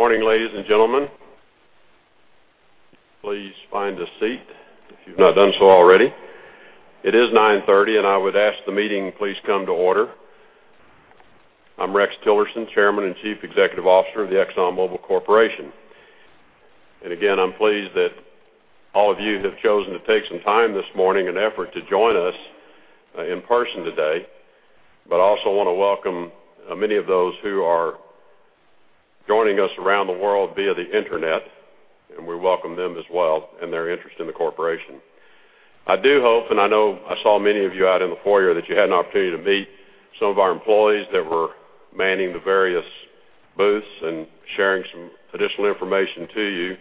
Morning, ladies and gentlemen. Please find a seat if you've not done so already. It is 9:30 A.M. I would ask the meeting please come to order. I'm Rex Tillerson, Chairman and Chief Executive Officer of the ExxonMobil Corporation. Again, I'm pleased that all of you have chosen to take some time this morning and effort to join us in person today. Also want to welcome many of those who are joining us around the world via the internet. We welcome them as well and their interest in the corporation. I do hope, I know I saw many of you out in the foyer, that you had an opportunity to meet some of our employees that were manning the various booths and sharing some additional information to you.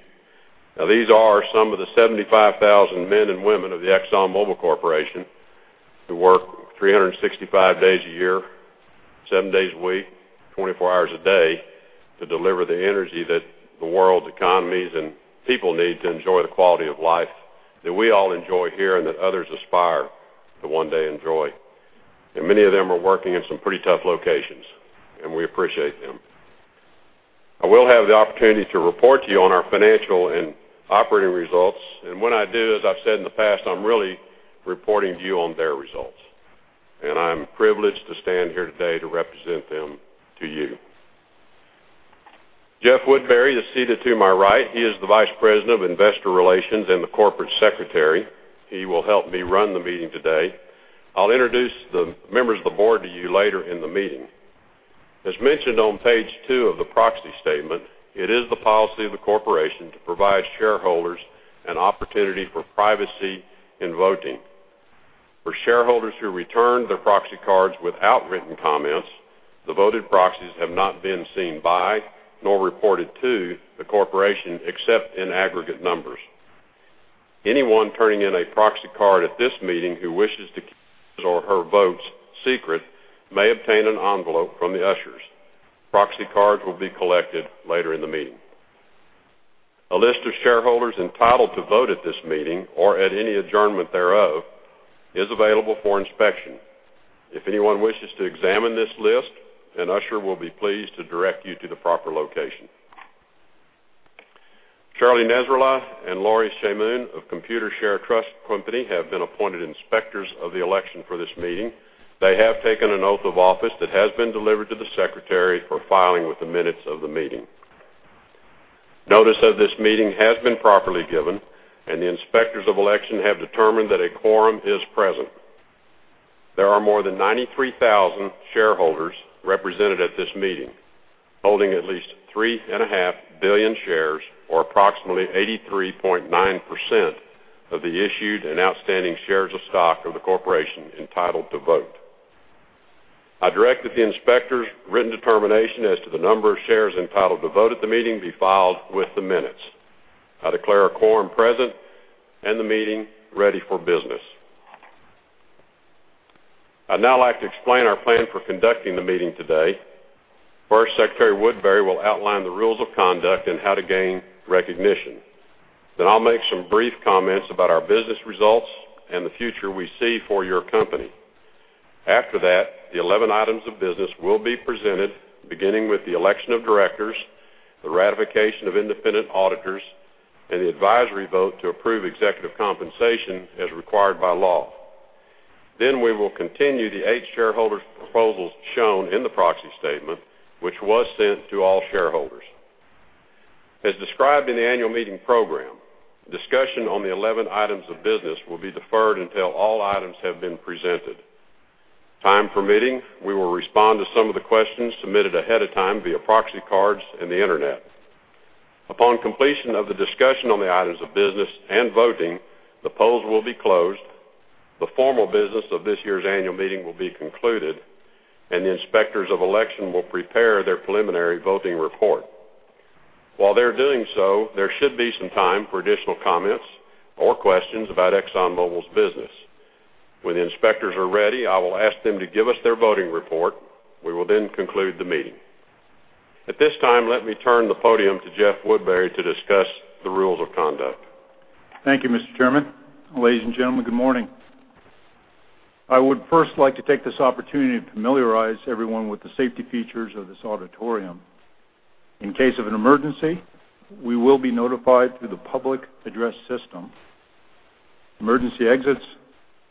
These are some of the 75,000 men and women of the ExxonMobil Corporation who work 365 days a year, 7 days a week, 24 hours a day to deliver the energy that the world's economies and people need to enjoy the quality of life that we all enjoy here and that others aspire to one day enjoy. Many of them are working in some pretty tough locations, and we appreciate them. I will have the opportunity to report to you on our financial and operating results. When I do, as I've said in the past, I'm really reporting to you on their results. I'm privileged to stand here today to represent them to you. Jeff Woodbury is seated to my right. He is the Vice President of Investor Relations and the Corporate Secretary. He will help me run the meeting today. I'll introduce the members of the board to you later in the meeting. As mentioned on page two of the proxy statement, it is the policy of the corporation to provide shareholders an opportunity for privacy in voting. For shareholders who returned their proxy cards without written comments, the voted proxies have not been seen by nor reported to the corporation except in aggregate numbers. Anyone turning in a proxy card at this meeting who wishes to keep his or her votes secret may obtain an envelope from the ushers. Proxy cards will be collected later in the meeting. A list of shareholders entitled to vote at this meeting or at any adjournment thereof is available for inspection. If anyone wishes to examine this list, an usher will be pleased to direct you to the proper location. Charlie Nesralla and Lori Shamoon of Computershare Trust Company have been appointed inspectors of the election for this meeting. They have taken an oath of office that has been delivered to the secretary for filing with the minutes of the meeting. Notice of this meeting has been properly given. The inspectors of election have determined that a quorum is present. There are more than 93,000 shareholders represented at this meeting, holding at least 3.5 billion shares or approximately 83.9% of the issued and outstanding shares of stock of the corporation entitled to vote. I direct that the inspector's written determination as to the number of shares entitled to vote at the meeting be filed with the minutes. I declare a quorum present and the meeting ready for business. I'd now like to explain our plan for conducting the meeting today. First, Secretary Woodbury will outline the rules of conduct and how to gain recognition. I'll make some brief comments about our business results and the future we see for your company. The 11 items of business will be presented, beginning with the election of directors, the ratification of independent auditors, and the advisory vote to approve executive compensation as required by law. We will continue the eight shareholders proposals shown in the proxy statement, which was sent to all shareholders. As described in the annual meeting program, discussion on the 11 items of business will be deferred until all items have been presented. Time permitting, we will respond to some of the questions submitted ahead of time via proxy cards and the internet. Thank you, Mr. Chairman. Ladies and gentlemen, good morning. I would first like to take this opportunity to familiarize everyone with the safety features of this auditorium. In case of an emergency, we will be notified through the public address system. Emergency exits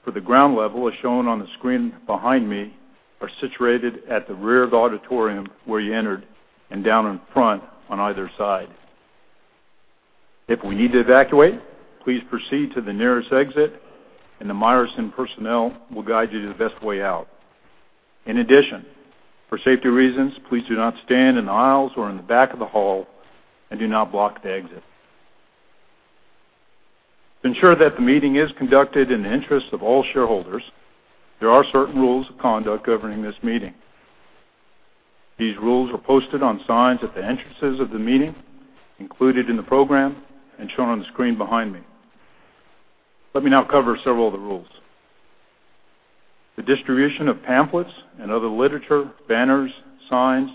for the ground level, as shown on the screen behind me, are situated at the rear of the auditorium where you entered and down in front on either side. If we need to evacuate, please proceed to the nearest exit, Let me now cover several of the rules. The distribution of pamphlets and other literature, banners, signs,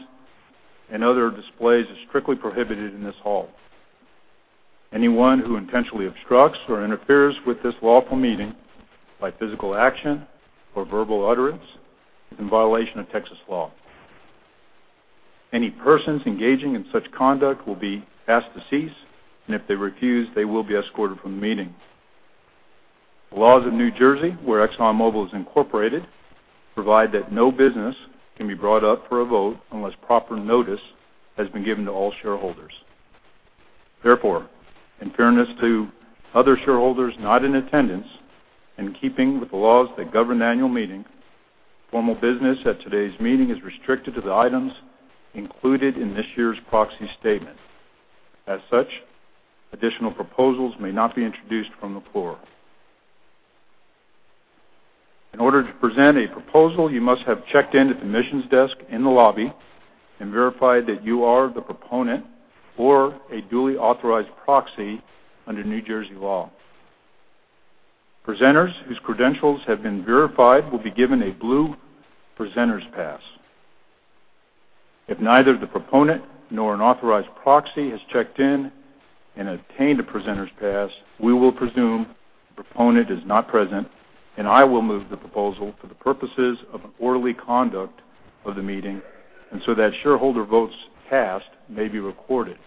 and other displays is strictly prohibited in this hall. Anyone who intentionally obstructs or interferes with this lawful meeting by physical action or verbal utterance is in violation of Texas law. Any persons engaging in such conduct will be asked to cease, and if they refuse, they will be escorted from the meeting. The laws of New Jersey, where ExxonMobil is incorporated, provide that no business can be brought up for a vote unless proper notice has been given to all shareholders. In fairness to other shareholders not in attendance, and keeping with the laws that govern the annual meeting, formal business at today's meeting is restricted to the items included in this year's proxy statement. As such, additional proposals may not be introduced from the floor. In order to present a proposal, you must have checked in at the admissions desk in the lobby and verified that you are the proponent or a duly authorized proxy under New Jersey law. Presenters whose credentials have been verified will be given a blue presenter's pass. If neither the proponent nor an authorized proxy has checked in and obtained a presenter's pass, we will presume the proponent is not present and I will move the proposal for the purposes of an orderly conduct of the meeting and so that shareholder votes cast may be recorded.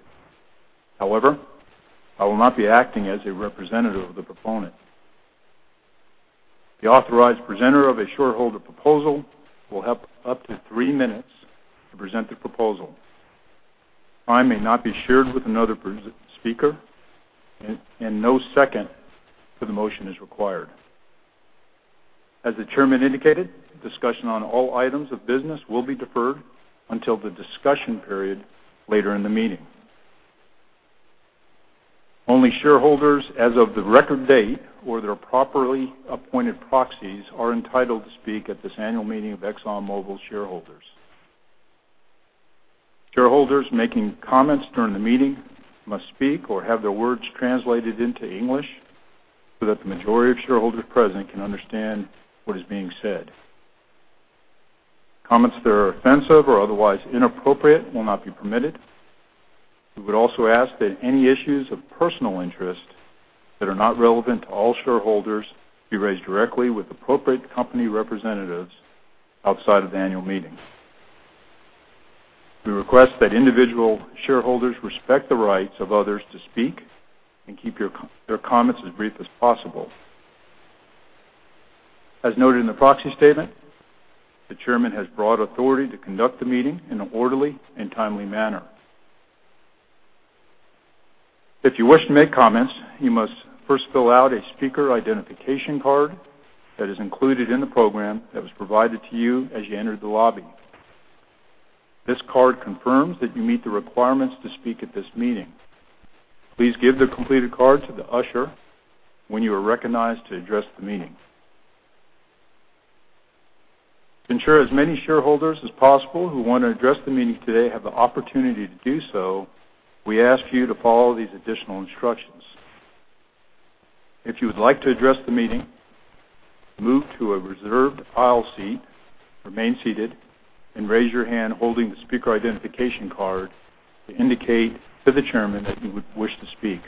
I will not be acting as a representative of the proponent. The authorized presenter of a shareholder proposal will have up to three minutes to present the proposal. Time may not be shared with another speaker and no second to the motion is required. As the chairman indicated, discussion on all items of business will be deferred until the discussion period later in the meeting. Only shareholders as of the record date or their properly appointed proxies are entitled to speak at this annual meeting of ExxonMobil shareholders. Shareholders making comments during the meeting must speak or have their words translated into English so that the majority of shareholders present can understand what is being said. Comments that are offensive or otherwise inappropriate will not be permitted. We would also ask that any issues of personal interest that are not relevant to all shareholders be raised directly with appropriate company representatives outside of the annual meeting. We request that individual shareholders respect the rights of others to speak and keep their comments as brief as possible. As noted in the proxy statement, the chairman has broad authority to conduct the meeting in an orderly and timely manner. If you wish to make comments, you must first fill out a speaker identification card that is included in the program that was provided to you as you entered the lobby. This card confirms that you meet the requirements to speak at this meeting. Please give the completed card to the usher when you are recognized to address the meeting. To ensure as many shareholders as possible who want to address the meeting today have the opportunity to do so, we ask you to follow these additional instructions. If you would like to address the meeting, move to a reserved aisle seat, remain seated, and raise your hand holding the speaker identification card to indicate to the chairman that you would wish to speak.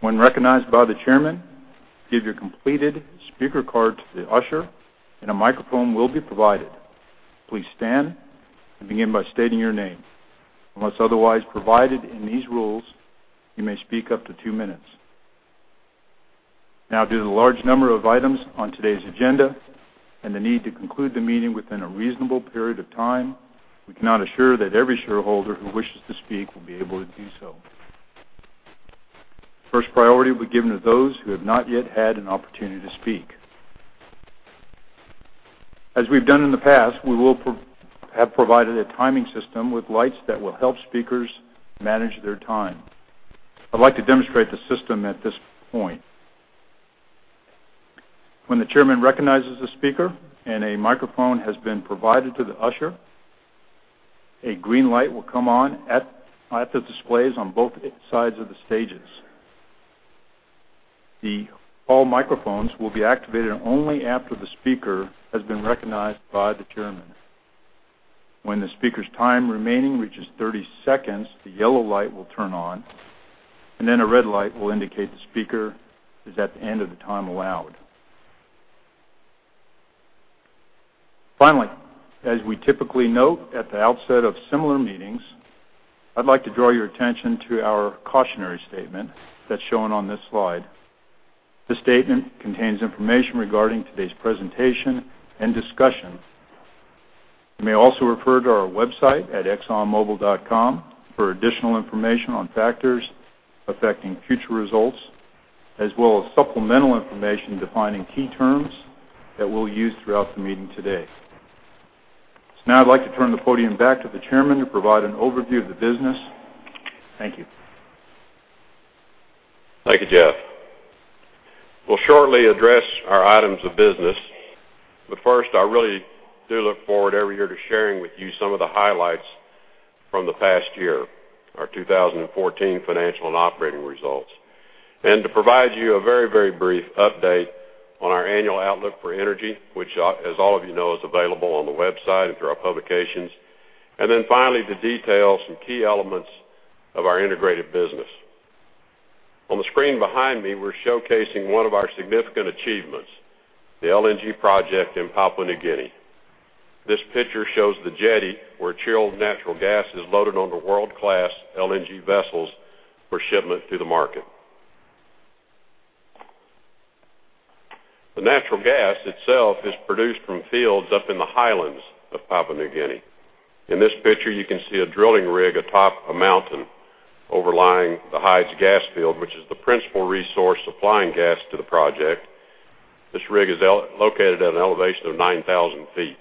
When recognized by the chairman, give your completed speaker card to the usher and a microphone will be provided. Please stand and begin by stating your name. Unless otherwise provided in these rules, you may speak up to two minutes. Due to the large number of items on today's agenda and the need to conclude the meeting within a reasonable period of time, we cannot assure that every shareholder who wishes to speak will be able to do so. First priority will be given to those who have not yet had an opportunity to speak. As we've done in the past, we have provided a timing system with lights that will help speakers manage their time. I'd like to demonstrate the system at this point. When the chairman recognizes the speaker and a microphone has been provided to the usher, a green light will come on at the displays on both sides of the stages. All microphones will be activated only after the speaker has been recognized by the chairman. When the speaker's time remaining reaches 30 seconds, the yellow light will turn on. A red light will indicate the speaker is at the end of the time allowed. Finally, as we typically note at the outset of similar meetings, I'd like to draw your attention to our cautionary statement that's shown on this slide. This statement contains information regarding today's presentation and discussion. You may also refer to our website at exxonmobil.com for additional information on factors affecting future results, as well as supplemental information defining key terms that we'll use throughout the meeting today. Now I'd like to turn the podium back to the chairman to provide an overview of the business. Thank you. Thank you, Jeff. We'll shortly address our items of business. First, I really do look forward every year to sharing with you some of the highlights from the past year, our 2014 financial and operating results. To provide you a very, very brief update on our annual Outlook for Energy, which as all of you know, is available on the website and through our publications. Finally, the details and key elements of our integrated business. On the screen behind me, we're showcasing one of our significant achievements, the LNG project in Papua New Guinea. This picture shows the jetty where chilled natural gas is loaded onto world-class LNG vessels for shipment to the market. The natural gas itself is produced from fields up in the highlands of Papua New Guinea. In this picture, you can see a drilling rig atop a mountain overlying the Hides gas field, which is the principal resource supplying gas to the project. This rig is located at an elevation of 9,000 feet.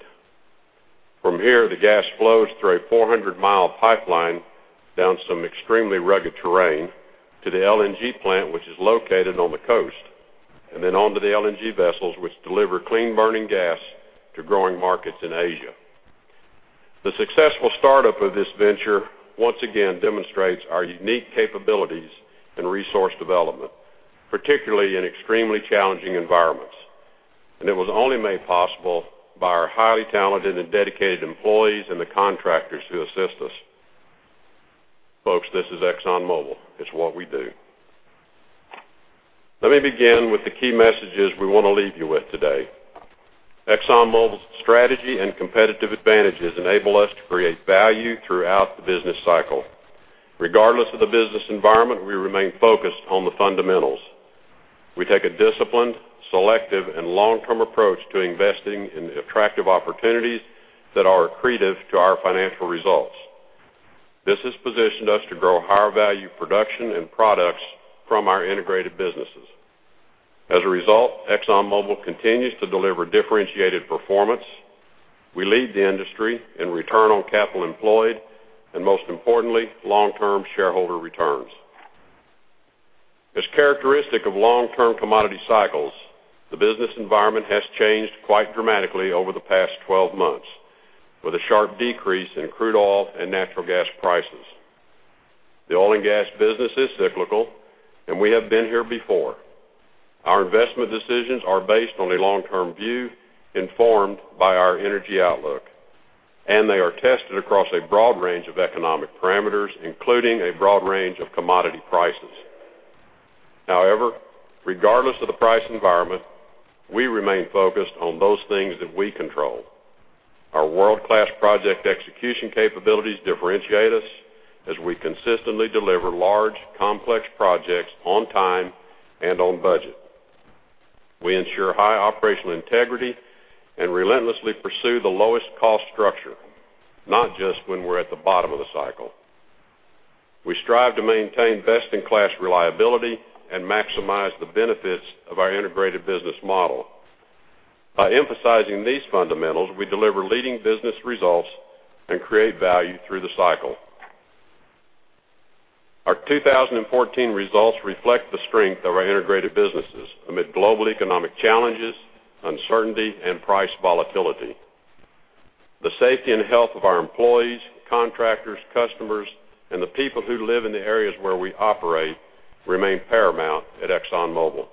From here, the gas flows through a 400-mile pipeline down some extremely rugged terrain to the LNG plant, which is located on the coast, onto the LNG vessels, which deliver clean burning gas to growing markets in Asia. The successful startup of this venture once again demonstrates our unique capabilities in resource development, particularly in extremely challenging environments. It was only made possible by our highly talented and dedicated employees and the contractors who assist us. Folks, this is ExxonMobil. It's what we do. Let me begin with the key messages we want to leave you with today. ExxonMobil's strategy and competitive advantages enable us to create value throughout the business cycle. Regardless of the business environment, we remain focused on the fundamentals. We take a disciplined, selective, and long-term approach to investing in attractive opportunities that are accretive to our financial results. This has positioned us to grow higher value production and products from our integrated businesses. As a result, ExxonMobil continues to deliver differentiated performance. We lead the industry in return on capital employed, and most importantly, long-term shareholder returns. As characteristic of long-term commodity cycles, the business environment has changed quite dramatically over the past 12 months, with a sharp decrease in crude oil and natural gas prices. The oil and gas business is cyclical, and we have been here before. Our investment decisions are based on a long-term view informed by our energy outlook, and they are tested across a broad range of economic parameters, including a broad range of commodity prices. However, regardless of the price environment, we remain focused on those things that we control. Our world-class project execution capabilities differentiate us as we consistently deliver large, complex projects on time and on budget. We ensure high operational integrity and relentlessly pursue the lowest cost structure, not just when we're at the bottom of the cycle. We strive to maintain best-in-class reliability and maximize the benefits of our integrated business model. By emphasizing these fundamentals, we deliver leading business results and create value through the cycle. Our 2014 results reflect the strength of our integrated businesses amid global economic challenges, uncertainty, and price volatility. The safety and health of our employees, contractors, customers, and the people who live in the areas where we operate remain paramount at ExxonMobil.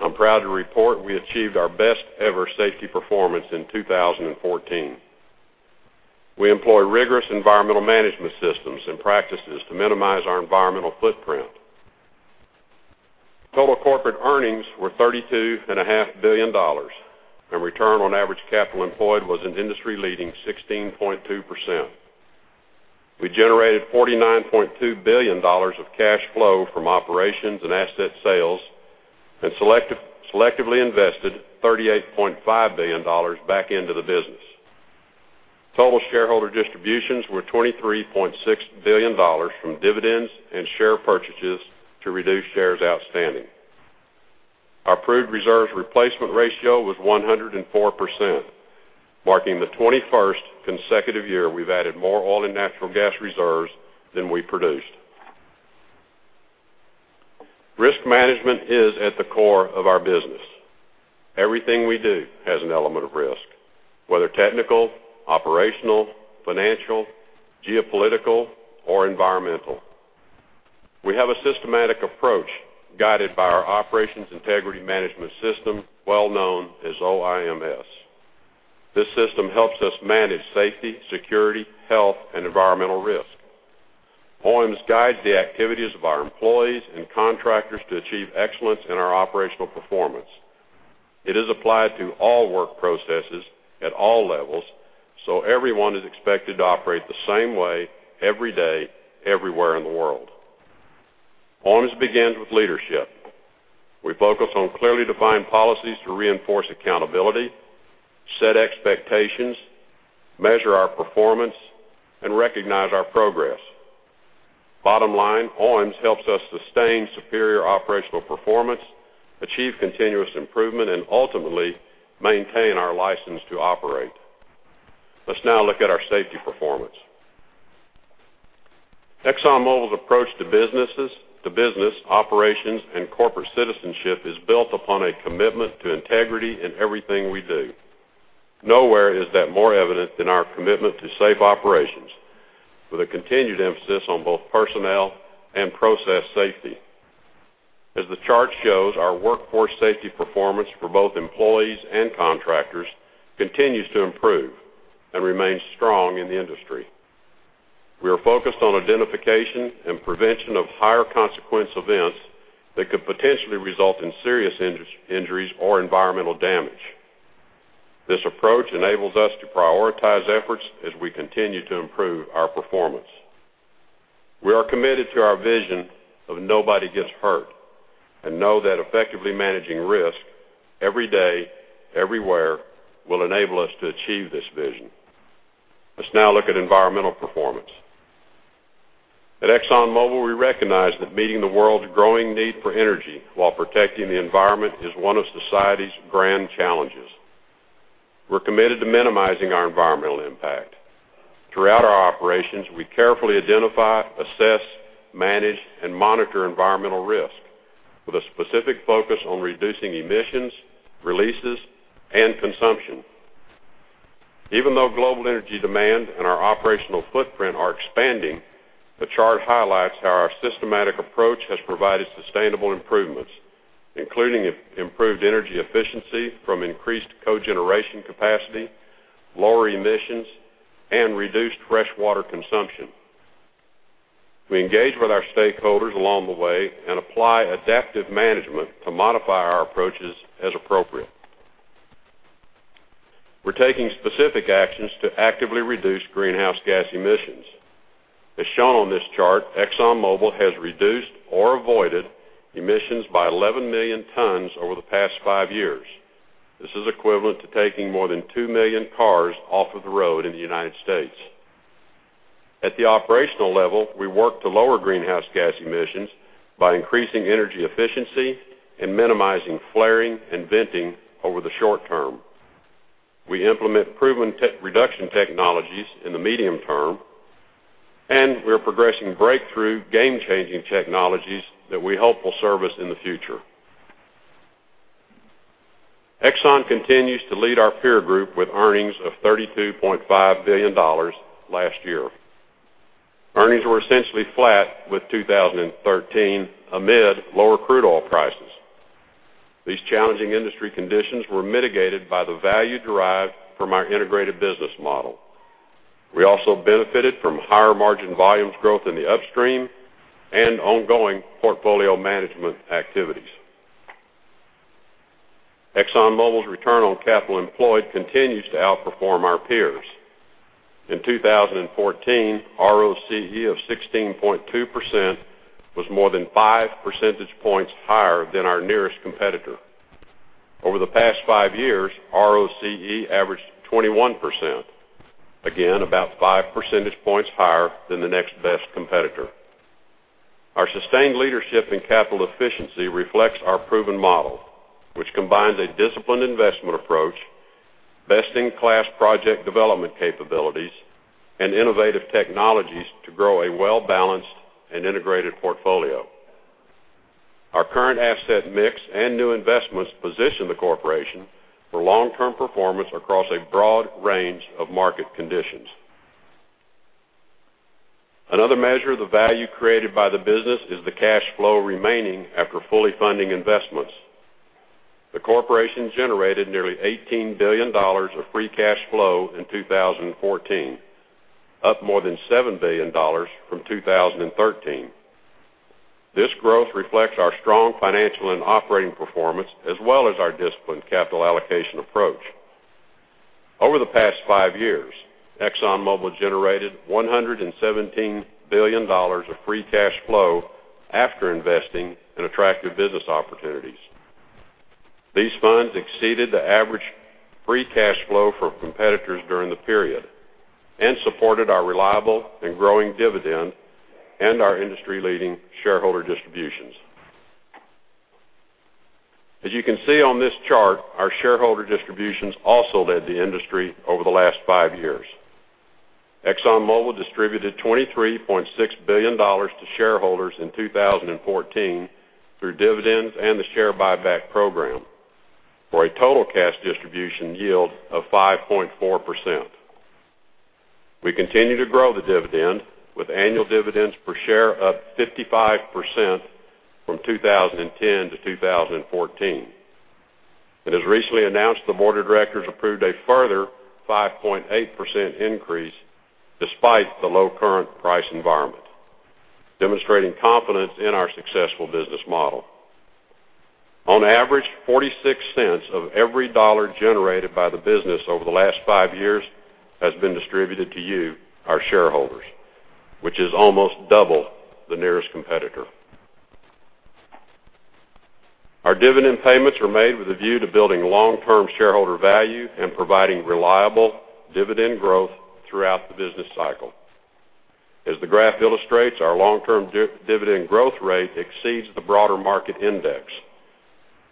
I'm proud to report we achieved our best-ever safety performance in 2014. We employ rigorous environmental management systems and practices to minimize our environmental footprint. Total corporate earnings were $32.5 billion. Our return on average capital employed was an industry-leading 16.2%. We generated $49.2 billion of cash flow from operations and asset sales and selectively invested $38.5 billion back into the business. Total shareholder distributions were $23.6 billion from dividends and share purchases to reduce shares outstanding. Our proved reserves replacement ratio was 104%, marking the 21st consecutive year we've added more oil and natural gas reserves than we produced. Risk management is at the core of our business. Everything we do has an element of risk, whether technical, operational, financial, geopolitical, or environmental. We have a systematic approach guided by our operations integrity management system, well known as OIMS. This system helps us manage safety, security, health, and environmental risk. OIMS guides the activities of our employees and contractors to achieve excellence in our operational performance. It is applied to all work processes at all levels, so everyone is expected to operate the same way every day, everywhere in the world. OIMS begins with leadership. We focus on clearly defined policies to reinforce accountability, set expectations, measure our performance, and recognize our progress. Bottom line, OIMS helps us sustain superior operational performance, achieve continuous improvement, and ultimately maintain our license to operate. Let's now look at our safety performance. ExxonMobil's approach to business operations and corporate citizenship is built upon a commitment to integrity in everything we do. Nowhere is that more evident than our commitment to safe operations. With a continued emphasis on both personnel and process safety. As the chart shows, our workforce safety performance for both employees and contractors continues to improve and remains strong in the industry. We are focused on identification and prevention of higher consequence events that could potentially result in serious injuries or environmental damage. This approach enables us to prioritize efforts as we continue to improve our performance. We are committed to our vision of nobody gets hurt and know that effectively managing risk every day, everywhere, will enable us to achieve this vision. Let's now look at environmental performance. At ExxonMobil, we recognize that meeting the world's growing need for energy while protecting the environment is one of society's grand challenges. We're committed to minimizing our environmental impact. Throughout our operations, we carefully identify, assess, manage, and monitor environmental risk with a specific focus on reducing emissions, releases, and consumption. Even though global energy demand and our operational footprint are expanding, the chart highlights how our systematic approach has provided sustainable improvements, including improved energy efficiency from increased cogeneration capacity, lower emissions, and reduced freshwater consumption. We engage with our stakeholders along the way and apply adaptive management to modify our approaches as appropriate. We're taking specific actions to actively reduce greenhouse gas emissions. As shown on this chart, ExxonMobil has reduced or avoided emissions by 11 million tons over the past five years. This is equivalent to taking more than 2 million cars off of the road in the U.S. At the operational level, we work to lower greenhouse gas emissions by increasing energy efficiency and minimizing flaring and venting over the short term. We implement proven reduction technologies in the medium term, and we're progressing breakthrough game-changing technologies that we hope will serve us in the future. Exxon continues to lead our peer group with earnings of $32.5 billion last year. Earnings were essentially flat with 2013 amid lower crude oil prices. These challenging industry conditions were mitigated by the value derived from our integrated business model. We also benefited from higher margin volumes growth in the upstream and ongoing portfolio management activities. ExxonMobil's return on capital employed continues to outperform our peers. In 2014, ROCE of 16.2% was more than five percentage points higher than our nearest competitor. Over the past five years, ROCE averaged 21%, again, about five percentage points higher than the next best competitor. Our sustained leadership in capital efficiency reflects our proven model, which combines a disciplined investment approach, best-in-class project development capabilities, and innovative technologies to grow a well-balanced and integrated portfolio. Our current asset mix and new investments position the corporation for long-term performance across a broad range of market conditions. Another measure of the value created by the business is the cash flow remaining after fully funding investments. The corporation generated nearly $18 billion of free cash flow in 2014, up more than $7 billion from 2013. This growth reflects our strong financial and operating performance, as well as our disciplined capital allocation approach. Over the past five years, ExxonMobil generated $117 billion of free cash flow after investing in attractive business opportunities. These funds exceeded the average free cash flow for competitors during the period and supported our reliable and growing dividend and our industry-leading shareholder distributions. As you can see on this chart, our shareholder distributions also led the industry over the last five years. ExxonMobil distributed $23.6 billion to shareholders in 2014 through dividends and the share buyback program for a total cash distribution yield of 5.4%. We continue to grow the dividend with annual dividends per share up 55% from 2010 to 2014. As recently announced, the board of directors approved a further 5.8% increase despite the low current price environment, demonstrating confidence in our successful business model. On average, $0.46 of every dollar generated by the business over the last five years has been distributed to you, our shareholders, which is almost double the nearest competitor. Our dividend payments are made with a view to building long-term shareholder value and providing reliable dividend growth throughout the business cycle. As the graph illustrates, our long-term dividend growth rate exceeds the broader market index.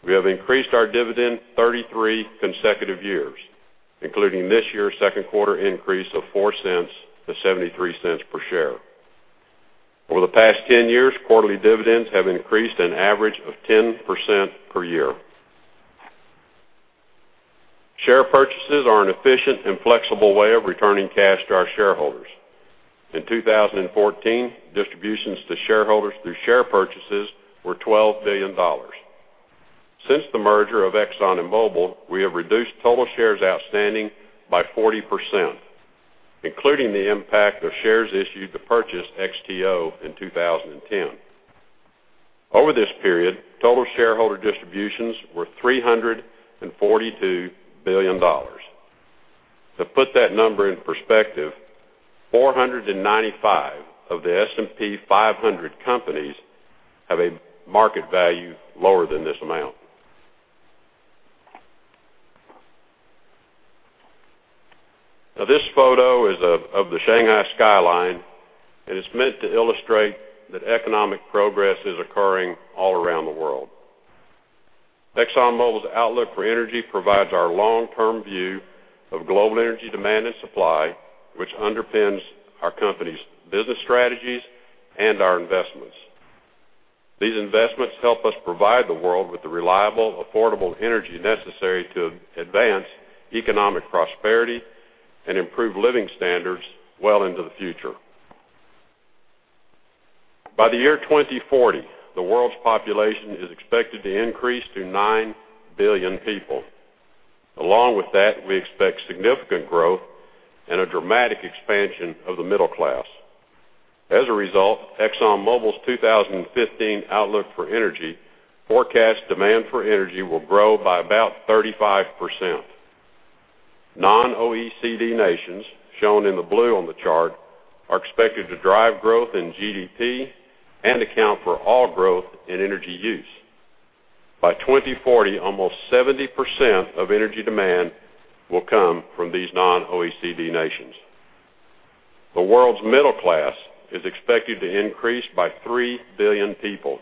We have increased our dividend 33 consecutive years, including this year's second quarter increase of $0.04 to $0.73 per share. Over the past 10 years, quarterly dividends have increased an average of 10% per year. Share purchases are an efficient and flexible way of returning cash to our shareholders. In 2014, distributions to shareholders through share purchases were $12 billion. Since the merger of Exxon and Mobil, we have reduced total shares outstanding by 40%, including the impact of shares issued to purchase XTO in 2010. Over this period, total shareholder distributions were $342 billion. To put that number in perspective, 495 of the S&P 500 companies have a market value lower than this amount. This photo is of the Shanghai skyline, and it's meant to illustrate that economic progress is occurring all around the world. ExxonMobil's Outlook for Energy provides our long-term view of global energy demand and supply, which underpins our company's business strategies and our investments. These investments help us provide the world with the reliable, affordable energy necessary to advance economic prosperity and improve living standards well into the future. By the year 2040, the world's population is expected to increase to nine billion people. Along with that, we expect significant growth and a dramatic expansion of the middle class. As a result, ExxonMobil's 2015 Outlook for Energy forecasts demand for energy will grow by about 35%. Non-OECD nations, shown in the blue on the chart, are expected to drive growth in GDP and account for all growth in energy use. By 2040, almost 70% of energy demand will come from these non-OECD nations. The world's middle class is expected to increase by three billion people,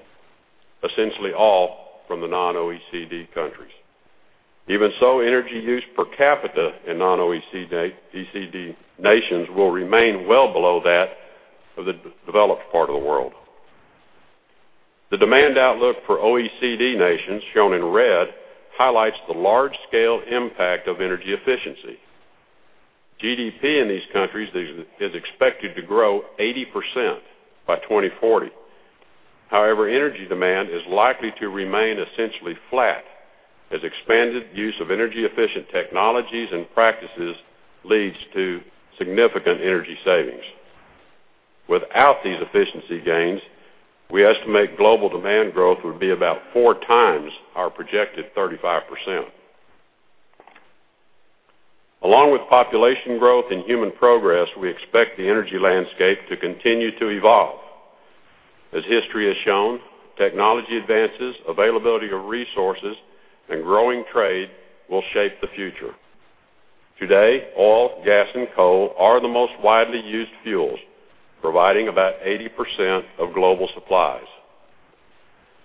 essentially all from the non-OECD countries. Even so, energy use per capita in non-OECD nations will remain well below that of the developed part of the world. The demand outlook for OECD nations, shown in red, highlights the large-scale impact of energy efficiency. GDP in these countries is expected to grow 80% by 2040. However, energy demand is likely to remain essentially flat as expanded use of energy-efficient technologies and practices leads to significant energy savings. Without these efficiency gains, we estimate global demand growth would be about four times our projected 35%. Along with population growth and human progress, we expect the energy landscape to continue to evolve. As history has shown, technology advances, availability of resources, and growing trade will shape the future. Today, oil, gas, and coal are the most widely used fuels, providing about 80% of global supplies.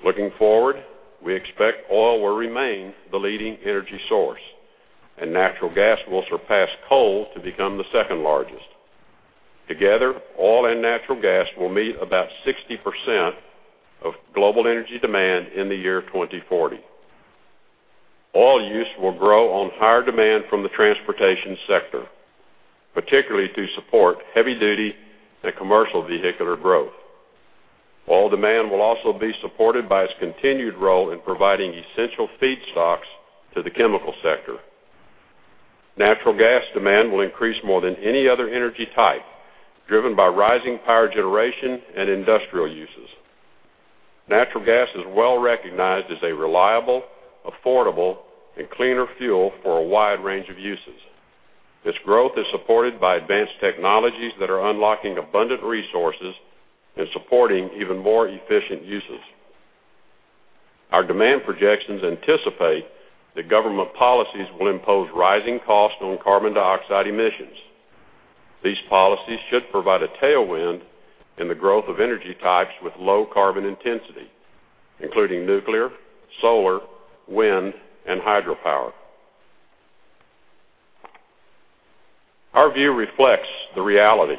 Looking forward, we expect oil will remain the leading energy source. Natural gas will surpass coal to become the second largest. Together, oil and natural gas will meet about 60% of global energy demand in the year 2040. Oil use will grow on higher demand from the transportation sector, particularly to support heavy-duty and commercial vehicular growth. Oil demand will also be supported by its continued role in providing essential feedstocks to the chemical sector. Natural gas demand will increase more than any other energy type, driven by rising power generation and industrial uses. Natural gas is well recognized as a reliable, affordable, and cleaner fuel for a wide range of uses. This growth is supported by advanced technologies that are unlocking abundant resources and supporting even more efficient uses. Our demand projections anticipate that government policies will impose rising costs on carbon dioxide emissions. These policies should provide a tailwind in the growth of energy types with low carbon intensity, including nuclear, solar, wind, and hydropower. Our view reflects the reality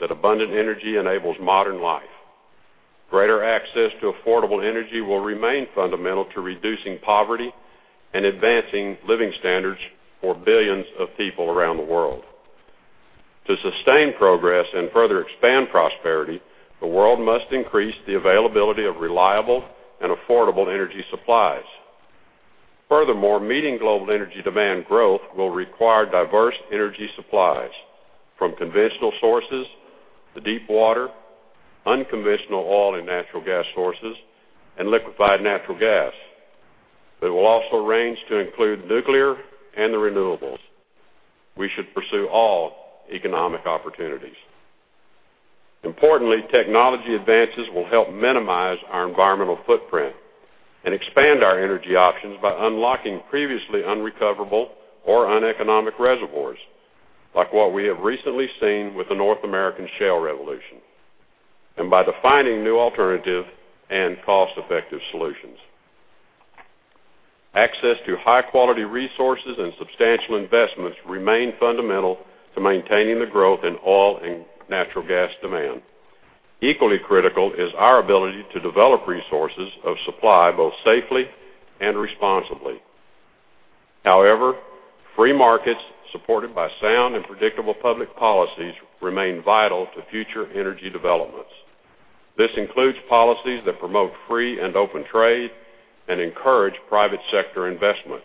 that abundant energy enables modern life. Greater access to affordable energy will remain fundamental to reducing poverty and advancing living standards for billions of people around the world. To sustain progress and further expand prosperity, the world must increase the availability of reliable and affordable energy supplies. Meeting global energy demand growth will require diverse energy supplies from conventional sources to deep water, unconventional oil and natural gas sources, and liquefied natural gas. They will also range to include nuclear and the renewables. We should pursue all economic opportunities. Technology advances will help minimize our environmental footprint and expand our energy options by unlocking previously unrecoverable or uneconomic reservoirs, like what we have recently seen with the North American shale revolution, and by defining new alternative and cost-effective solutions. Access to high-quality resources and substantial investments remain fundamental to maintaining the growth in oil and natural gas demand. Equally critical is our ability to develop resources of supply both safely and responsibly. Free markets supported by sound and predictable public policies remain vital to future energy developments. This includes policies that promote free and open trade and encourage private sector investment.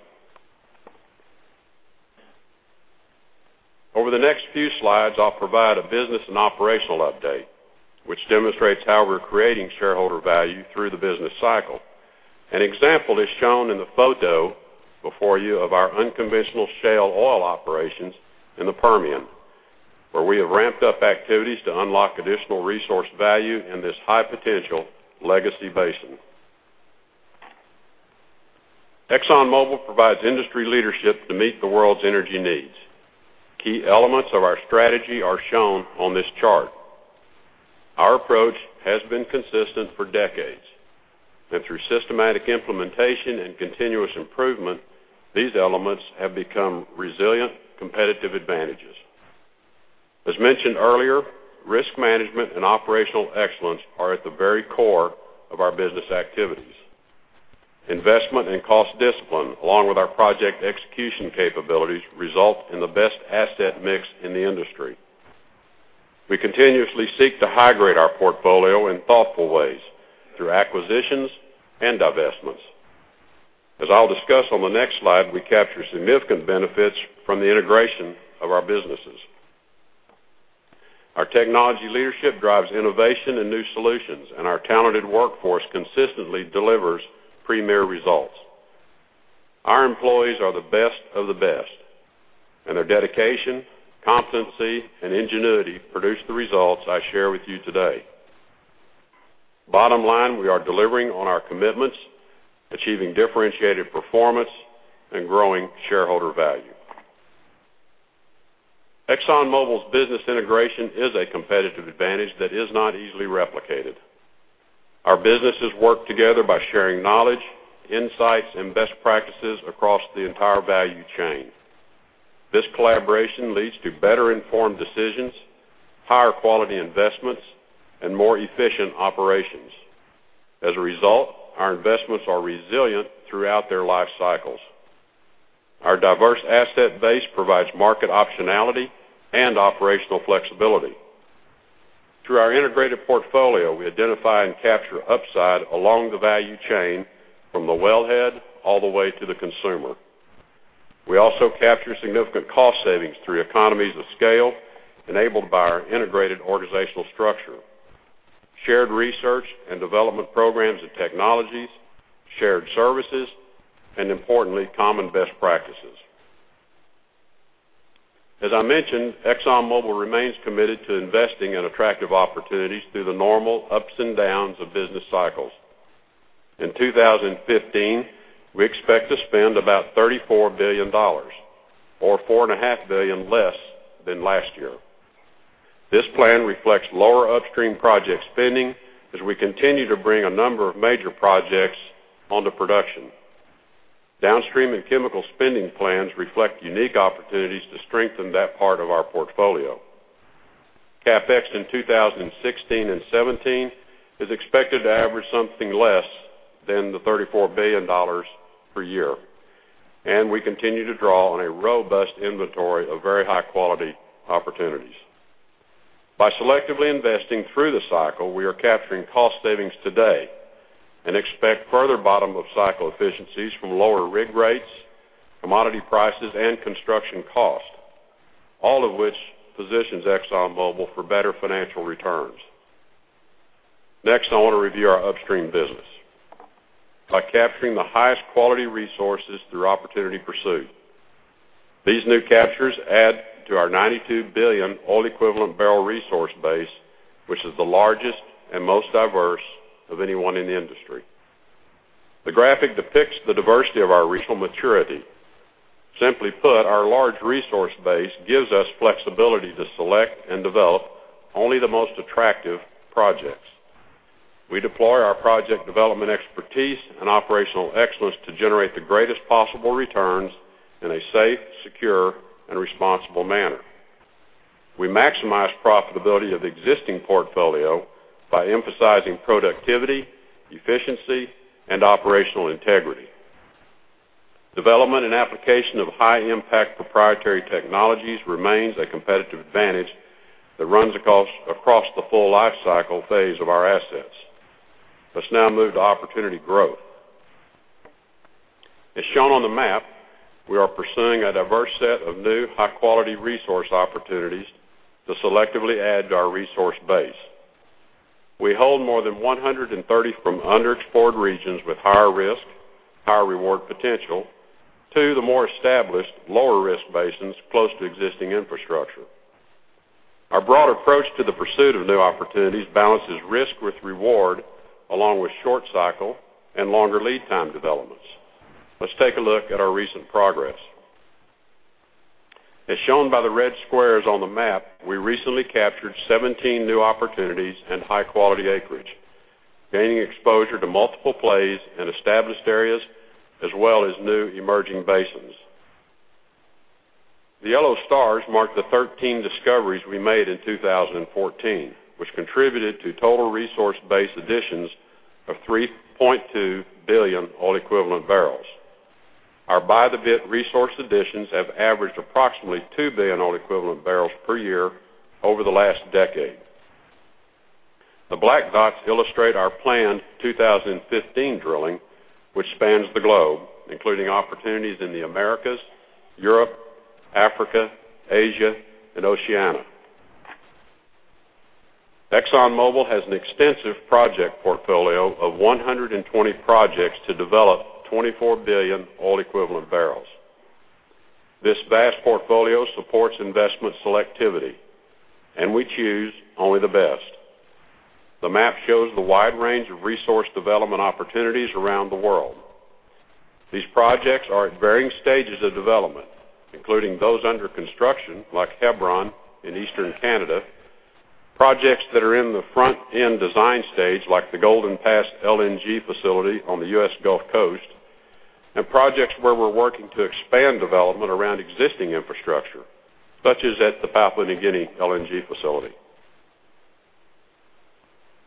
Over the next few slides, I'll provide a business and operational update, which demonstrates how we're creating shareholder value through the business cycle. An example is shown in the photo before you of our unconventional shale oil operations in the Permian, where we have ramped up activities to unlock additional resource value in this high potential legacy basin. ExxonMobil provides industry leadership to meet the world's energy needs. Key elements of our strategy are shown on this chart. Our approach has been consistent for decades. Through systematic implementation and continuous improvement, these elements have become resilient competitive advantages. As mentioned earlier, risk management and operational excellence are at the very core of our business activities. Investment and cost discipline, along with our project execution capabilities, result in the best asset mix in the industry. We continuously seek to high-grade our portfolio in thoughtful ways through acquisitions and divestments. As I'll discuss on the next slide, we capture significant benefits from the integration of our businesses. Our technology leadership drives innovation and new solutions, and our talented workforce consistently delivers premier results. Our employees are the best of the best, and their dedication, competency, and ingenuity produce the results I share with you today. Bottom line, we are delivering on our commitments, achieving differentiated performance, and growing shareholder value. ExxonMobil's business integration is a competitive advantage that is not easily replicated. Our businesses work together by sharing knowledge, insights, and best practices across the entire value chain. This collaboration leads to better informed decisions, higher quality investments, and more efficient operations. As a result, our investments are resilient throughout their life cycles. Our diverse asset base provides market optionality and operational flexibility. Through our integrated portfolio, we identify and capture upside along the value chain from the wellhead all the way to the consumer. We also capture significant cost savings through economies of scale enabled by our integrated organizational structure, shared research and development programs and technologies, shared services, and importantly, common best practices. As I mentioned, ExxonMobil remains committed to investing in attractive opportunities through the normal ups and downs of business cycles. In 2015, we expect to spend about $34 billion, or $4.5 billion less than last year. This plan reflects lower upstream project spending as we continue to bring a number of major projects onto production. Downstream and chemical spending plans reflect unique opportunities to strengthen that part of our portfolio. CapEx in 2016 and 2017 is expected to average something less than the $34 billion per year, and we continue to draw on a robust inventory of very high-quality opportunities. By selectively investing through the cycle, we are capturing cost savings today and expect further bottom of cycle efficiencies from lower rig rates, commodity prices, and construction cost, all of which positions ExxonMobil for better financial returns. Next, I want to review our upstream business. By capturing the highest quality resources through opportunity pursuit, these new captures add to our 92 billion oil equivalent barrel resource base, which is the largest and most diverse of anyone in the industry. The graphic depicts the diversity of our regional maturity. Simply put, our large resource base gives us flexibility to select and develop only the most attractive projects. We deploy our project development expertise and operational excellence to generate the greatest possible returns in a safe, secure, and responsible manner. We maximize profitability of existing portfolio by emphasizing productivity, efficiency, and operational integrity. Development and application of high impact proprietary technologies remains a competitive advantage that runs across the full life cycle phase of our assets. Let's now move to opportunity growth. As shown on the map, we are pursuing a diverse set of new high quality resource opportunities to selectively add to our resource base. We hold more than 130 from underexplored regions with higher risk, higher reward potential to the more established lower risk basins close to existing infrastructure. Our broad approach to the pursuit of new opportunities balances risk with reward, along with short cycle and longer lead time developments. Let's take a look at our recent progress. As shown by the red squares on the map, we recently captured 17 new opportunities and high quality acreage, gaining exposure to multiple plays in established areas as well as new emerging basins. The yellow stars mark the 13 discoveries we made in 2014, which contributed to total resource base additions of 3.2 billion oil equivalent barrels. Our by-the-bit resource additions have averaged approximately 2 billion oil equivalent barrels per year over the last decade. The black dots illustrate our planned 2015 drilling, which spans the globe, including opportunities in the Americas, Europe, Africa, Asia, and Oceania. ExxonMobil has an extensive project portfolio of 120 projects to develop 24 billion oil equivalent barrels. This vast portfolio supports investment selectivity, we choose only the best. The map shows the wide range of resource development opportunities around the world. These projects are at varying stages of development, including those under construction, like Hebron in Eastern Canada, projects that are in the front-end design stage, like the Golden Pass LNG facility on the U.S. Gulf Coast, and projects where we're working to expand development around existing infrastructure, such as at the Papua New Guinea LNG facility.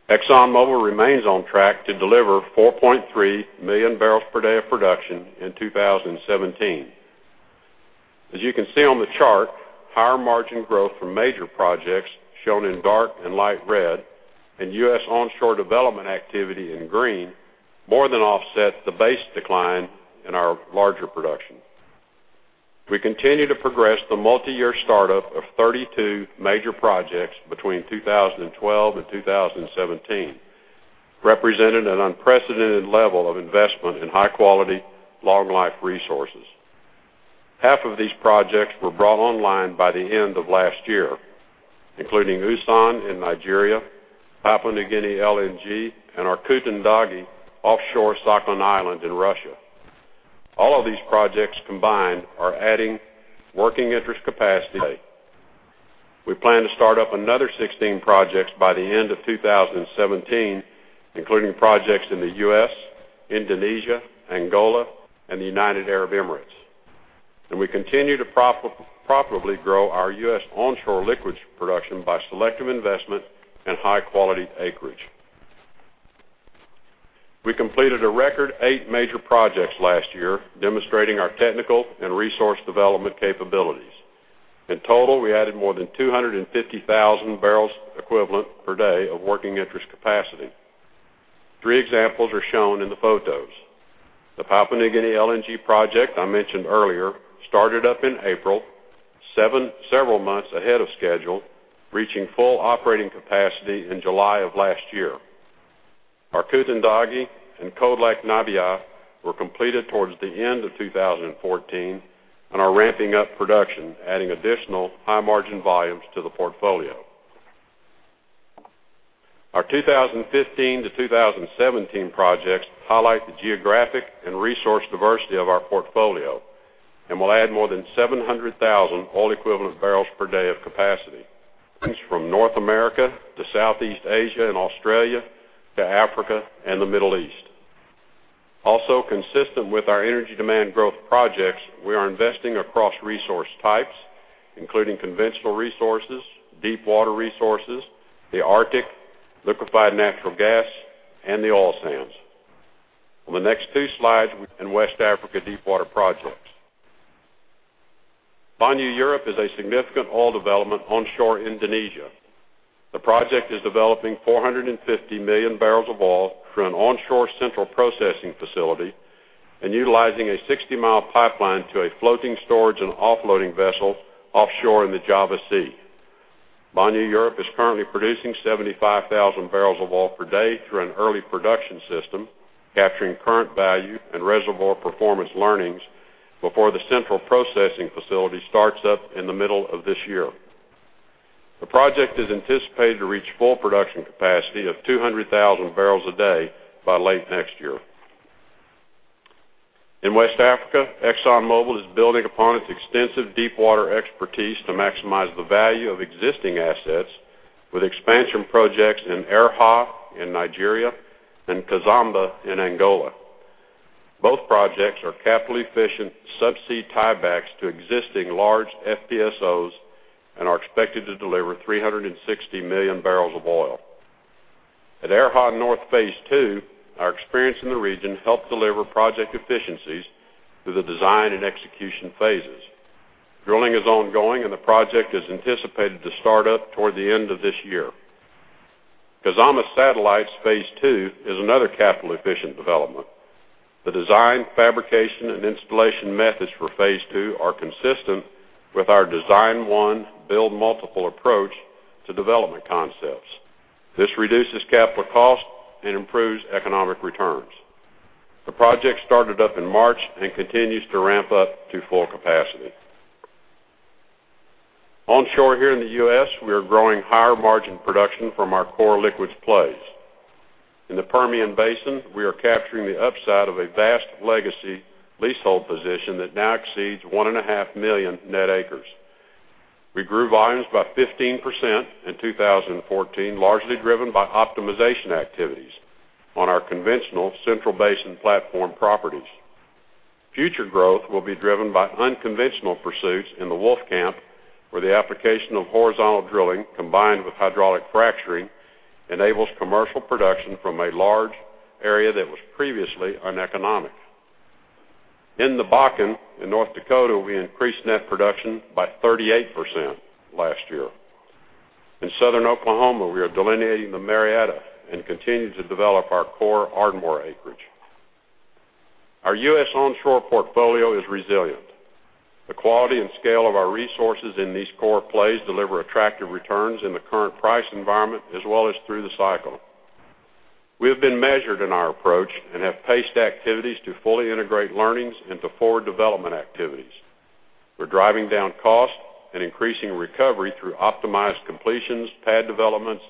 ExxonMobil remains on track to deliver 4.3 million barrels per day of production in 2017. As you can see on the chart, higher margin growth from major projects, shown in dark and light red, and U.S. onshore development activity in green more than offset the base decline in our larger production. We continue to progress the multiyear startup of 32 major projects between 2012 and 2017, representing an unprecedented level of investment in high-quality, long-life resources. Half of these projects were brought online by the end of last year, including Usan in Nigeria, Papua New Guinea LNG, and Arkutun-Dagi Offshore Sakhalin Island in Russia. All of these projects combined are adding working interest capacity. We plan to start up another 16 projects by the end of 2017, including projects in the U.S., Indonesia, Angola, and the United Arab Emirates. We continue to profitably grow our U.S. onshore liquids production by selective investment in high-quality acreage. We completed a record eight major projects last year demonstrating our technical and resource development capabilities. In total, we added more than 250,000 barrels equivalent per day of working interest capacity. Three examples are shown in the photos. The Papua New Guinea LNG project I mentioned earlier started up in April, several months ahead of schedule, reaching full operating capacity in July of last year. Arkutun-Dagi and Cold Lake Nabiye were completed towards the end of 2014 and are ramping up production, adding additional high-margin volumes to the portfolio. Our 2015 to 2017 projects highlight the geographic and resource diversity of our portfolio and will add more than 700,000 oil equivalent barrels per day of capacity from North America to Southeast Asia and Australia to Africa and the Middle East. Also consistent with our energy demand growth projects, we are investing across resource types, including conventional resources, deepwater resources, the Arctic, liquefied natural gas, and the oil sands. On the next two slides in West Africa deepwater projects. Banyu Urip is a significant oil development onshore Indonesia. The project is developing 450 million barrels of oil through an onshore central processing facility and utilizing a 60-mile pipeline to a floating storage and offloading vessel offshore in the Java Sea. Banyu Urip is currently producing 75,000 barrels of oil per day through an early production system, capturing current value and reservoir performance learnings before the central processing facility starts up in the middle of this year. The project is anticipated to reach full production capacity of 200,000 barrels a day by late next year. In West Africa, ExxonMobil is building upon its extensive deepwater expertise to maximize the value of existing assets with expansion projects in Erha in Nigeria and Kizomba in Angola. Both projects are capital-efficient subsea tiebacks to existing large FPSOs and are expected to deliver 360 million barrels of oil. At Erha North Phase 2, our experience in the region helped deliver project efficiencies through the design and execution phases. Drilling is ongoing, the project is anticipated to start up toward the end of this year. Kizomba Satellites Phase 2 is another capital-efficient development. The design, fabrication, and installation methods for Phase 2 are consistent with our design one, build multiple approach to development concepts. This reduces capital costs and improves economic returns. The project started up in March and continues to ramp up to full capacity. Onshore here in the U.S., we are growing higher margin production from our core liquids plays. In the Permian Basin, we are capturing the upside of a vast legacy leasehold position that now exceeds 1.5 million net acres. We grew volumes by 15% in 2014, largely driven by optimization activities on our conventional Central Basin Platform properties. Future growth will be driven by unconventional pursuits in the Wolfcamp, where the application of horizontal drilling, combined with hydraulic fracturing, enables commercial production from a large area that was previously uneconomic. In the Bakken in North Dakota, we increased net production by 38% last year. In Southern Oklahoma, we are delineating the Marietta and continue to develop our core Ardmore acreage. Our U.S. onshore portfolio is resilient. The quality and scale of our resources in these core plays deliver attractive returns in the current price environment as well as through the cycle. We have been measured in our approach and have paced activities to fully integrate learnings into forward development activities. We're driving down costs and increasing recovery through optimized completions, pad developments,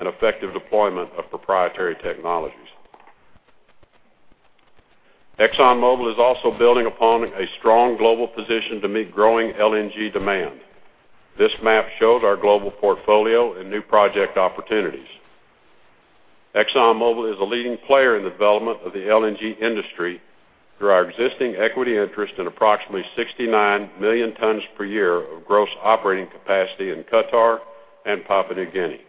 and effective deployment of proprietary technologies. ExxonMobil is also building upon a strong global position to meet growing LNG demand. This map shows our global portfolio and new project opportunities. ExxonMobil is a leading player in the development of the LNG industry through our existing equity interest in approximately 69 million tons per year of gross operating capacity in Qatar and Papua New Guinea.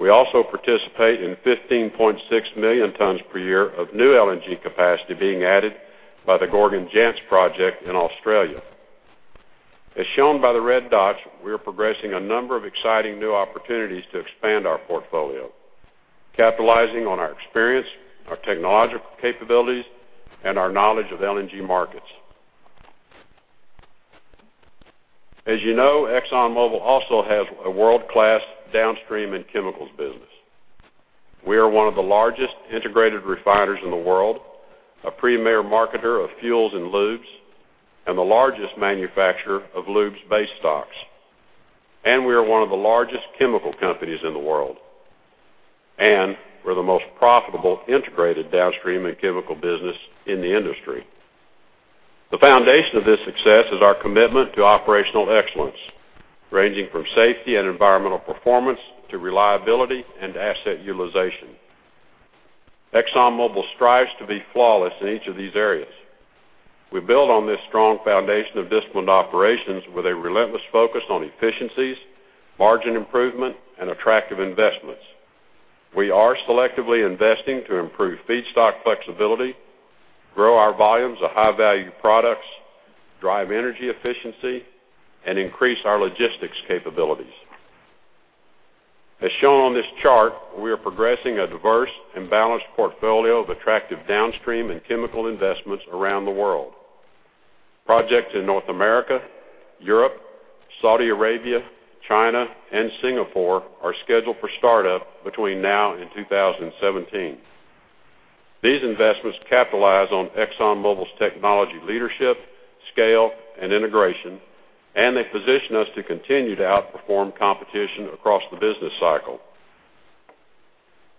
We also participate in 15.6 million tons per year of new LNG capacity being added by the Gorgon-Jansz project in Australia. As shown by the red dots, we are progressing a number of exciting new opportunities to expand our portfolio, capitalizing on our experience, our technological capabilities, and our knowledge of LNG markets. As you know, ExxonMobil also has a world-class downstream in chemicals business. We are one of the largest integrated refiners in the world, a premier marketer of fuels and lubes, and the largest manufacturer of lubes base stocks. We are one of the largest chemical companies in the world, we're the most profitable integrated downstream in chemical business in the industry. The foundation of this success is our commitment to operational excellence, ranging from safety and environmental performance to reliability and asset utilization. ExxonMobil strives to be flawless in each of these areas. We build on this strong foundation of disciplined operations with a relentless focus on efficiencies, margin improvement, and attractive investments. We are selectively investing to improve feedstock flexibility, grow our volumes of high-value products, drive energy efficiency, and increase our logistics capabilities. As shown on this chart, we are progressing a diverse and balanced portfolio of attractive downstream and chemical investments around the world. Projects in North America, Europe, Saudi Arabia, China, and Singapore are scheduled for startup between now and 2017. These investments capitalize on ExxonMobil's technology leadership, scale, and integration, and they position us to continue to outperform competition across the business cycle.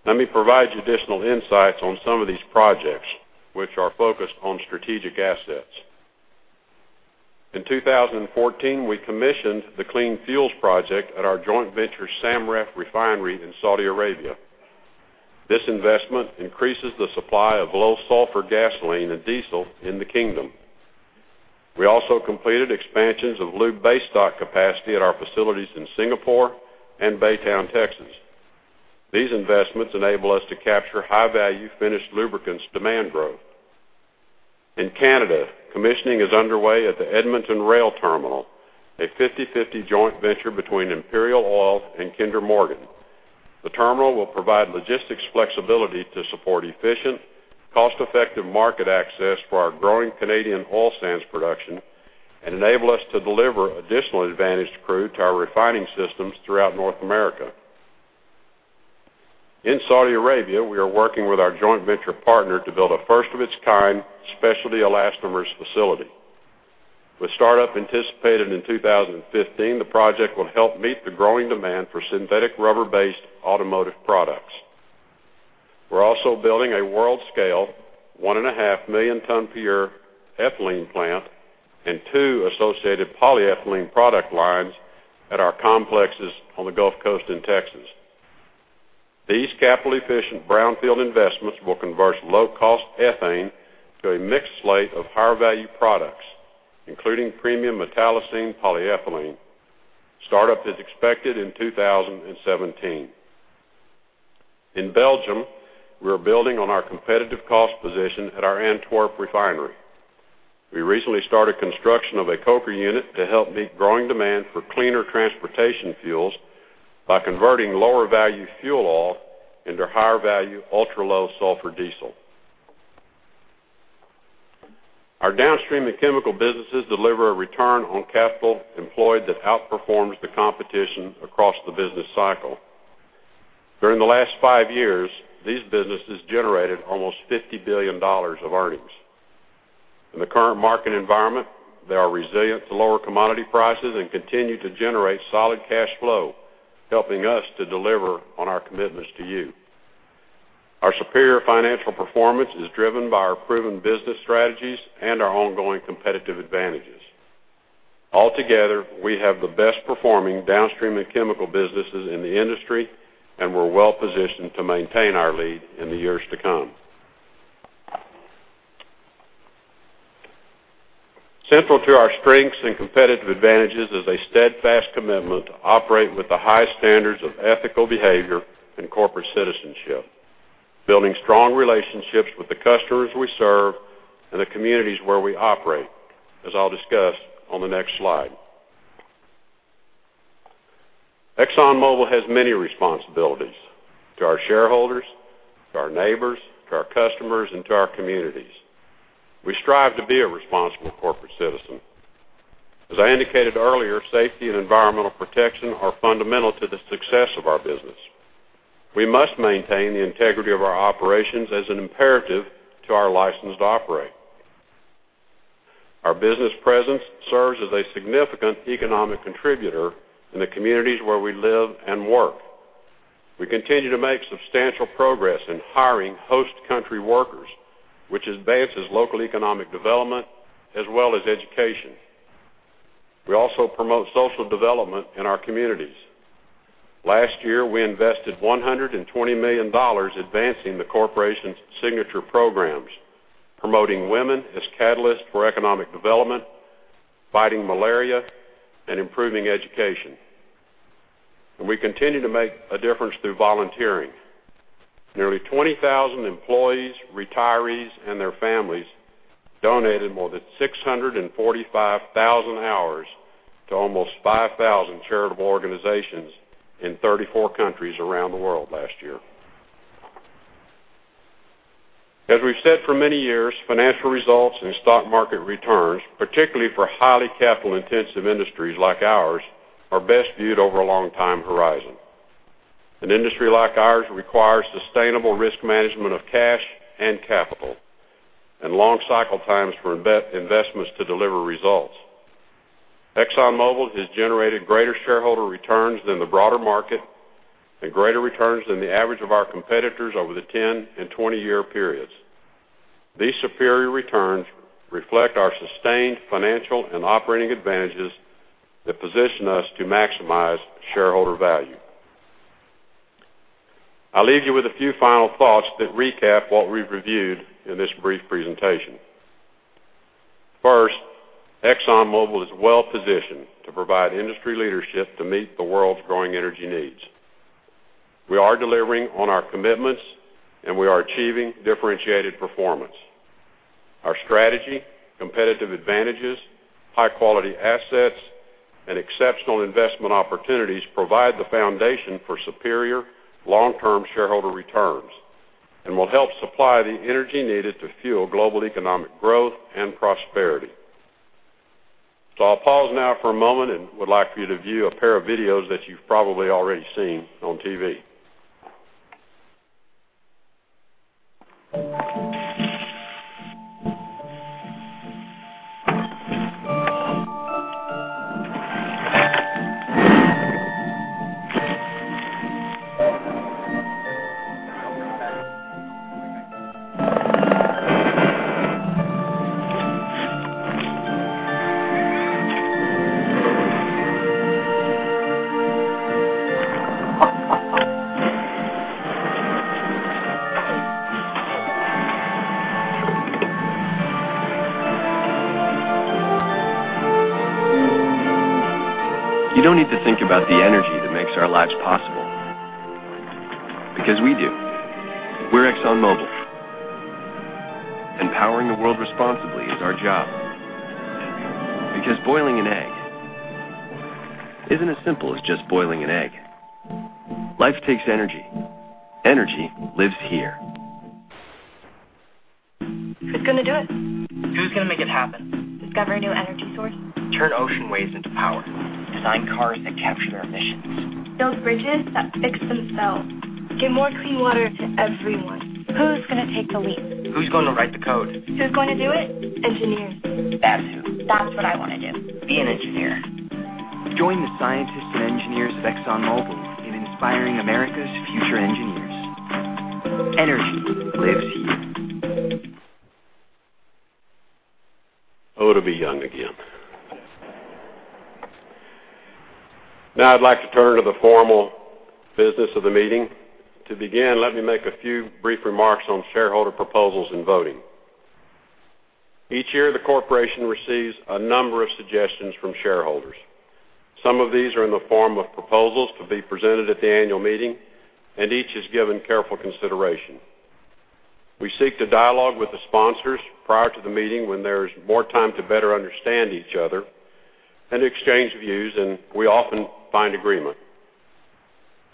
Let me provide you additional insights on some of these projects, which are focused on strategic assets. In 2014, we commissioned the Clean Fuels Project at our joint venture SAMREF refinery in Saudi Arabia. This investment increases the supply of low sulfur gasoline and diesel in the kingdom. We also completed expansions of lube basestock capacity at our facilities in Singapore and Baytown, Texas. These investments enable us to capture high-value finished lubricants demand growth. In Canada, commissioning is underway at the Edmonton Rail Terminal, a 50/50 joint venture between Imperial Oil and Kinder Morgan. The terminal will provide logistics flexibility to support efficient, cost-effective market access for our growing Canadian oil sands production and enable us to deliver additional advantaged crude to our refining systems throughout North America. In Saudi Arabia, we are working with our joint venture partner to build a first-of-its-kind specialty elastomers facility. With startup anticipated in 2015, the project will help meet the growing demand for synthetic rubber-based automotive products. We're also building a world-scale, 1.5 million ton per year ethylene plant and two associated polyethylene product lines at our complexes on the Gulf Coast in Texas. These capital-efficient brownfield investments will convert low-cost ethane to a mixed slate of higher value products, including premium metallocene polyethylene. Startup is expected in 2017. In Belgium, we're building on our competitive cost position at our Antwerp refinery. We recently started construction of a coker unit to help meet growing demand for cleaner transportation fuels by converting lower value fuel oil into higher value ultra-low sulfur diesel. Our downstream and chemical businesses deliver a return on capital employed that outperforms the competition across the business cycle. During the last five years, these businesses generated almost $50 billion of earnings. In the current market environment, they are resilient to lower commodity prices and continue to generate solid cash flow, helping us to deliver on our commitments to you. Our superior financial performance is driven by our proven business strategies and our ongoing competitive advantages. Altogether, we have the best performing downstream and chemical businesses in the industry, and we're well positioned to maintain our lead in the years to come. Central to our strengths and competitive advantages is a steadfast commitment to operate with the highest standards of ethical behavior and corporate citizenship, building strong relationships with the customers we serve and the communities where we operate, as I'll discuss on the next slide. ExxonMobil has many responsibilities to our shareholders, to our neighbors, to our customers, and to our communities. We strive to be a responsible corporate citizen. As I indicated earlier, safety and environmental protection are fundamental to the success of our business. We must maintain the integrity of our operations as an imperative to our license to operate. Our business presence serves as a significant economic contributor in the communities where we live and work. We continue to make substantial progress in hiring host country workers, which advances local economic development as well as education. We also promote social development in our communities. Last year, we invested $120 million advancing the corporation's signature programs: promoting women as catalysts for economic development, fighting malaria, and improving education. We continue to make a difference through volunteering. Nearly 20,000 employees, retirees, and their families donated more than 645,000 hours to almost 5,000 charitable organizations in 34 countries around the world last year. As we've said for many years, financial results and stock market returns, particularly for highly capital intensive industries like ours, are best viewed over a long time horizon. An industry like ours requires sustainable risk management of cash and capital and long cycle times for investments to deliver results. ExxonMobil has generated greater shareholder returns than the broader market and greater returns than the average of our competitors over the 10 and 20 year periods. These superior returns reflect our sustained financial and operating advantages that position us to maximize shareholder value. I'll leave you with a few final thoughts that recap what we've reviewed in this brief presentation. First, ExxonMobil is well positioned to provide industry leadership to meet the world's growing energy needs. We are delivering on our commitments and we are achieving differentiated performance. Our strategy, competitive advantages, high quality assets, and exceptional investment opportunities provide the foundation for superior long term shareholder returns and will help supply the energy needed to fuel global economic growth and prosperity. I'll pause now for a moment and would like for you to view a pair of videos that you've probably already seen on TV. You don't need to think about the energy that makes our lives possible because we do. We're ExxonMobil. Empowering the world responsibly is our job. Boiling an egg isn't as simple as just boiling an egg. Life takes energy. Energy lives here. Who's going to do it? Who's going to make it happen? Discover a new energy source? Turn ocean waves into power, design cars that capture emissions. Build bridges that fix themselves. Give more clean water to everyone. Who's going to take the leap? Who's going to write the code? Who's going to do it? Engineers. That's who. That's what I want to do. Be an engineer. Join the scientists and engineers of ExxonMobil in inspiring America's future engineers. Energy lives here. Oh, to be young again. I'd like to turn to the formal business of the meeting. To begin, let me make a few brief remarks on shareholder proposals and voting. Each year, the corporation receives a number of suggestions from shareholders. Some of these are in the form of proposals to be presented at the annual meeting, and each is given careful consideration. We seek to dialogue with the sponsors prior to the meeting when there's more time to better understand each other and exchange views, and we often find agreement.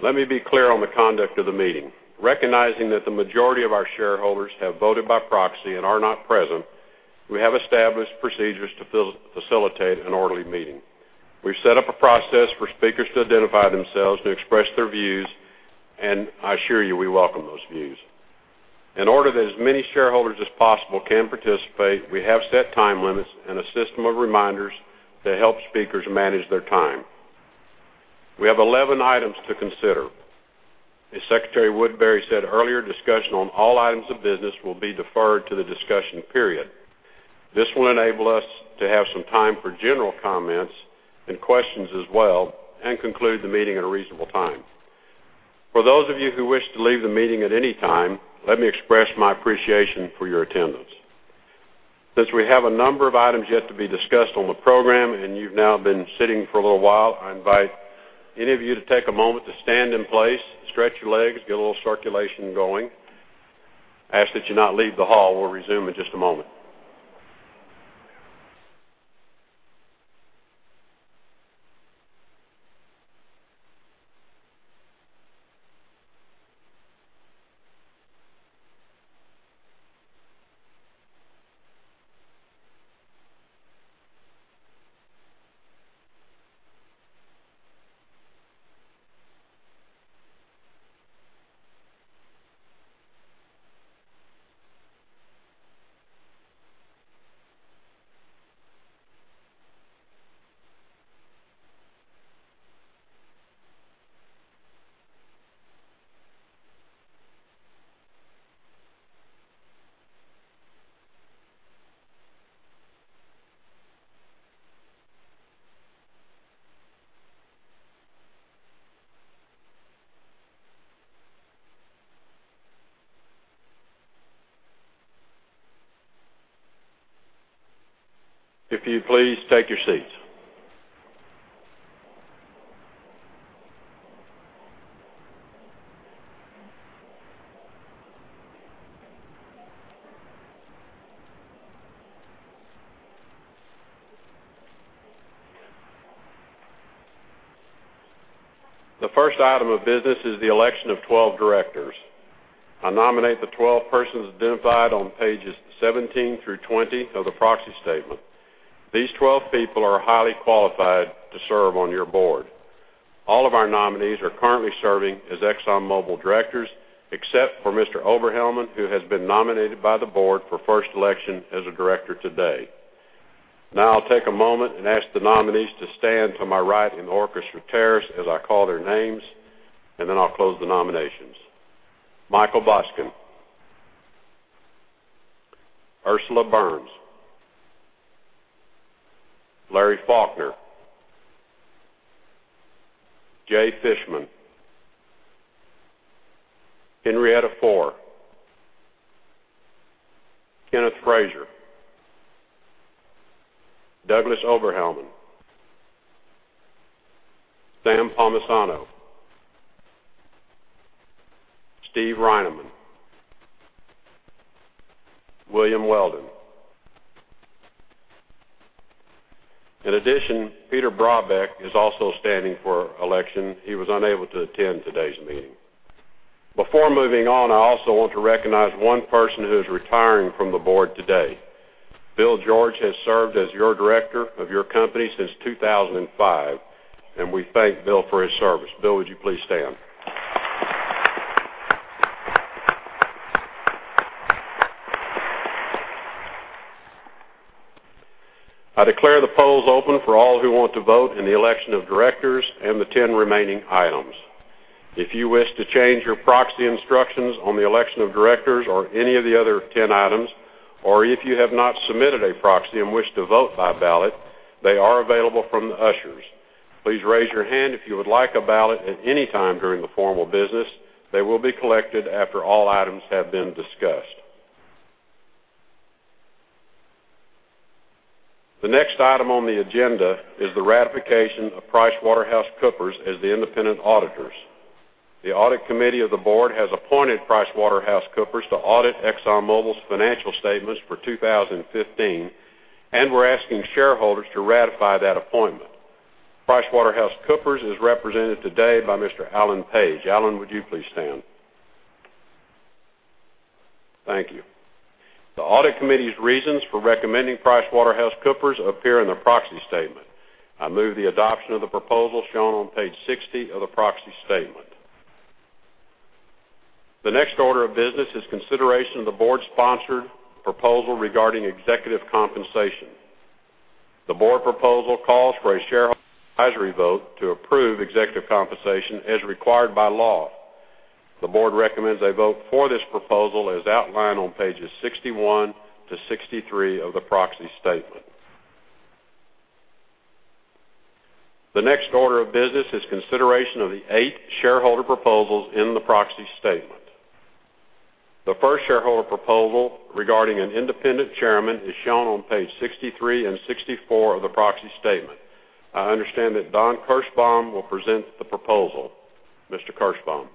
Let me be clear on the conduct of the meeting. Recognizing that the majority of our shareholders have voted by proxy and are not present, we have established procedures to facilitate an orderly meeting. We've set up a process for speakers to identify themselves and express their views, and I assure you, we welcome those views. In order that as many shareholders as possible can participate, we have set time limits and a system of reminders to help speakers manage their time. We have 11 items to consider. As Secretary Woodbury said earlier, discussion on all items of business will be deferred to the discussion period. This will enable us to have some time for general comments and questions as well, and conclude the meeting at a reasonable time. For those of you who wish to leave the meeting at any time, let me express my appreciation for your attendance. Since we have a number of items yet to be discussed on the program, and you've now been sitting for a little while, I invite any of you to take a moment to stand in place, stretch your legs, get a little circulation going. I ask that you not leave the hall. We'll resume in just a moment. If you'd please, take your seats. The first item of business is the election of 12 directors. I nominate the 12 persons identified on pages 17 through 20 of the proxy statement. These 12 people are highly qualified to serve on your board. All of our nominees are currently serving as ExxonMobil directors, except for Mr. Oberhelman, who has been nominated by the board for first election as a director today. Now I'll take a moment and ask the nominees to stand to my right in the orchestra terrace as I call their names, then I'll close the nominations. Michael Boskin. Ursula Burns. Larry Faulkner. Jay Fishman. Henrietta Fore. Kenneth Frazier. Douglas Oberhelman. Sam Palmisano. Steve Reinemund. William Weldon. In addition, Peter Brabeck is also standing for election. He was unable to attend today's meeting. Before moving on, I also want to recognize one person who is retiring from the board today. Bill George has served as your director of your company since 2005, and we thank Bill for his service. Bill, would you please stand? I declare the polls open for all who want to vote in the election of directors and the 10 remaining items. If you wish to change your proxy instructions on the election of directors or any of the other 10 items, or if you have not submitted a proxy and wish to vote by ballot, they are available from the ushers. Please raise your hand if you would like a ballot at any time during the formal business. They will be collected after all items have been discussed. The next item on the agenda is the ratification of PricewaterhouseCoopers as the independent auditors. The audit committee of the board has appointed PricewaterhouseCoopers to audit ExxonMobil's financial statements for 2015, and we're asking shareholders to ratify that appointment. PricewaterhouseCoopers is represented today by Mr. Alan Page. Alan, would you please stand? Thank you. The audit committee's reasons for recommending PricewaterhouseCoopers appear in the proxy statement. I move the adoption of the proposal shown on page 60 of the proxy statement. The next order of business is consideration of the board-sponsored proposal regarding executive compensation. The board proposal calls for a shareholder advisory vote to approve executive compensation as required by law. The board recommends a vote for this proposal as outlined on pages 61 to 63 of the proxy statement. The next order of business is consideration of the eight shareholder proposals in the proxy statement. The first shareholder proposal regarding an independent chairman is shown on page 63 and 64 of the proxy statement. I understand that Don Kirshbaum will present the proposal. Mr. Kirshbaum.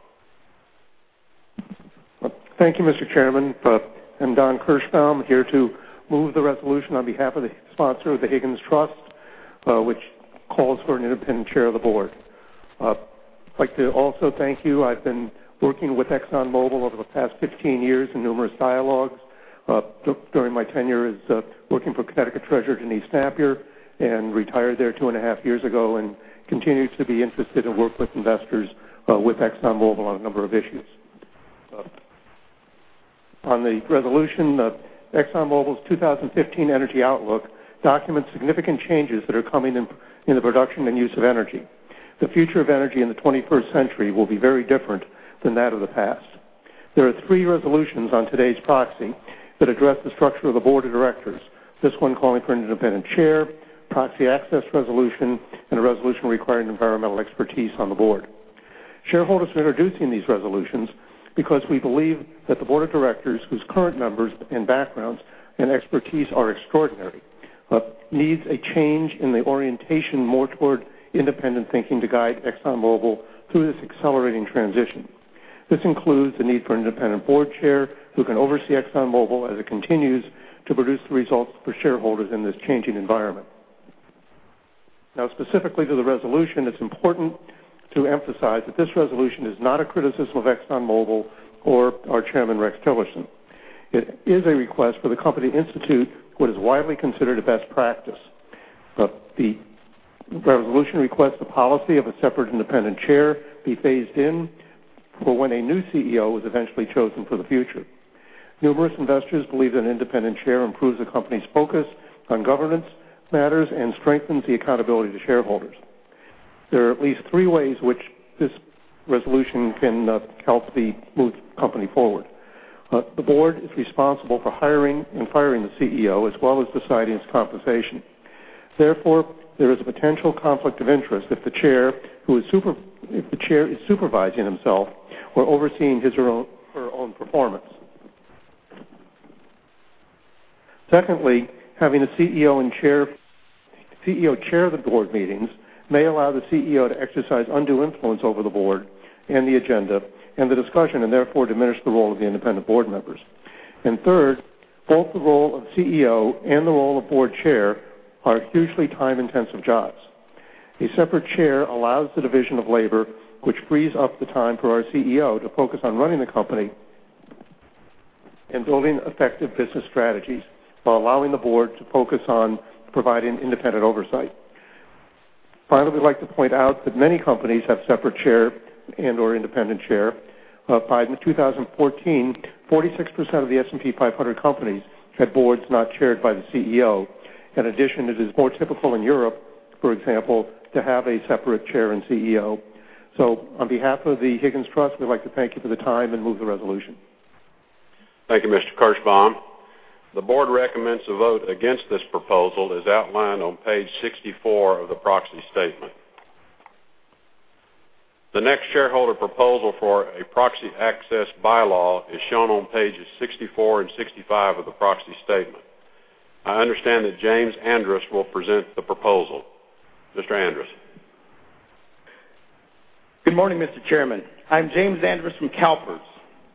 Thank you, Mr. Chairman. I'm Don Kirshbaum, here to move the resolution on behalf of the sponsor, the Higgins Trust, which calls for an independent chair of the board. I'd like to also thank you. I've been working with ExxonMobil over the past 15 years in numerous dialogues during my tenure working for Connecticut Treasurer Denise Nappier, and retired there two and a half years ago and continue to be interested and work with investors with ExxonMobil on a number of issues. On the resolution of ExxonMobil's 2015 Outlook for Energy documents significant changes that are coming in the production and use of energy. The future of energy in the 21st century will be very different than that of the past. There are three resolutions on today's proxy that address the structure of the board of directors. This one calling for an independent chair, proxy access resolution, and a resolution requiring environmental expertise on the board. Shareholders are introducing these resolutions because we believe that the board of directors, whose current members and backgrounds and expertise are extraordinary, needs a change in the orientation more toward independent thinking to guide ExxonMobil through this accelerating transition. This includes the need for an independent board chair who can oversee ExxonMobil as it continues to produce the results for shareholders in this changing environment. Specifically to the resolution, it's important to emphasize that this resolution is not a criticism of ExxonMobil or our chairman, Rex Tillerson. It is a request for the company institute what is widely considered a best practice. The resolution requests the policy of a separate independent chair be phased in for when a new CEO is eventually chosen for the future. Numerous investors believe that an independent chair improves the company's focus on governance matters and strengthens the accountability to shareholders. There are at least three ways which this resolution can help the company move forward. The board is responsible for hiring and firing the CEO as well as deciding its compensation. Therefore, there is a potential conflict of interest if the chair is supervising himself or overseeing his or her own performance. Secondly, having a CEO chair the board meetings may allow the CEO to exercise undue influence over the board and the agenda and the discussion, and therefore diminish the role of the independent board members. Third, both the role of CEO and the role of board chair are hugely time-intensive jobs. A separate chair allows the division of labor, which frees up the time for our CEO to focus on running the company and building effective business strategies, while allowing the board to focus on providing independent oversight. Finally, we'd like to point out that many companies have separate chair and/or independent chair. In 2014, 46% of the S&P 500 companies had boards not chaired by the CEO. In addition, it is more typical in Europe, for example, to have a separate chair and CEO. On behalf of the Higgins Trust, we'd like to thank you for the time and move the resolution. Thank you, Mr. Kirschbaum. The board recommends a vote against this proposal as outlined on page 64 of the proxy statement. The next shareholder proposal for a proxy access bylaw is shown on pages 64 and 65 of the proxy statement. I understand that James Andrus will present the proposal. Mr. Andrus. Good morning, Mr. Chairman. I am James Andrus from CalPERS.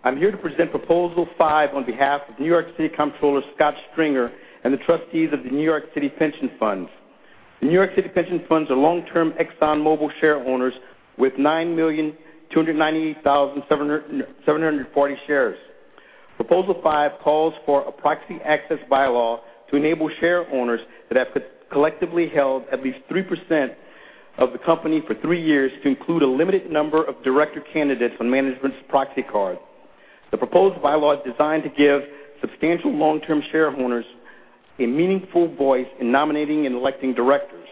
I am here to present Proposal Five on behalf of New York City Comptroller Scott Stringer and the trustees of the New York City Pension Funds. The New York City Pension Funds are long-term ExxonMobil shareholders with 9,298,740 shares. Proposal Five calls for a proxy access bylaw to enable shareholders that have collectively held at least 3% of the company for three years to include a limited number of director candidates on management's proxy card. The proposed bylaw is designed to give substantial long-term shareholders a meaningful voice in nominating and electing directors.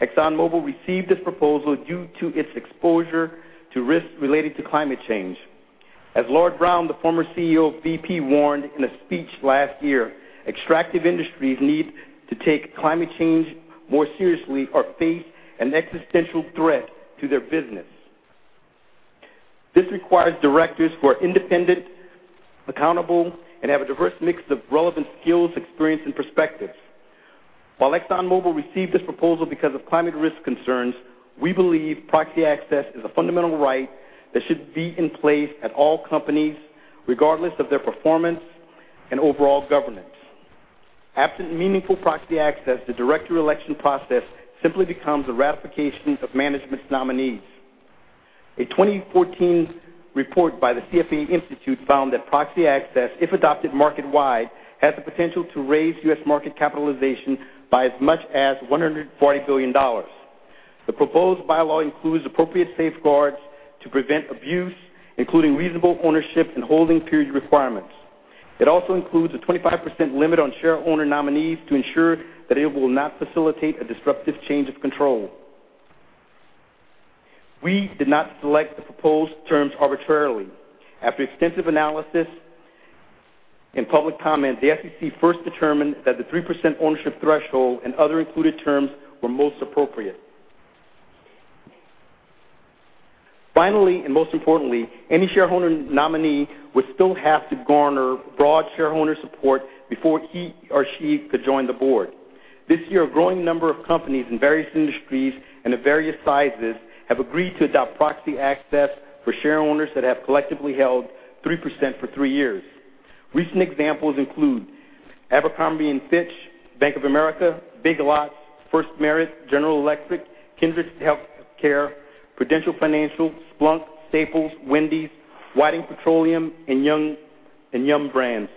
ExxonMobil received this proposal due to its exposure to risks related to climate change. As Lord Browne, the former CEO of BP, warned in a speech last year, extractive industries need to take climate change more seriously or face an existential threat to their business. This requires directors who are independent, accountable, and have a diverse mix of relevant skills, experience, and perspectives. While ExxonMobil received this proposal because of climate risk concerns, we believe proxy access is a fundamental right that should be in place at all companies, regardless of their performance and overall governance. Absent meaningful proxy access, the director election process simply becomes a ratification of management's nominees. A 2014 report by the CFA Institute found that proxy access, if adopted market-wide, has the potential to raise U.S. market capitalization by as much as $140 billion. The proposed bylaw includes appropriate safeguards to prevent abuse, including reasonable ownership and holding period requirements. It also includes a 25% limit on shareholder nominees to ensure that it will not facilitate a disruptive change of control. We did not select the proposed terms arbitrarily. After extensive analysis and public comment, the SEC first determined that the 3% ownership threshold and other included terms were most appropriate. Finally, and most importantly, any shareholder nominee would still have to garner broad shareholder support before he or she could join the board. This year, a growing number of companies in various industries and of various sizes have agreed to adopt proxy access for shareholders that have collectively held 3% for three years. Recent examples include Abercrombie & Fitch, Bank of America, Big Lots, FirstMerit, General Electric, Kindred Healthcare, Prudential Financial, Splunk, Staples, Wendy's, Whiting Petroleum, and Yum! Brands.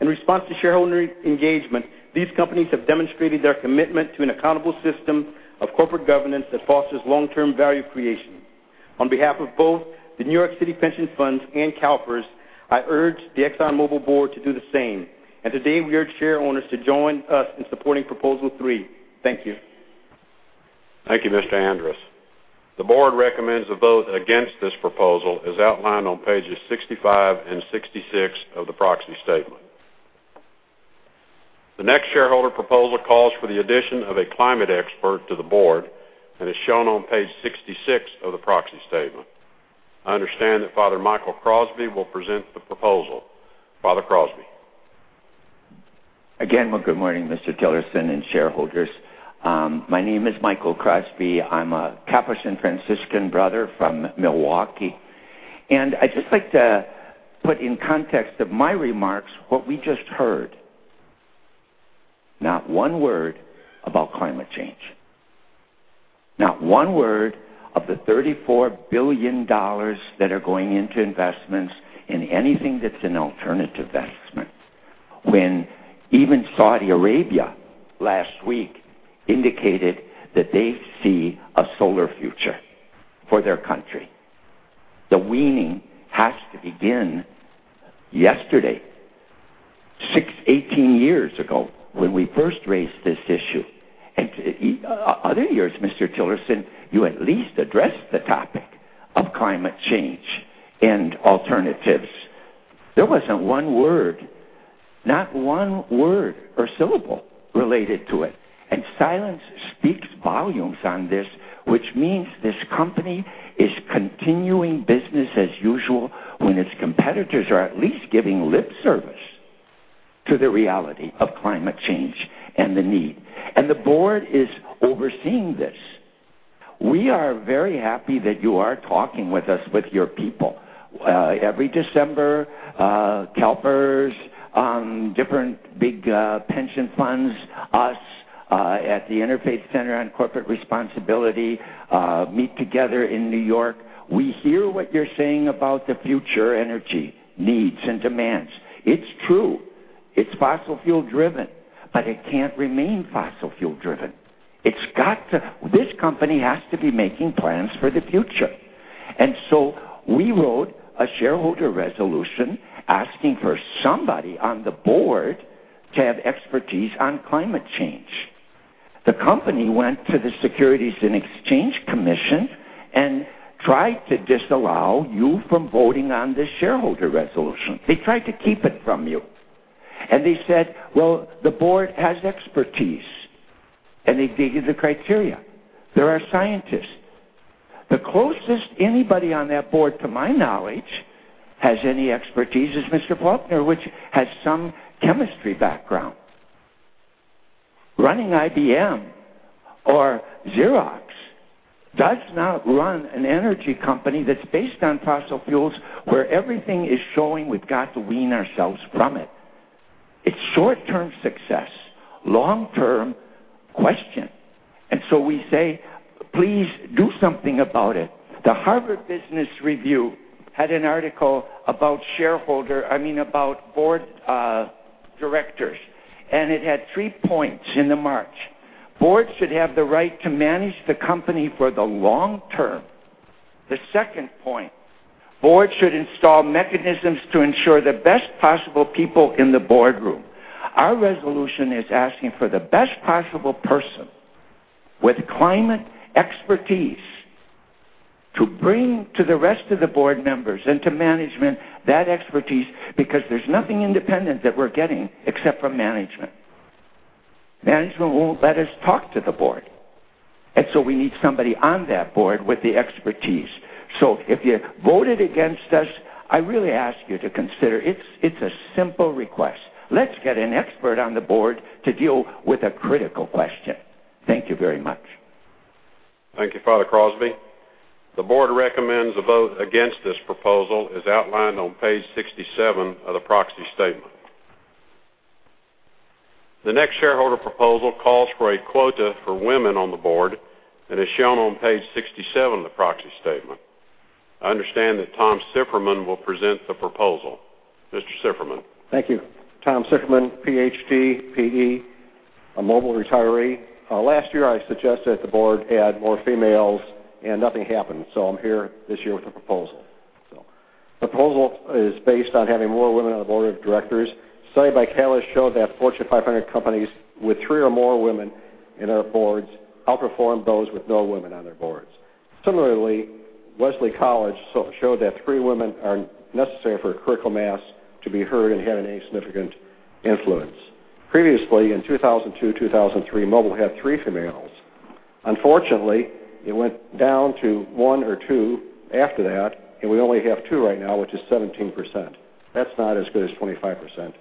In response to shareholder engagement, these companies have demonstrated their commitment to an accountable system of corporate governance that fosters long-term value creation. On behalf of both the New York City Pension Funds and CalPERS, I urge the ExxonMobil Board to do the same. Today, we urge shareholders to join us in supporting Proposal 3. Thank you. Thank you, Mr. Andrus. The board recommends a vote against this proposal, as outlined on pages 65 and 66 of the proxy statement. The next shareholder proposal calls for the addition of a climate expert to the board and is shown on page 66 of the proxy statement. I understand that Father Michael Crosby will present the proposal. Father Crosby. Good morning, Mr. Tillerson and shareholders. My name is Michael Crosby. I'm a Capuchin Franciscan brother from Milwaukee, I'd just like to put in context of my remarks what we just heard. Not one word about climate change. Not one word of the $34 billion that are going into investments in anything that's an alternative investment, when even Saudi Arabia last week indicated that they see a solar future for their country. The weaning has to begin yesterday, 18 years ago, when we first raised this issue. Other years, Mr. Tillerson, you at least addressed the topic of climate change and alternatives. There wasn't one word or syllable related to it. Silence speaks volumes on this, which means this company is continuing business as usual when its competitors are at least giving lip service to the reality of climate change and the need. The board is overseeing this. We are very happy that you are talking with us, with your people. Every December, CalPERS, different big pension funds, us at the Interfaith Center on Corporate Responsibility, meet together in New York. We hear what you're saying about the future energy needs and demands. It's true. It's fossil fuel-driven, it can't remain fossil fuel-driven. This company has to be making plans for the future. We wrote a shareholder resolution asking for somebody on the board to have expertise on climate change. The company went to the Securities and Exchange Commission and tried to disallow you from voting on this shareholder resolution. They tried to keep it from you. They said, "Well, the board has expertise." They gave you the criteria. There are scientists. The closest anybody on that board, to my knowledge, has any expertise is Mr. Faulkner, which has some chemistry background. Running IBM or Xerox does not run an energy company that's based on fossil fuels where everything is showing we've got to wean ourselves from it. It's short-term success, long-term question. We say, "Please do something about it." The Harvard Business Review had an article about board directors, and it had three points in the March. Boards should have the right to manage the company for the long term. The second point, boards should install mechanisms to ensure the best possible people in the boardroom. Our resolution is asking for the best possible person with climate expertise to bring to the rest of the board members and to management that expertise, because there's nothing independent that we're getting except from management. Management won't let us talk to the board. We need somebody on that board with the expertise. If you voted against us, I really ask you to consider. It's a simple request. Let's get an expert on the board to deal with a critical question. Thank you very much. Thank you, Father Crosby. The board recommends a vote against this proposal, as outlined on page 67 of the proxy statement. The next shareholder proposal calls for a quota for women on the board and is shown on page 67 of the proxy statement. I understand that Tom Sifferman will present the proposal. Mr. Sifferman. Thank you. Tom Sifferman, PhD, PE, a Mobil retiree. Last year, I suggested the board add more females and nothing happened. I'm here this year with a proposal. The proposal is based on having more women on the board of directors. Study by Catalyst showed that Fortune 500 companies with three or more women in their boards outperformed those with no women on their boards. Similarly, Wellesley College showed that three women are necessary for a critical mass to be heard and have any significant influence. Previously, in 2002, 2003, Mobil had three females. Unfortunately, it went down to one or two after that, and we only have two right now, which is 17%. That's not as good as 25%.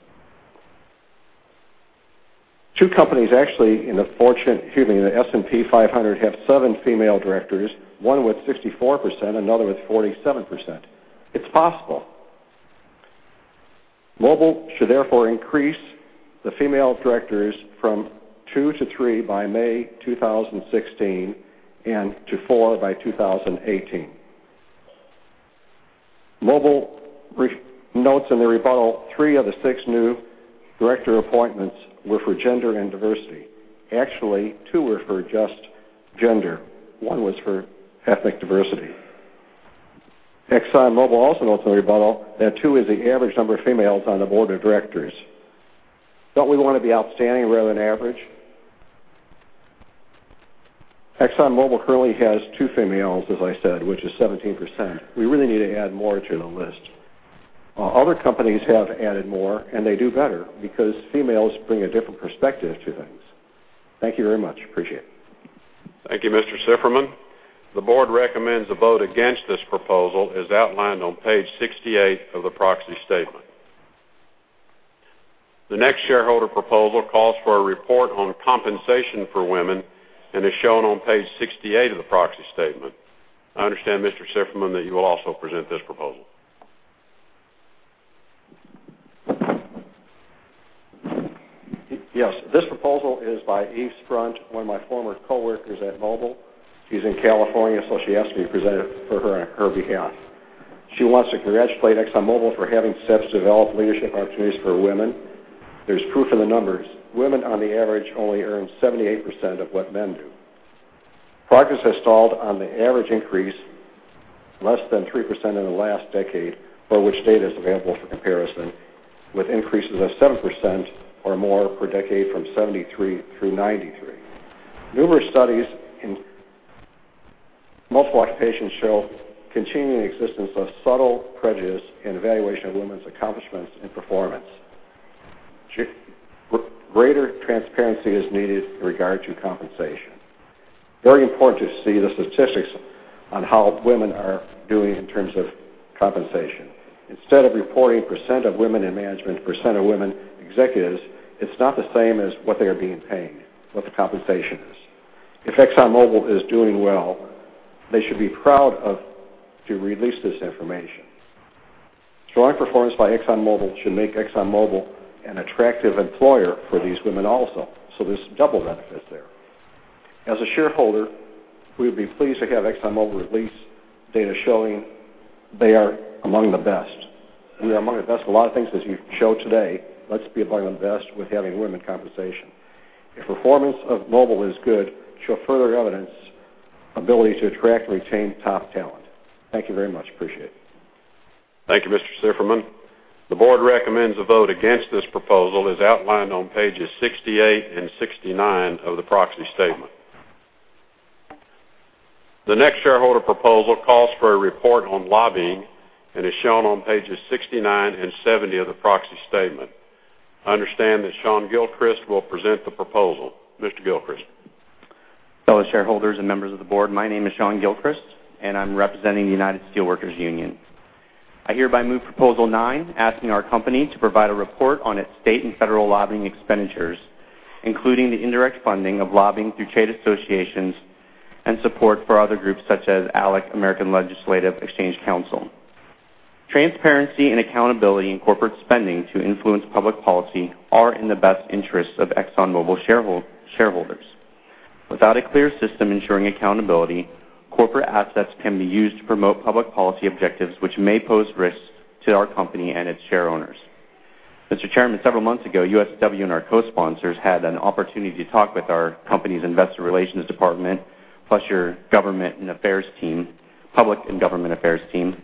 Two companies actually in the S&P 500 have seven female directors, one with 64%, another with 47%. It's possible. Mobil should therefore increase the female directors from 2 to 3 by May 2016 and to 4 by 2018. Mobil notes in the rebuttal, 3 of the 6 new director appointments were for gender and diversity. Actually, 2 were for just gender. 1 was for ethnic diversity. ExxonMobil also notes in the rebuttal that 2 is the average number of females on the board of directors. Don't we want to be outstanding rather than average? ExxonMobil currently has 2 females, as I said, which is 17%. We really need to add more to the list. Other companies have added more, and they do better because females bring a different perspective to things. Thank you very much. Appreciate it. Thank you, Mr. Sifferman. The board recommends a vote against this proposal, as outlined on page 68 of the proxy statement. The next shareholder proposal calls for a report on compensation for women and is shown on page 68 of the proxy statement. I understand, Mr. Sifferman, that you will also present this proposal. Yes. This proposal is by Eve Strunt, one of my former coworkers at Mobil. She's in California, so she asked me to present it for her on her behalf. She wants to congratulate ExxonMobil for having steps developed leadership opportunities for women. There's proof in the numbers. Women, on the average, only earn 78% of what men do. Progress has stalled on the average increase, less than 3% in the last decade, for which data is available for comparison, with increases of 7% or more per decade from 1973 through 1993. Numerous studies in multiple occupations show continuing existence of subtle prejudice in evaluation of women's accomplishments and performance. Greater transparency is needed in regard to compensation. Very important to see the statistics on how women are doing in terms of compensation. Instead of reporting % of women in management, % of women executives, it's not the same as what they are being paid, what the compensation is. If ExxonMobil is doing well, they should be proud to release this information. Strong performance by ExxonMobil should make ExxonMobil an attractive employer for these women also, so there's double benefit there. As a shareholder, we would be pleased to have ExxonMobil release data showing they are among the best. We are among the best at a lot of things, as you've shown today. Let's be among the best with having women compensation. If performance of Mobil is good, show further evidence, ability to attract and retain top talent. Thank you very much. Appreciate it. Thank you, Mr. Sifferman. The board recommends a vote against this proposal, as outlined on pages 68 and 69 of the proxy statement. The next shareholder proposal calls for a report on lobbying and is shown on pages 69 and 70 of the proxy statement. I understand that Shawn Gilchrist will present the proposal. Mr. Gilchrist. Fellow shareholders and members of the board, my name is Shawn Gilchrist and I'm representing the United Steelworkers Union. I hereby move proposal nine, asking our company to provide a report on its state and federal lobbying expenditures, including the indirect funding of lobbying through trade associations and support for other groups such as ALEC, American Legislative Exchange Council. Transparency and accountability in corporate spending to influence public policy are in the best interests of ExxonMobil shareholders. Without a clear system ensuring accountability, corporate assets can be used to promote public policy objectives which may pose risks to our company and its shareowners. Mr. Chairman, several months ago, USW and our cosponsors had an opportunity to talk with our company's investor relations department, plus your public and government affairs team. One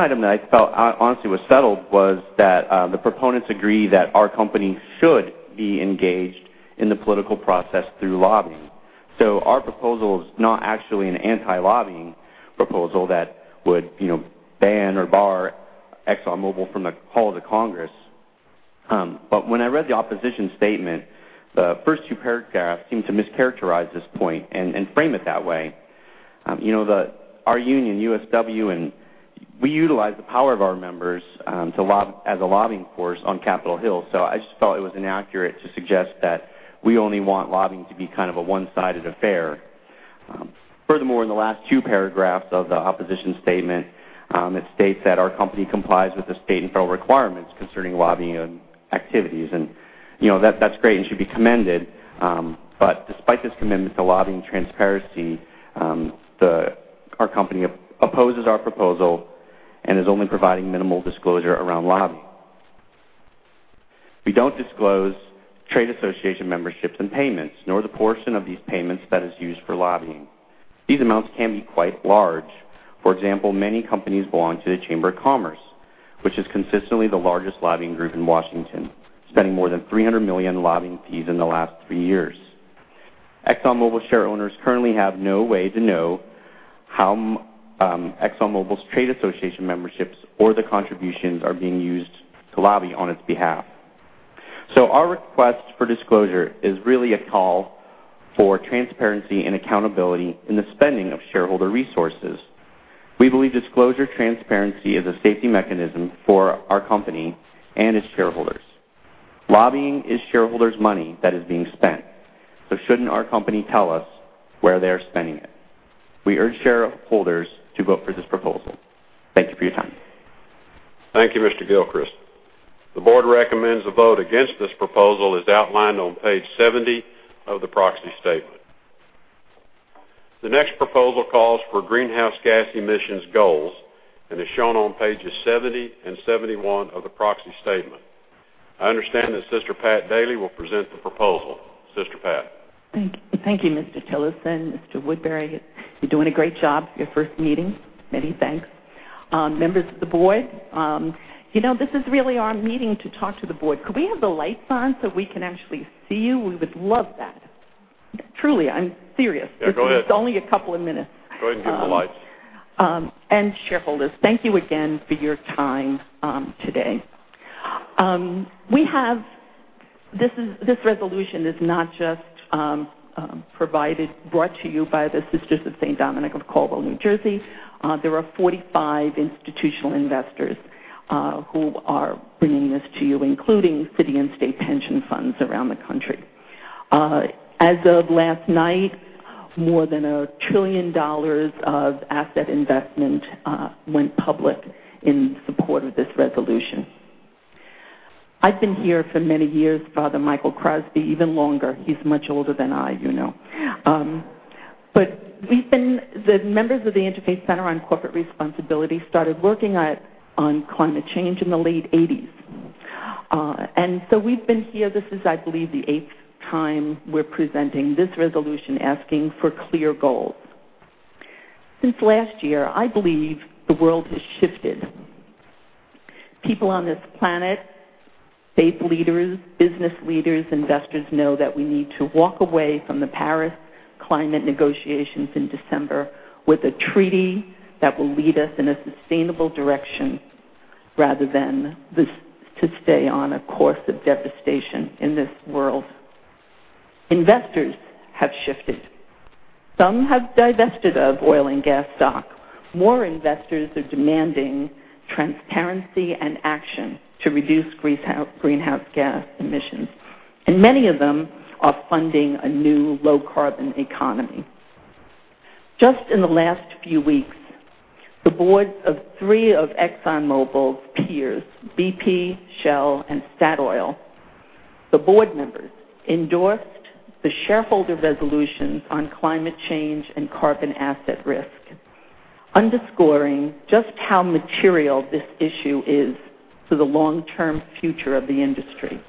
item that I felt honestly was settled was that the proponents agree that our company should be engaged in the political process through lobbying. Our proposal is not actually an anti-lobbying proposal that would ban or bar ExxonMobil from the halls of Congress. When I read the opposition statement, the first two paragraphs seemed to mischaracterize this point and frame it that way. Our union, USW, we utilize the power of our members as a lobbying force on Capitol Hill. I just felt it was inaccurate to suggest that we only want lobbying to be a one-sided affair. Furthermore, in the last two paragraphs of the opposition statement, it states that our company complies with the state and federal requirements concerning lobbying activities. That's great and should be commended, despite this commitment to lobbying transparency, our company opposes our proposal and is only providing minimal disclosure around lobbying. We don't disclose trade association memberships and payments, nor the portion of these payments that is used for lobbying. These amounts can be quite large. For example, many companies belong to the Chamber of Commerce, which is consistently the largest lobbying group in Washington, spending more than $300 million in lobbying fees in the last three years. ExxonMobil shareowners currently have no way to know how ExxonMobil's trade association memberships or the contributions are being used to lobby on its behalf. Our request for disclosure is really a call for transparency and accountability in the spending of shareholder resources. We believe disclosure transparency is a safety mechanism for our company and its shareholders. Lobbying is shareholders' money that is being spent. Shouldn't our company tell us where they are spending it? We urge shareholders to vote for this proposal. Thank you for your time Thank you, Mr. Gilchrist. The board recommends a vote against this proposal as outlined on page 70 of the proxy statement. The next proposal calls for greenhouse gas emissions goals and is shown on pages 70 and 71 of the proxy statement. I understand that Sister Pat Daly will present the proposal. Sister Pat. Thank you, Mr. Tillerson. Mr. Woodbury, you're doing a great job for your first meeting. Many thanks. Members of the board. This is really our meeting to talk to the board. Could we have the lights on so we can actually see you? We would love that. Truly, I'm serious. Yeah, go ahead. It's only a couple of minutes. Go ahead and dim the lights. Shareholders, thank you again for your time today. This resolution is not just brought to you by the Sisters of St. Dominic of Caldwell, New Jersey. There are 45 institutional investors who are bringing this to you, including city and state pension funds around the country. As of last night, more than $1 trillion of asset investment went public in support of this resolution. I've been here for many years. Father Michael Crosby, even longer. He's much older than I. The members of the Interfaith Center on Corporate Responsibility started working on climate change in the late '80s. We've been here, this is, I believe, the eighth time we're presenting this resolution asking for clear goals. Since last year, I believe the world has shifted. People on this planet, faith leaders, business leaders, investors know that we need to walk away from the Paris climate negotiations in December with a treaty that will lead us in a sustainable direction, rather than to stay on a course of devastation in this world. Investors have shifted. Some have divested of oil and gas stock. More investors are demanding transparency and action to reduce greenhouse gas emissions, and many of them are funding a new low-carbon economy. Just in the last few weeks, the boards of three of ExxonMobil's peers, BP, Shell, and Statoil, the board members endorsed the shareholder resolutions on climate change and carbon asset risk, underscoring just how material this issue is to the long-term future of the industry.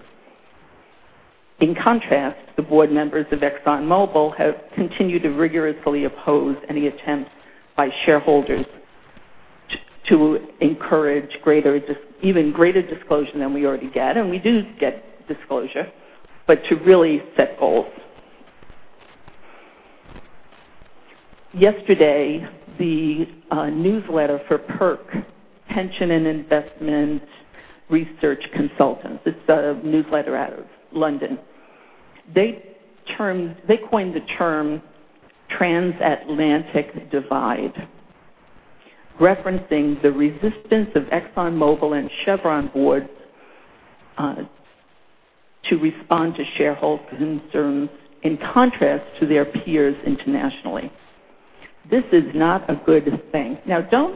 In contrast, the board members of ExxonMobil have continued to rigorously oppose any attempt by shareholders to encourage even greater disclosure than we already get. We do get disclosure to really set goals. Yesterday, the newsletter for PIRC, Pensions & Investment Research Consultants, is a newsletter out of London. They coined the term transatlantic divide, referencing the resistance of ExxonMobil and Chevron boards to respond to shareholder concerns, in contrast to their peers internationally. This is not a good thing. I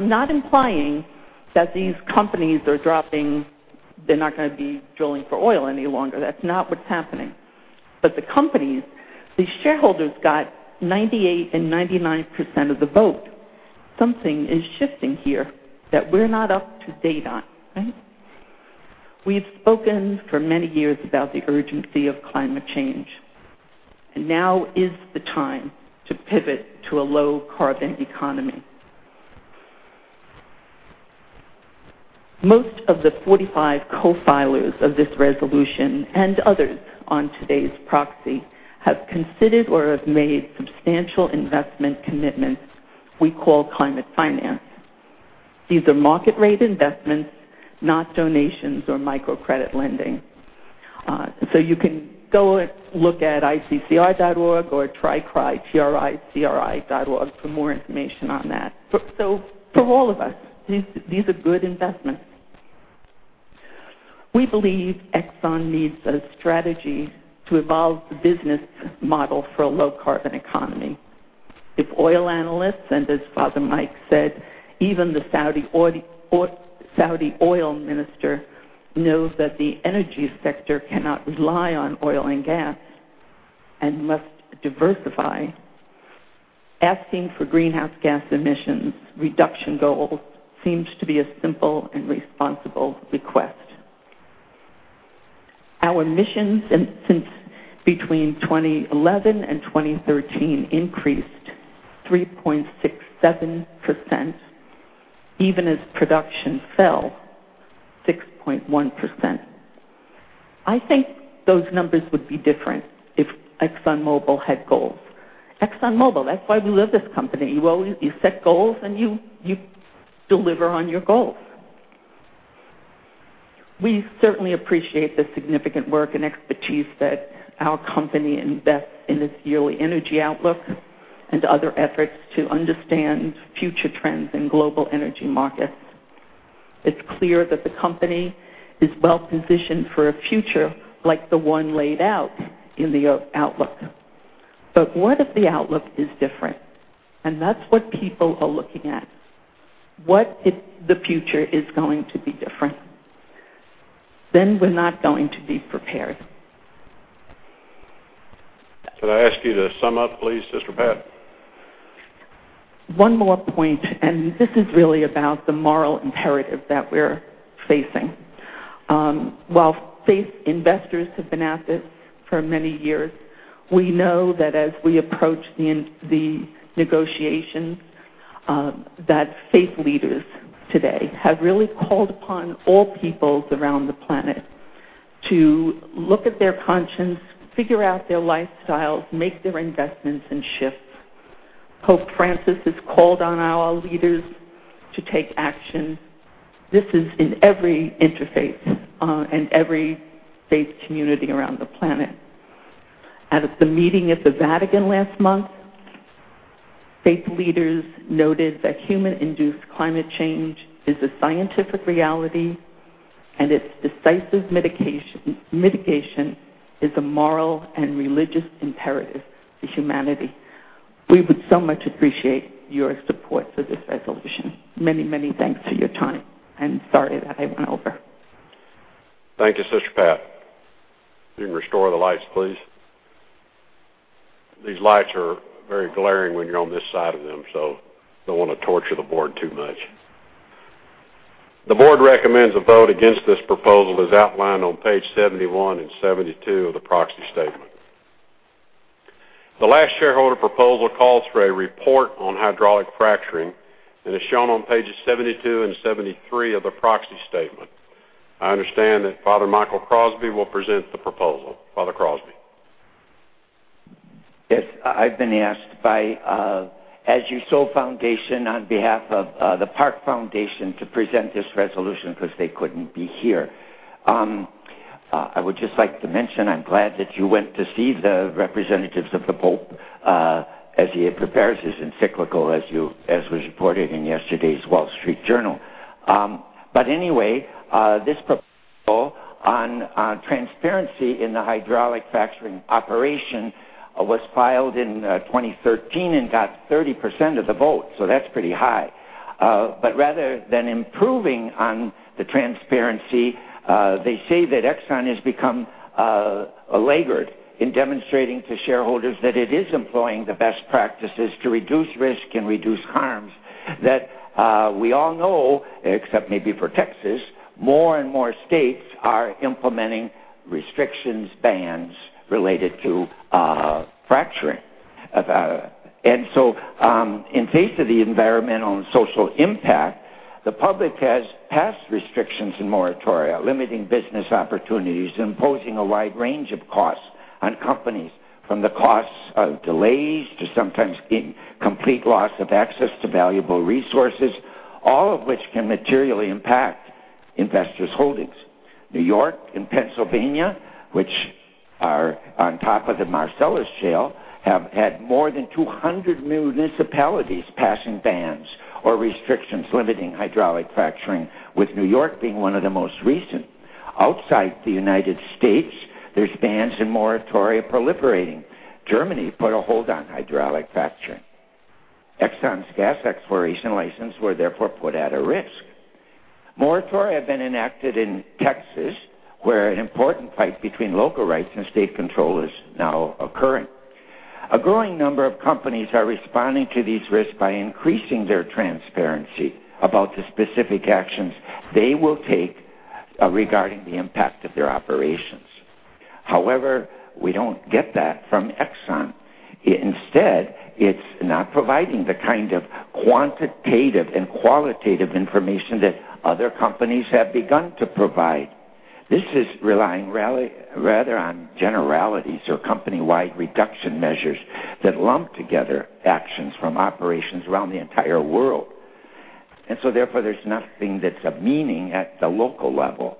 am not implying that these companies are dropping, they are not going to be drilling for oil any longer. That is not what is happening. The shareholders got 98% and 99% of the vote. Something is shifting here that we are not up to date on, right? We have spoken for many years about the urgency of climate change. Now is the time to pivot to a low-carbon economy. Most of the 45 co-filers of this resolution and others on today's proxy have considered or have made substantial investment commitments we call climate finance. These are market-rate investments, not donations or microcredit lending. You can go and look at iccr.org or tricri, T-R-I-C-R-I.org for more information on that. For all of us, these are good investments. We believe Exxon needs a strategy to evolve the business model for a low-carbon economy. If oil analysts, as Father Mike said, even the Saudi oil minister knows that the energy sector cannot rely on oil and gas and must diversify, asking for greenhouse gas emissions reduction goals seems to be a simple and responsible request. Our emissions between 2011 and 2013 increased 3.67%, even as production fell 6.1%. I think those numbers would be different if ExxonMobil had goals. ExxonMobil, that is why we love this company. You set goals. You deliver on your goals. We certainly appreciate the significant work and expertise that our company invests in its yearly Outlook for Energy and other efforts to understand future trends in global energy markets. It is clear that the company is well-positioned for a future like the one laid out in the Outlook for Energy. What if the Outlook for Energy is different? That is what people are looking at. What if the future is going to be different? We are not going to be prepared. Could I ask you to sum up, please, Sister Pat? One more point, this is really about the moral imperative that we're facing. While faith investors have been at this for many years, we know that as we approach the negotiations, faith leaders today have really called upon all peoples around the planet to look at their conscience, figure out their lifestyles, make their investments, and shift. Pope Francis has called on our leaders to take action. This is in every interfaith and every faith community around the planet. At the meeting at the Vatican last month, faith leaders noted that human-induced climate change is a scientific reality, its decisive mitigation is a moral and religious imperative to humanity. We would so much appreciate your support for this resolution. Many thanks for your time, sorry that I went over. Thank you, Sister Pat. You can restore the lights, please. These lights are very glaring when you're on this side of them, don't want to torture the board too much. The board recommends a vote against this proposal as outlined on page 71 and 72 of the proxy statement. The last shareholder proposal calls for a report on hydraulic fracturing and is shown on pages 72 and 73 of the proxy statement. I understand that Father Michael Crosby will present the proposal. Father Crosby. Yes, I've been asked by As You Sow on behalf of the Park Foundation to present this resolution because they couldn't be here. I would just like to mention, I'm glad that you went to see the representatives of the Pope as he prepares his encyclical, as was reported in yesterday's The Wall Street Journal. Anyway, this proposal on transparency in the hydraulic fracturing operation was filed in 2013 and got 30% of the vote, that's pretty high. Rather than improving on the transparency, they say that Exxon has become a laggard in demonstrating to shareholders that it is employing the best practices to reduce risk and reduce harms that we all know, except maybe for Texas, more and more states are implementing restrictions, bans related to fracturing. In face of the environmental and social impact, the public has passed restrictions and moratoria, limiting business opportunities, imposing a wide range of costs on companies from the costs of delays to sometimes complete loss of access to valuable resources, all of which can materially impact investors' holdings. New York and Pennsylvania, which are on top of the Marcellus Shale, have had more than 200 municipalities passing bans or restrictions limiting hydraulic fracturing, with New York being one of the most recent. Outside the U.S., there's bans and moratoria proliferating. Germany put a hold on hydraulic fracturing. Exxon's gas exploration license were therefore put at a risk. Moratoria have been enacted in Texas, where an important fight between local rights and state control is now occurring. A growing number of companies are responding to these risks by increasing their transparency about the specific actions they will take regarding the impact of their operations. However, we don't get that from Exxon. Instead, it's not providing the kind of quantitative and qualitative information that other companies have begun to provide. This is relying rather on generalities or company-wide reduction measures that lump together actions from operations around the entire world. Therefore, there's nothing that's of meaning at the local level.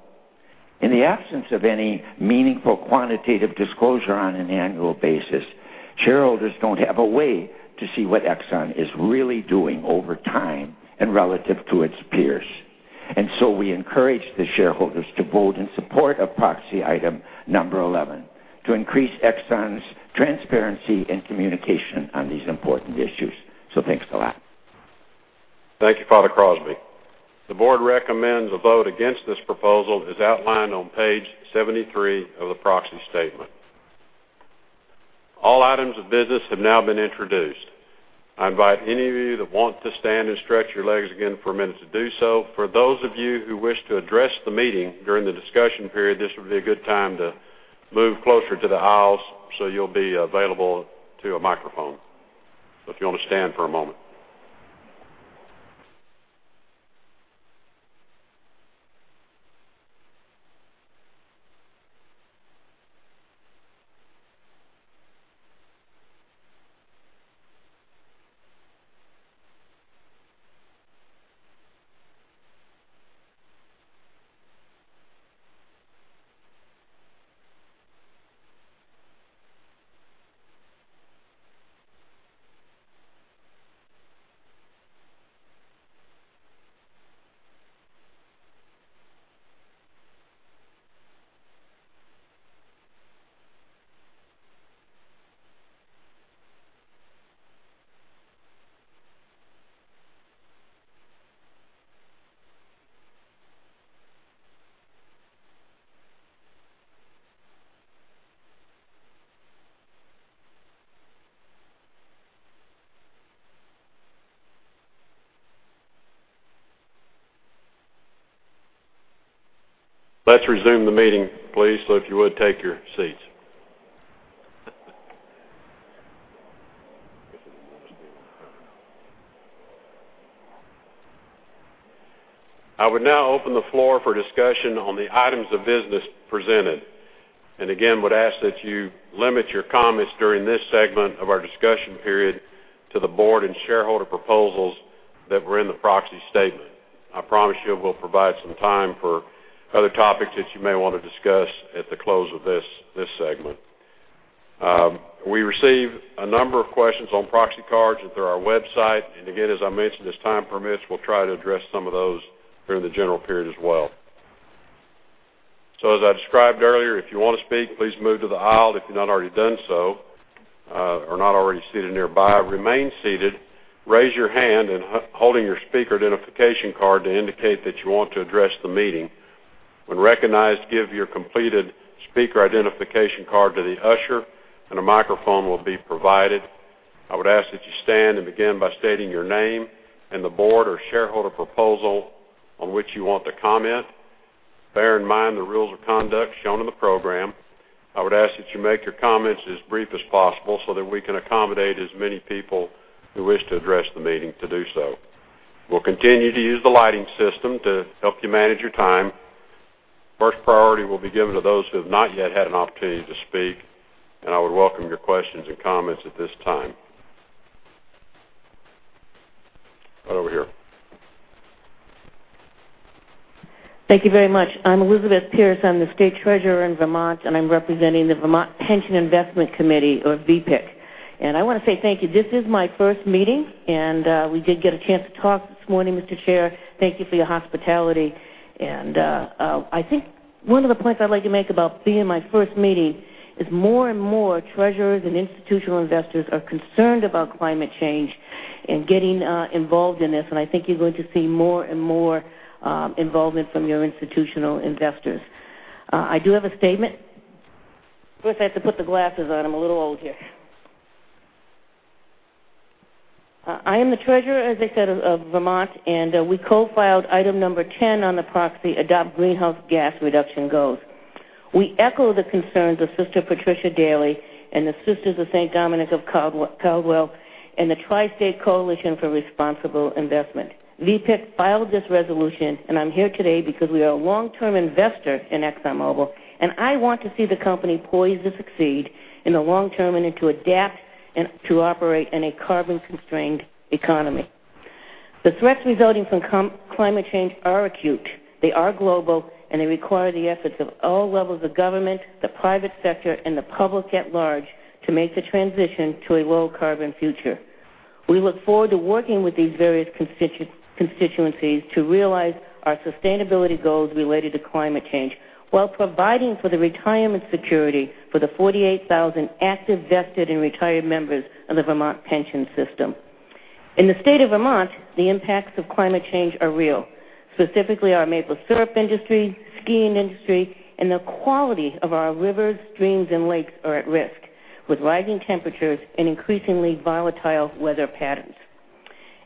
In the absence of any meaningful quantitative disclosure on an annual basis, shareholders don't have a way to see what Exxon is really doing over time and relative to its peers. We encourage the shareholders to vote in support of proxy item number 11 to increase Exxon's transparency and communication on these important issues. Thanks a lot. Thank you, Father Crosby. The board recommends a vote against this proposal as outlined on page 73 of the proxy statement. All items of business have now been introduced. I invite any of you that want to stand and stretch your legs again for a minute to do so. For those of you who wish to address the meeting during the discussion period, this would be a good time to move closer to the aisles so you'll be available to a microphone. If you want to stand for a moment. Let's resume the meeting, please. If you would take your seats. I would now open the floor for discussion on the items of business presented, and again would ask that you limit your comments during this segment of our discussion period to the board and shareholder proposals that were in the proxy statement. I promise you we'll provide some time for other topics that you may want to discuss at the close of this segment. We received a number of questions on proxy cards and through our website. As I mentioned, as time permits, we'll try to address some of those during the general period as well. As I described earlier, if you want to speak, please move to the aisle, if you've not already done so or not already seated nearby. Remain seated, raise your hand, and holding your speaker identification card to indicate that you want to address the meeting. When recognized, give your completed speaker identification card to the usher, and a microphone will be provided. I would ask that you stand and begin by stating your name and the board or shareholder proposal on which you want to comment. Bear in mind the rules of conduct shown in the program. I would ask that you make your comments as brief as possible so that we can accommodate as many people who wish to address the meeting to do so. We'll continue to use the lighting system to help you manage your time. First priority will be given to those who have not yet had an opportunity to speak, and I would welcome your questions and comments at this time. Right over here. Thank you very much. I'm Elizabeth Pearce. I'm the State Treasurer in Vermont, and I'm representing the Vermont Pension Investment Commission of VPIC. I want to say thank you. This is my first meeting, and we did get a chance to talk this morning, Mr. Chair. Thank you for your hospitality. I think one of the points I'd like to make about being my first meeting is more and more treasurers and institutional investors are concerned about climate change and getting involved in this, and I think you're going to see more and more involvement from your institutional investors. I do have a statement. First, I have to put the glasses on. I'm a little old here. I am the Treasurer, as I said, of Vermont, and we co-filed item number 10 on the proxy, adopt greenhouse gas reduction goals. We echo the concerns of Sister Patricia Daly and the Sisters of St. Dominic of Caldwell and the Tri-State Coalition for Responsible Investment. VPIC filed this resolution, and I'm here today because we are a long-term investor in ExxonMobil, and I want to see the company poised to succeed in the long term and to adapt and to operate in a carbon-constrained economy. The threats resulting from climate change are acute, they are global, and they require the efforts of all levels of government, the private sector, and the public at large to make the transition to a low-carbon future. We look forward to working with these various constituencies to realize our sustainability goals related to climate change while providing for the retirement security for the 48,000 active, vested, and retired members of the Vermont pension system. In the state of Vermont, the impacts of climate change are real. Specifically, our maple syrup industry, skiing industry, and the quality of our rivers, streams, and lakes are at risk with rising temperatures and increasingly volatile weather patterns.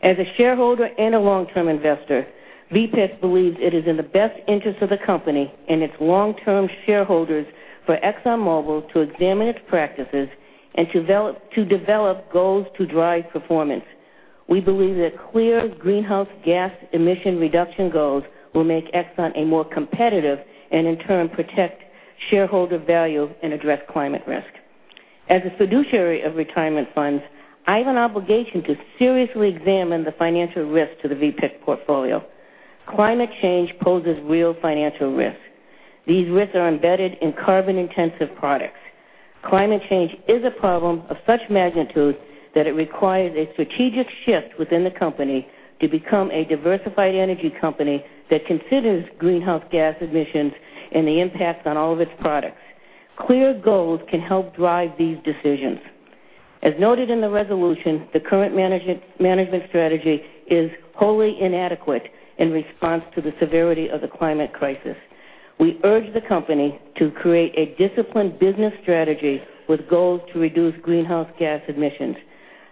As a shareholder and a long-term investor, VPIC believes it is in the best interest of the company and its long-term shareholders for ExxonMobil to examine its practices and to develop goals to drive performance. We believe that clear greenhouse gas emission reduction goals will make Exxon a more competitive, and in turn, protect shareholder value and address climate risk. As a fiduciary of retirement funds, I have an obligation to seriously examine the financial risk to the VPIC portfolio. Climate change poses real financial risk. These risks are embedded in carbon-intensive products. Climate change is a problem of such magnitude that it requires a strategic shift within the company to become a diversified energy company that considers greenhouse gas emissions and the impacts on all of its products. Clear goals can help drive these decisions. As noted in the resolution, the current management strategy is wholly inadequate in response to the severity of the climate crisis. We urge the company to create a disciplined business strategy with goals to reduce greenhouse gas emissions.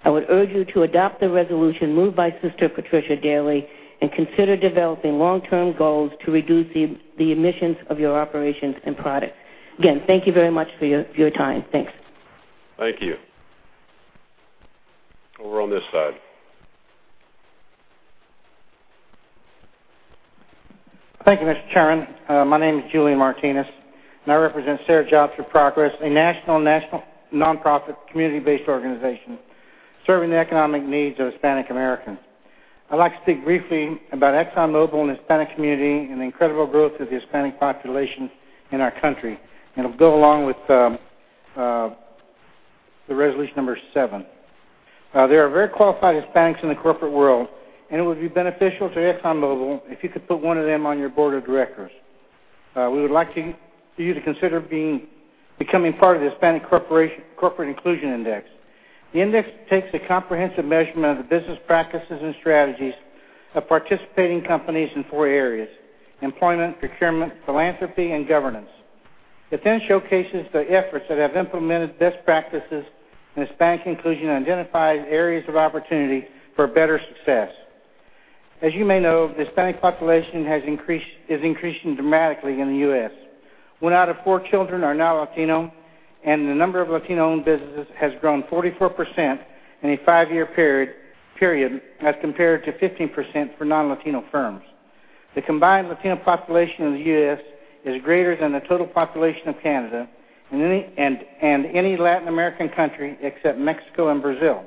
I would urge you to adopt the resolution moved by Sister Patricia Daly and consider developing long-term goals to reduce the emissions of your operations and products. Again, thank you very much for your time. Thanks. Thank you. Over on this side. Thank you, Mr. Chairman. My name is Julian Martinez, and I represent SER - Jobs for Progress, a national nonprofit, community-based organization serving the economic needs of Hispanic Americans. I'd like to speak briefly about ExxonMobil and the Hispanic community and the incredible growth of the Hispanic population in our country. It'll go along with Resolution number seven. There are very qualified Hispanics in the corporate world, and it would be beneficial to ExxonMobil if you could put one of them on your board of directors. We would like you to consider becoming part of the HACR Corporate Inclusion Index. The index takes a comprehensive measurement of the business practices and strategies of participating companies in four areas: employment, procurement, philanthropy, and governance. It then showcases the efforts that have implemented best practices in Hispanic inclusion and identifies areas of opportunity for better success. As you may know, the Hispanic population is increasing dramatically in the U.S. One out of four children are now Latino, and the number of Latino-owned businesses has grown 44% in a five-year period as compared to 15% for non-Latino firms. The combined Latino population of the U.S. is greater than the total population of Canada and any Latin American country, except Mexico and Brazil.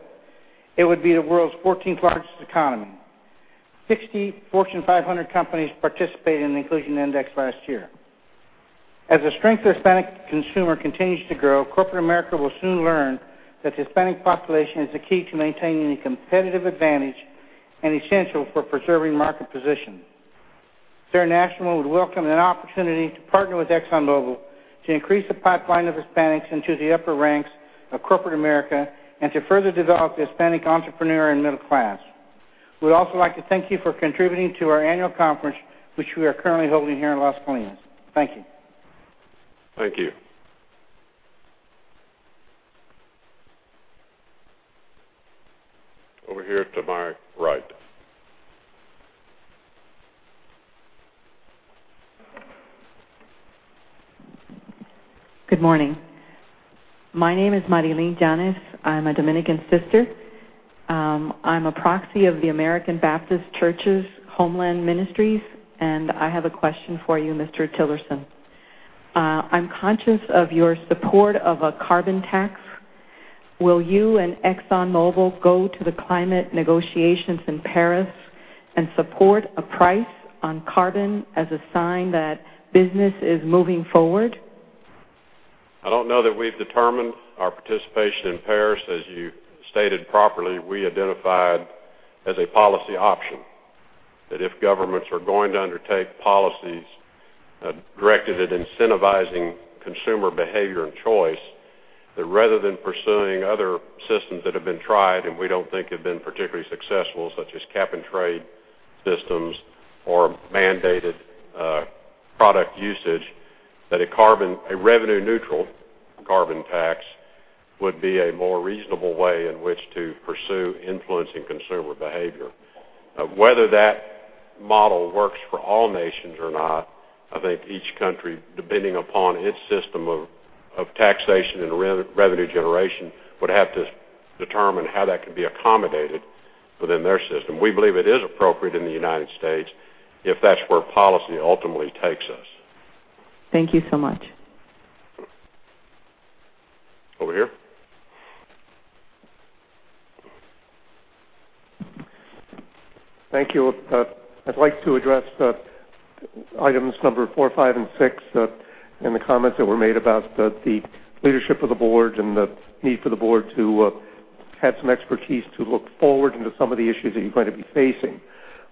It would be the world's 14th largest economy. 60 Fortune 500 companies participated in the Inclusion Index last year. As the strength of the Hispanic consumer continues to grow, corporate America will soon learn that the Hispanic population is the key to maintaining a competitive advantage and essential for preserving market position. SER National would welcome an opportunity to partner with ExxonMobil to increase the pipeline of Hispanics into the upper ranks of corporate America and to further develop the Hispanic entrepreneur and middle class. We'd also like to thank you for contributing to our annual conference, which we are currently holding here in Las Colinas. Thank you. Thank you. Over here to my right. Good morning. My name is Marilyn Janus. I'm a Dominican Sister. I'm a proxy of the American Baptist Home Mission Societies, and I have a question for you, Mr. Tillerson. I'm conscious of your support of a carbon tax. Will you and ExxonMobil go to the climate negotiations in Paris and support a price on carbon as a sign that business is moving forward? I don't know that we've determined our participation in Paris. As you stated properly, we identified as a policy option that if governments are going to undertake policies directed at incentivizing consumer behavior and choice, that rather than pursuing other systems that have been tried and we don't think have been particularly successful, such as cap and trade systems or mandated product usage, that a revenue neutral carbon tax would be a more reasonable way in which to pursue influencing consumer behavior. Whether that model works for all nations or not, I think each country, depending upon its system of taxation and revenue generation, would have to determine how that can be accommodated within their system. We believe it is appropriate in the United States if that's where policy ultimately takes us. Thank you so much. Over here. Thank you. I'd like to address items number 4, 5, and 6 and the comments that were made about the leadership of the board and the need for the board to have some expertise to look forward into some of the issues that you're going to be facing.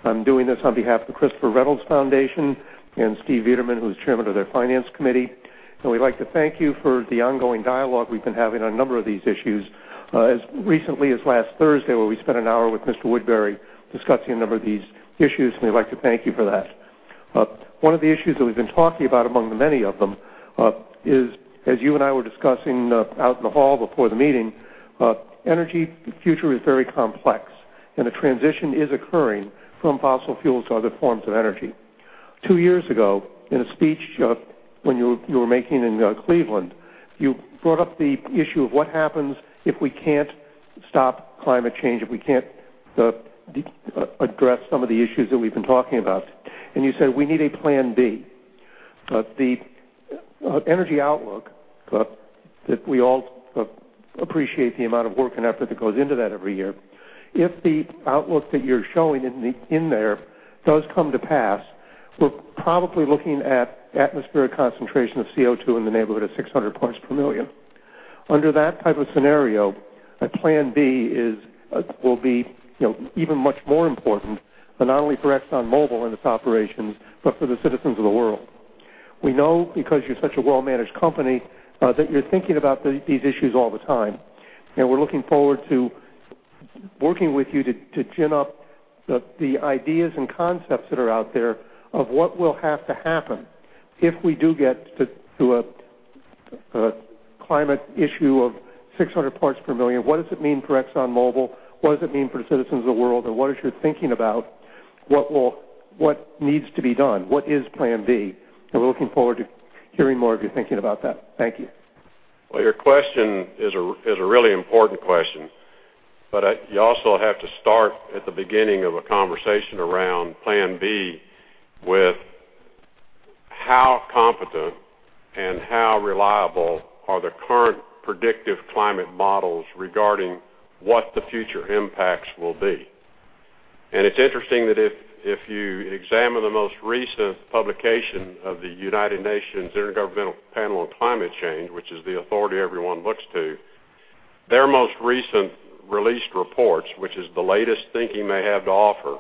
I'm doing this on behalf of Christopher Reynolds Foundation and Stephen Viederman, who's chairman of their finance committee. We'd like to thank you for the ongoing dialogue we've been having on a number of these issues. As recently as last Thursday, where we spent an hour with Mr. Woodbury discussing a number of these issues, and we'd like to thank you for that. One of the issues that we've been talking about among the many of them is, as you and I were discussing out in the hall before the meeting, energy future is very complex, and a transition is occurring from fossil fuels to other forms of energy. Two years ago, in a speech when you were making in Cleveland, you brought up the issue of what happens if we can't stop climate change, if we can't address some of the issues that we've been talking about. You said we need a plan B. The Outlook for Energy that we all appreciate the amount of work and effort that goes into that every year, if the outlook that you're showing in there does come to pass, we're probably looking at atmospheric concentration of CO2 in the neighborhood of 600 parts per million. Under that type of scenario, a plan B will be even much more important, but not only for ExxonMobil and its operations, but for the citizens of the world. We know because you're such a well-managed company, that you're thinking about these issues all the time, and we're looking forward to working with you to gin up the ideas and concepts that are out there of what will have to happen if we do get to a climate issue of 600 parts per million. What does it mean for ExxonMobil? What does it mean for the citizens of the world? What is your thinking about what needs to be done? What is plan B? We're looking forward to hearing more of your thinking about that. Thank you. Your question is a really important question, but you also have to start at the beginning of a conversation around plan B with how competent and how reliable are the current predictive climate models regarding what the future impacts will be. It's interesting that if you examine the most recent publication of the United Nations Intergovernmental Panel on Climate Change, which is the authority everyone looks to, their most recent released reports, which is the latest thinking they have to offer.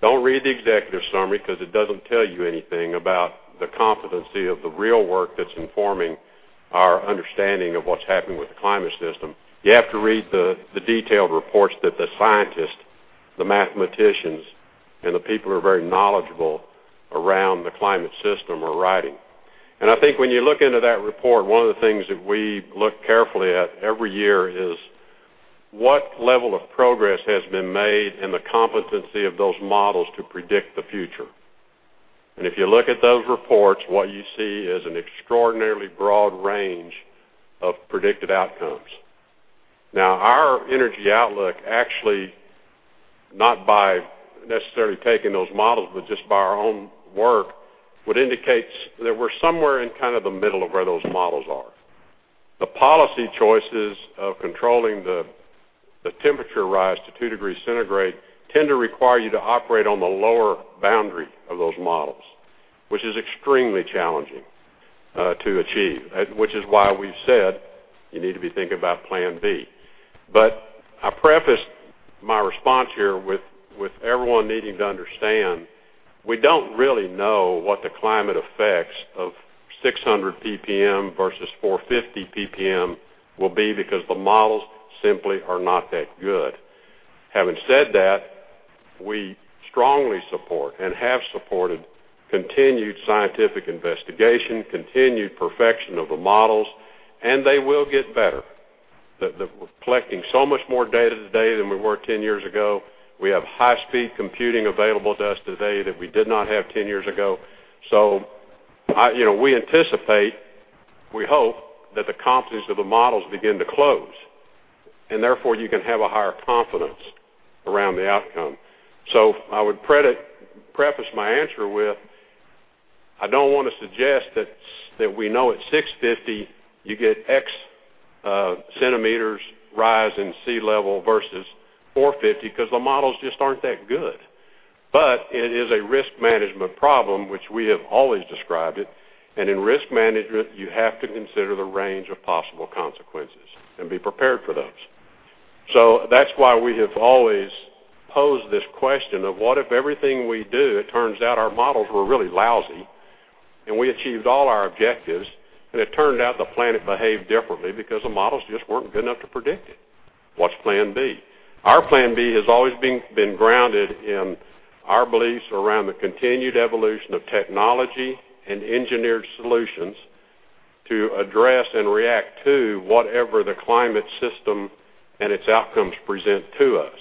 Don't read the executive summary because it doesn't tell you anything about the competency of the real work that's informing our understanding of what's happening with the climate system. You have to read the detailed reports that the scientists, the mathematicians, and the people who are very knowledgeable around the climate system are writing. I think when you look into that report, one of the things that we look carefully at every year is what level of progress has been made in the competency of those models to predict the future. If you look at those reports, what you see is an extraordinarily broad range of predicted outcomes. Our energy outlook, actually not by necessarily taking those models, but just by our own work, would indicate that we're somewhere in kind of the middle of where those models are. The policy choices of controlling the temperature rise to 2 degrees centigrade tend to require you to operate on the lower boundary of those models, which is extremely challenging to achieve, which is why we've said you need to be thinking about plan B. I preface my response here with everyone needing to understand we don't really know what the climate effects of 600 ppm versus 450 ppm will be because the models simply are not that good. Having said that, we strongly support and have supported continued scientific investigation, continued perfection of the models, and they will get better. We're collecting so much more data today than we were 10 years ago. We have high-speed computing available to us today that we did not have 10 years ago. We anticipate, we hope, that the competence of the models begin to close, and therefore you can have a higher confidence around the outcome. I would preface my answer with, I don't want to suggest that we know at 650 you get x centimeters rise in sea level versus 450 because the models just aren't that good. It is a risk management problem, which we have always described it, and in risk management, you have to consider the range of possible consequences and be prepared for those. That's why we have always posed this question of what if everything we do, it turns out our models were really lousy and we achieved all our objectives, and it turned out the planet behaved differently because the models just weren't good enough to predict it. What's plan B? Our plan B has always been grounded in our beliefs around the continued evolution of technology and engineered solutions to address and react to whatever the climate system and its outcomes present to us.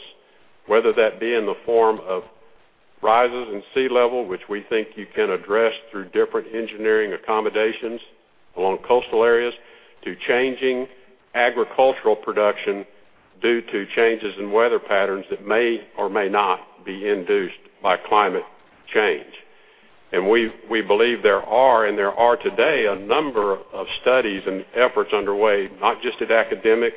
Whether that be in the form of rises in sea level, which we think you can address through different engineering accommodations along coastal areas, to changing agricultural production due to changes in weather patterns that may or may not be induced by climate change. We believe there are, and there are today, a number of studies and efforts underway, not just at academic,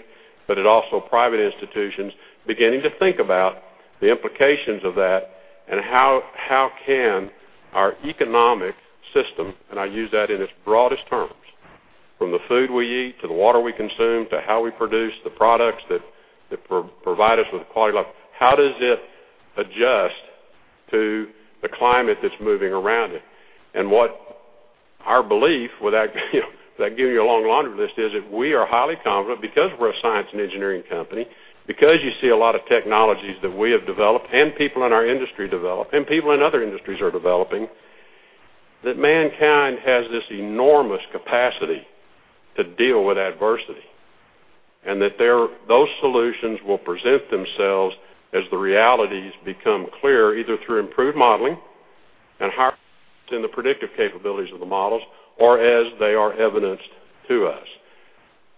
but at also private institutions, beginning to think about the implications of that and how can our economic system, and I use that in its broadest terms, from the food we eat, to the water we consume, to how we produce the products that provide us with quality life. How does it adjust to the climate that's moving around it? What our belief, without giving you a long laundry list, is that we are highly confident because we're a science and engineering company, because you see a lot of technologies that we have developed and people in our industry develop, and people in other industries are developing, that mankind has this enormous capacity to deal with adversity, and that those solutions will present themselves as the realities become clear, either through improved modeling and higher in the predictive capabilities of the models or as they are evidenced to us.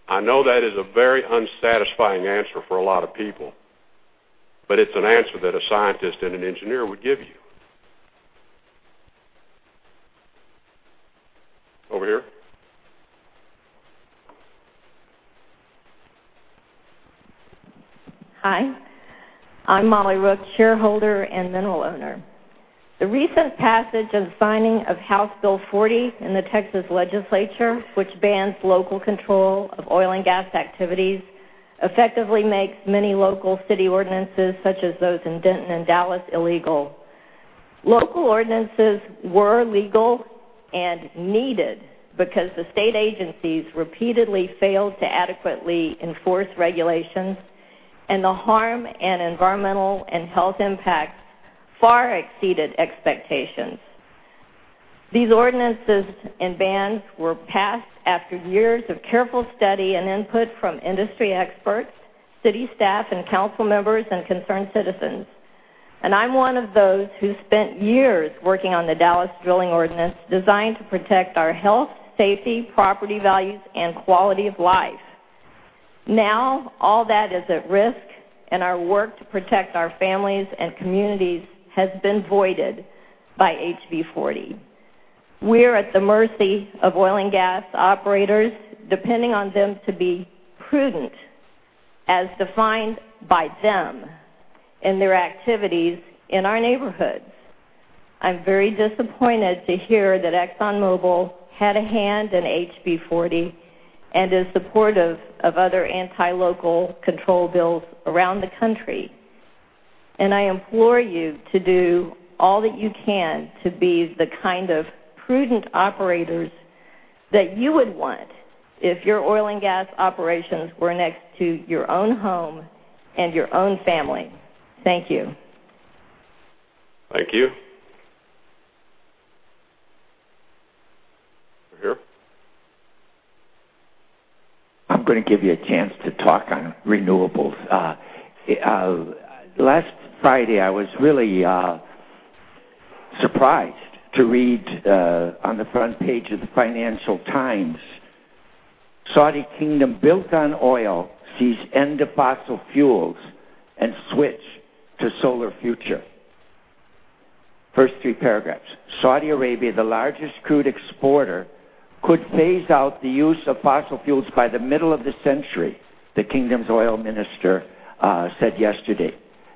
I know that is a very unsatisfying answer for a lot of people, but it's an answer that a scientist and an engineer would give you. Over here. Hi, I'm Molly Rooke, shareholder and mineral owner. The recent passage and signing of House Bill 40 in the Texas Legislature, which bans local control of oil and gas activities, effectively makes many local city ordinances, such as those in Denton and Dallas, illegal. Local ordinances were legal and needed because the state agencies repeatedly failed to adequately enforce regulations, the harm and environmental and health impact far exceeded expectations. These ordinances and bans were passed after years of careful study and input from industry experts, city staff and council members, and concerned citizens. I'm one of those who spent years working on the Dallas drilling ordinance designed to protect our health, safety, property values, and quality of life. Now all that is at risk and our work to protect our families and communities has been voided by HB40. We're at the mercy of oil and gas operators, depending on them to be prudent, as defined by them, in their activities in our neighborhoods. I'm very disappointed to hear that ExxonMobil had a hand in HB40 and is supportive of other anti-local control bills around the country. I implore you to do all that you can to be the kind of prudent operators that you would want if your oil and gas operations were next to your own home and your own family. Thank you. Thank you. Over here. I'm going to give you a chance to talk on renewables. Last Friday, I was really surprised to read on the front page of the Financial Times: "Saudi kingdom built on oil sees end to fossil fuels and switch to solar future." First three paragraphs: "Saudi Arabia, the largest crude exporter, could phase out the use of fossil fuels by the middle of the century, the kingdom's oil minister said yesterday.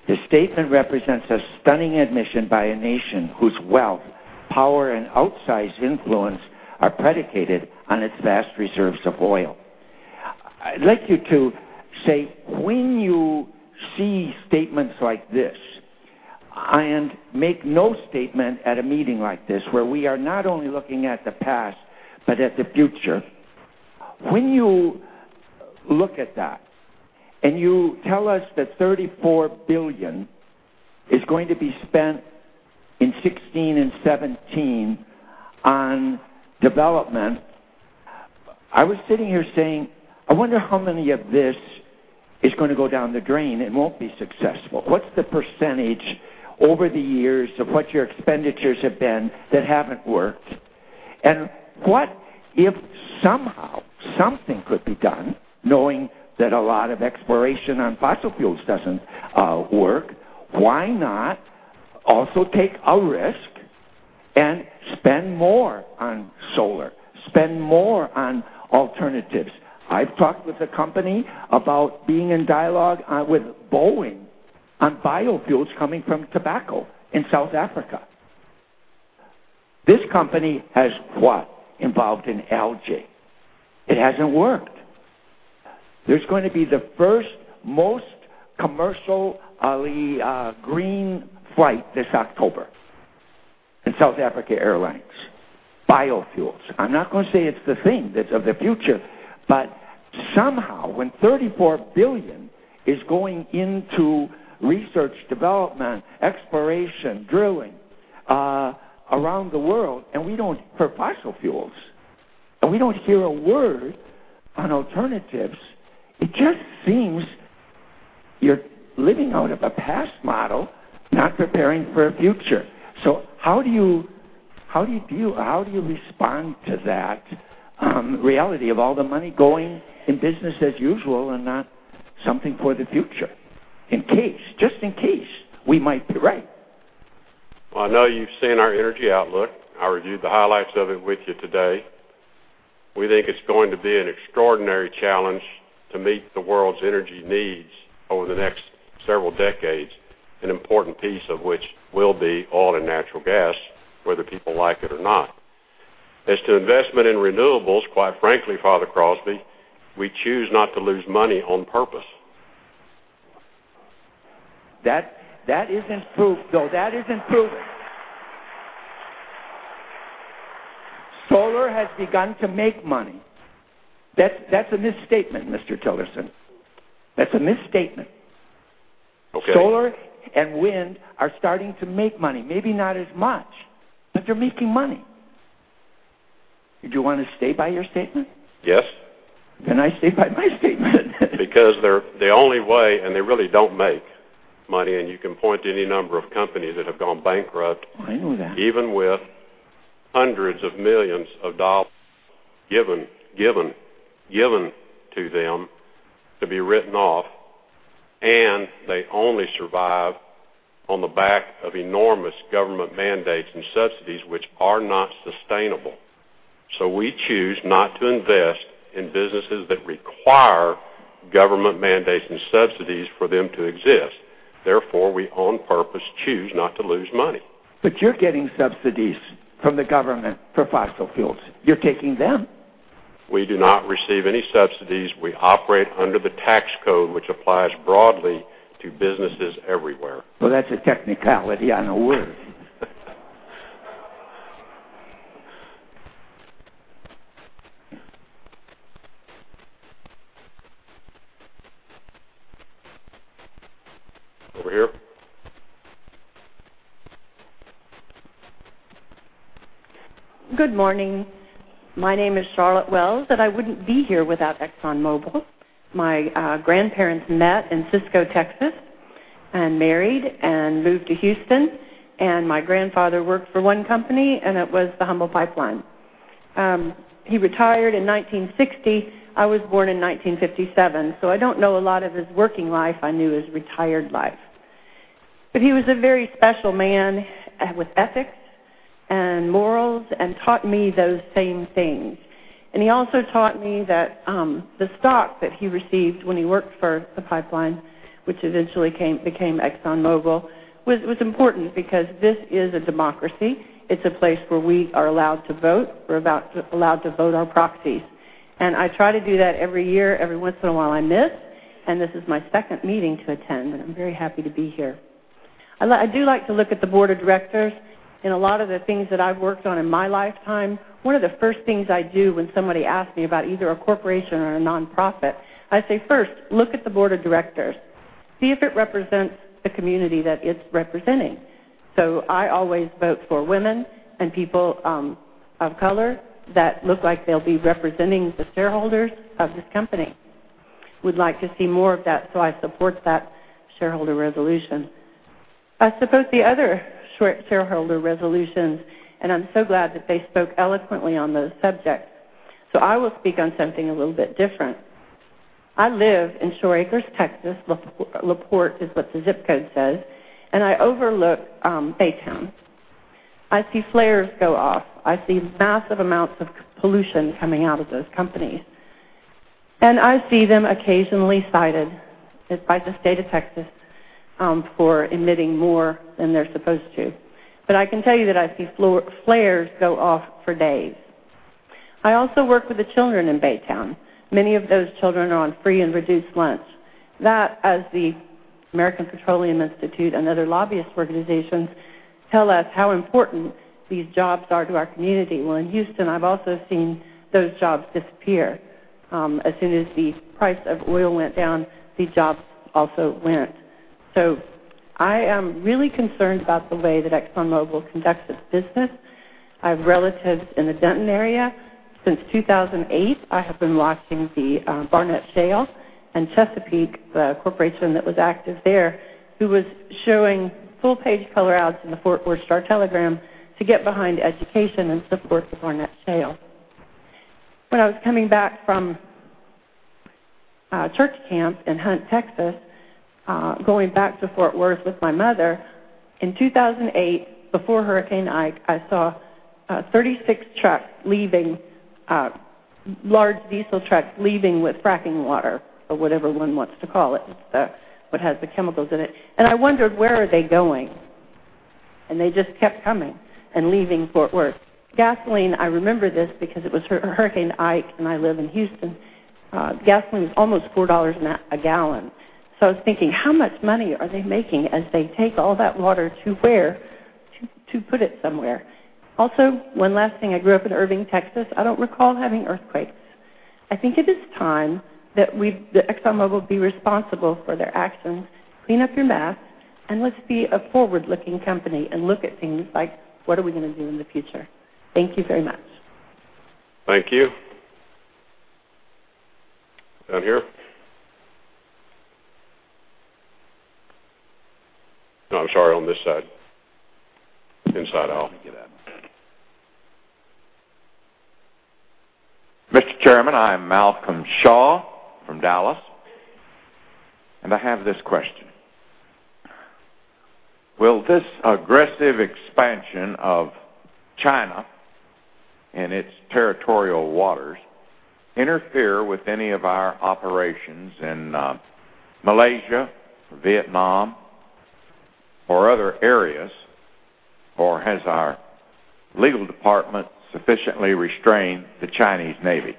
The statement represents a stunning admission by a nation whose wealth, power, and outsized influence are predicated on its vast reserves of oil." I'd like you to say, when you see statements like this and make no statement at a meeting like this, where we are not only looking at the past but at the future. When you look at that and you tell us that $34 billion is going to be spent in 2016 and 2017 on development, I was sitting here saying, "I wonder how many of this is going to go down the drain and won't be successful?" What's the percentage over the years of what your expenditures have been that haven't worked? What if somehow something could be done knowing that a lot of exploration on fossil fuels doesn't work? Why not also take a risk and spend more on solar, spend more on alternatives? I've talked with the company about being in dialogue with Boeing on biofuels coming from tobacco in South Africa. This company has what involved in algae. It hasn't worked. There's going to be the first most commercial green flight this October in South African Airways. Biofuels. I'm not going to say it's the thing of the future, but somehow, when $34 billion is going into research development, exploration, drilling around the world for fossil fuels, and we don't hear a word on alternatives, it just seems you're living out of a past model, not preparing for a future. How do you respond to that reality of all the money going in business as usual and not something for the future, just in case we might be right? Well, I know you've seen our Outlook for Energy. I reviewed the highlights of it with you today. We think it's going to be an extraordinary challenge to meet the world's energy needs over the next several decades, an important piece of which will be oil and natural gas, whether people like it or not. As to investment in renewables, quite frankly, Father Crosby, we choose not to lose money on purpose. That isn't proof, though. That isn't proven. Solar has begun to make money. That's a misstatement, Mr. Tillerson. That's a misstatement. Okay. Solar and wind are starting to make money. Maybe not as much, but they're making money. Do you want to stay by your statement? Yes. I stay by my statement. Because the only way, and they really don't make money, and you can point to any number of companies that have gone bankrupt. I know that even with hundreds of millions of dollars given to them to be written off, and they only survive on the back of enormous government mandates and subsidies, which are not sustainable. We choose not to invest in businesses that require government mandates and subsidies for them to exist. Therefore, we on purpose choose not to lose money. You're getting subsidies from the government for fossil fuels. You're taking them. We do not receive any subsidies. We operate under the tax code, which applies broadly to businesses everywhere. Well, that's a technicality I know well. Over here. Good morning. My name is Charlotte Wells, and I wouldn't be here without ExxonMobil. My grandparents met in Cisco, Texas and married and moved to Houston, and my grandfather worked for one company, and it was the Humble Pipe Line. He retired in 1960. I was born in 1957, so I don't know a lot of his working life. I knew his retired life. He was a very special man with ethics and morals, and taught me those same things. He also taught me that the stock that he received when he worked for the pipeline, which eventually became ExxonMobil, was important because this is a democracy. It's a place where we are allowed to vote. We're allowed to vote our proxies. I try to do that every year. Every once in a while, I miss, and this is my second meeting to attend, and I am very happy to be here. I do like to look at the board of directors and a lot of the things that I have worked on in my lifetime. One of the first things I do when somebody asks me about either a corporation or a nonprofit, I say, first, look at the board of directors, see if it represents the community that it is representing. I always vote for women and people of color that look like they will be representing the shareholders of this company. Would like to see more of that, so I support that shareholder resolution. I support the other shareholder resolutions, and I am so glad that they spoke eloquently on those subjects. I will speak on something a little bit different. I live in Shore Acres, Texas. La Porte is what the zip code says, and I overlook Baytown. I see flares go off. I see massive amounts of pollution coming out of those companies, and I see them occasionally cited by the state of Texas for emitting more than they are supposed to. I can tell you that I see flares go off for days. I also work with the children in Baytown. Many of those children are on free and reduced lunch. That, as the American Petroleum Institute and other lobbyist organizations tell us how important these jobs are to our community. In Houston, I have also seen those jobs disappear. As soon as the price of oil went down, the jobs also went. I am really concerned about the way that ExxonMobil conducts its business. I have relatives in the Denton area. Since 2008, I have been watching the Barnett Shale and Chesapeake, the corporation that was active there, who was showing full-page color ads in the Fort Worth Star-Telegram to get behind education and support the Barnett Shale. When I was coming back from church camp in Hunt, Texas, going back to Fort Worth with my mother in 2008, before Hurricane Ike, I saw 36 large diesel trucks leaving with fracking water or whatever one wants to call it, what has the chemicals in it. I wondered, where are they going? They just kept coming and leaving Fort Worth. Gasoline, I remember this because it was Hurricane Ike and I live in Houston. Gasoline was almost $4 a gallon. I was thinking, how much money are they making as they take all that water to where, to put it somewhere? Also, one last thing. I grew up in Irving, Texas. I do not recall having earthquakes. I think it is time that ExxonMobil be responsible for their actions. Clean up your mess, and let us be a forward-looking company and look at things like what are we going to do in the future. Thank you very much. Thank you. Down here. No, I'm sorry. On this side. Inside aisle. Mr. Chairman, I am Malcolm Shaw from Dallas. I have this question. Will this aggressive expansion of China and its territorial waters interfere with any of our operations in Malaysia, Vietnam, or other areas, or has our legal department sufficiently restrained the Chinese navy?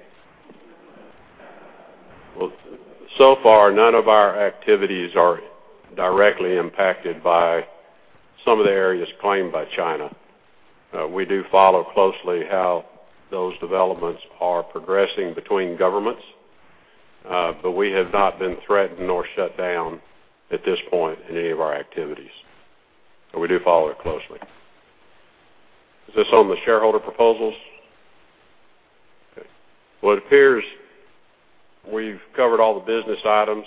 Well, so far, none of our activities are directly impacted by some of the areas claimed by China. We do follow closely how those developments are progressing between governments. We have not been threatened nor shut down at this point in any of our activities. We do follow it closely. Is this on the shareholder proposals? Okay. Well, it appears we've covered all the business items.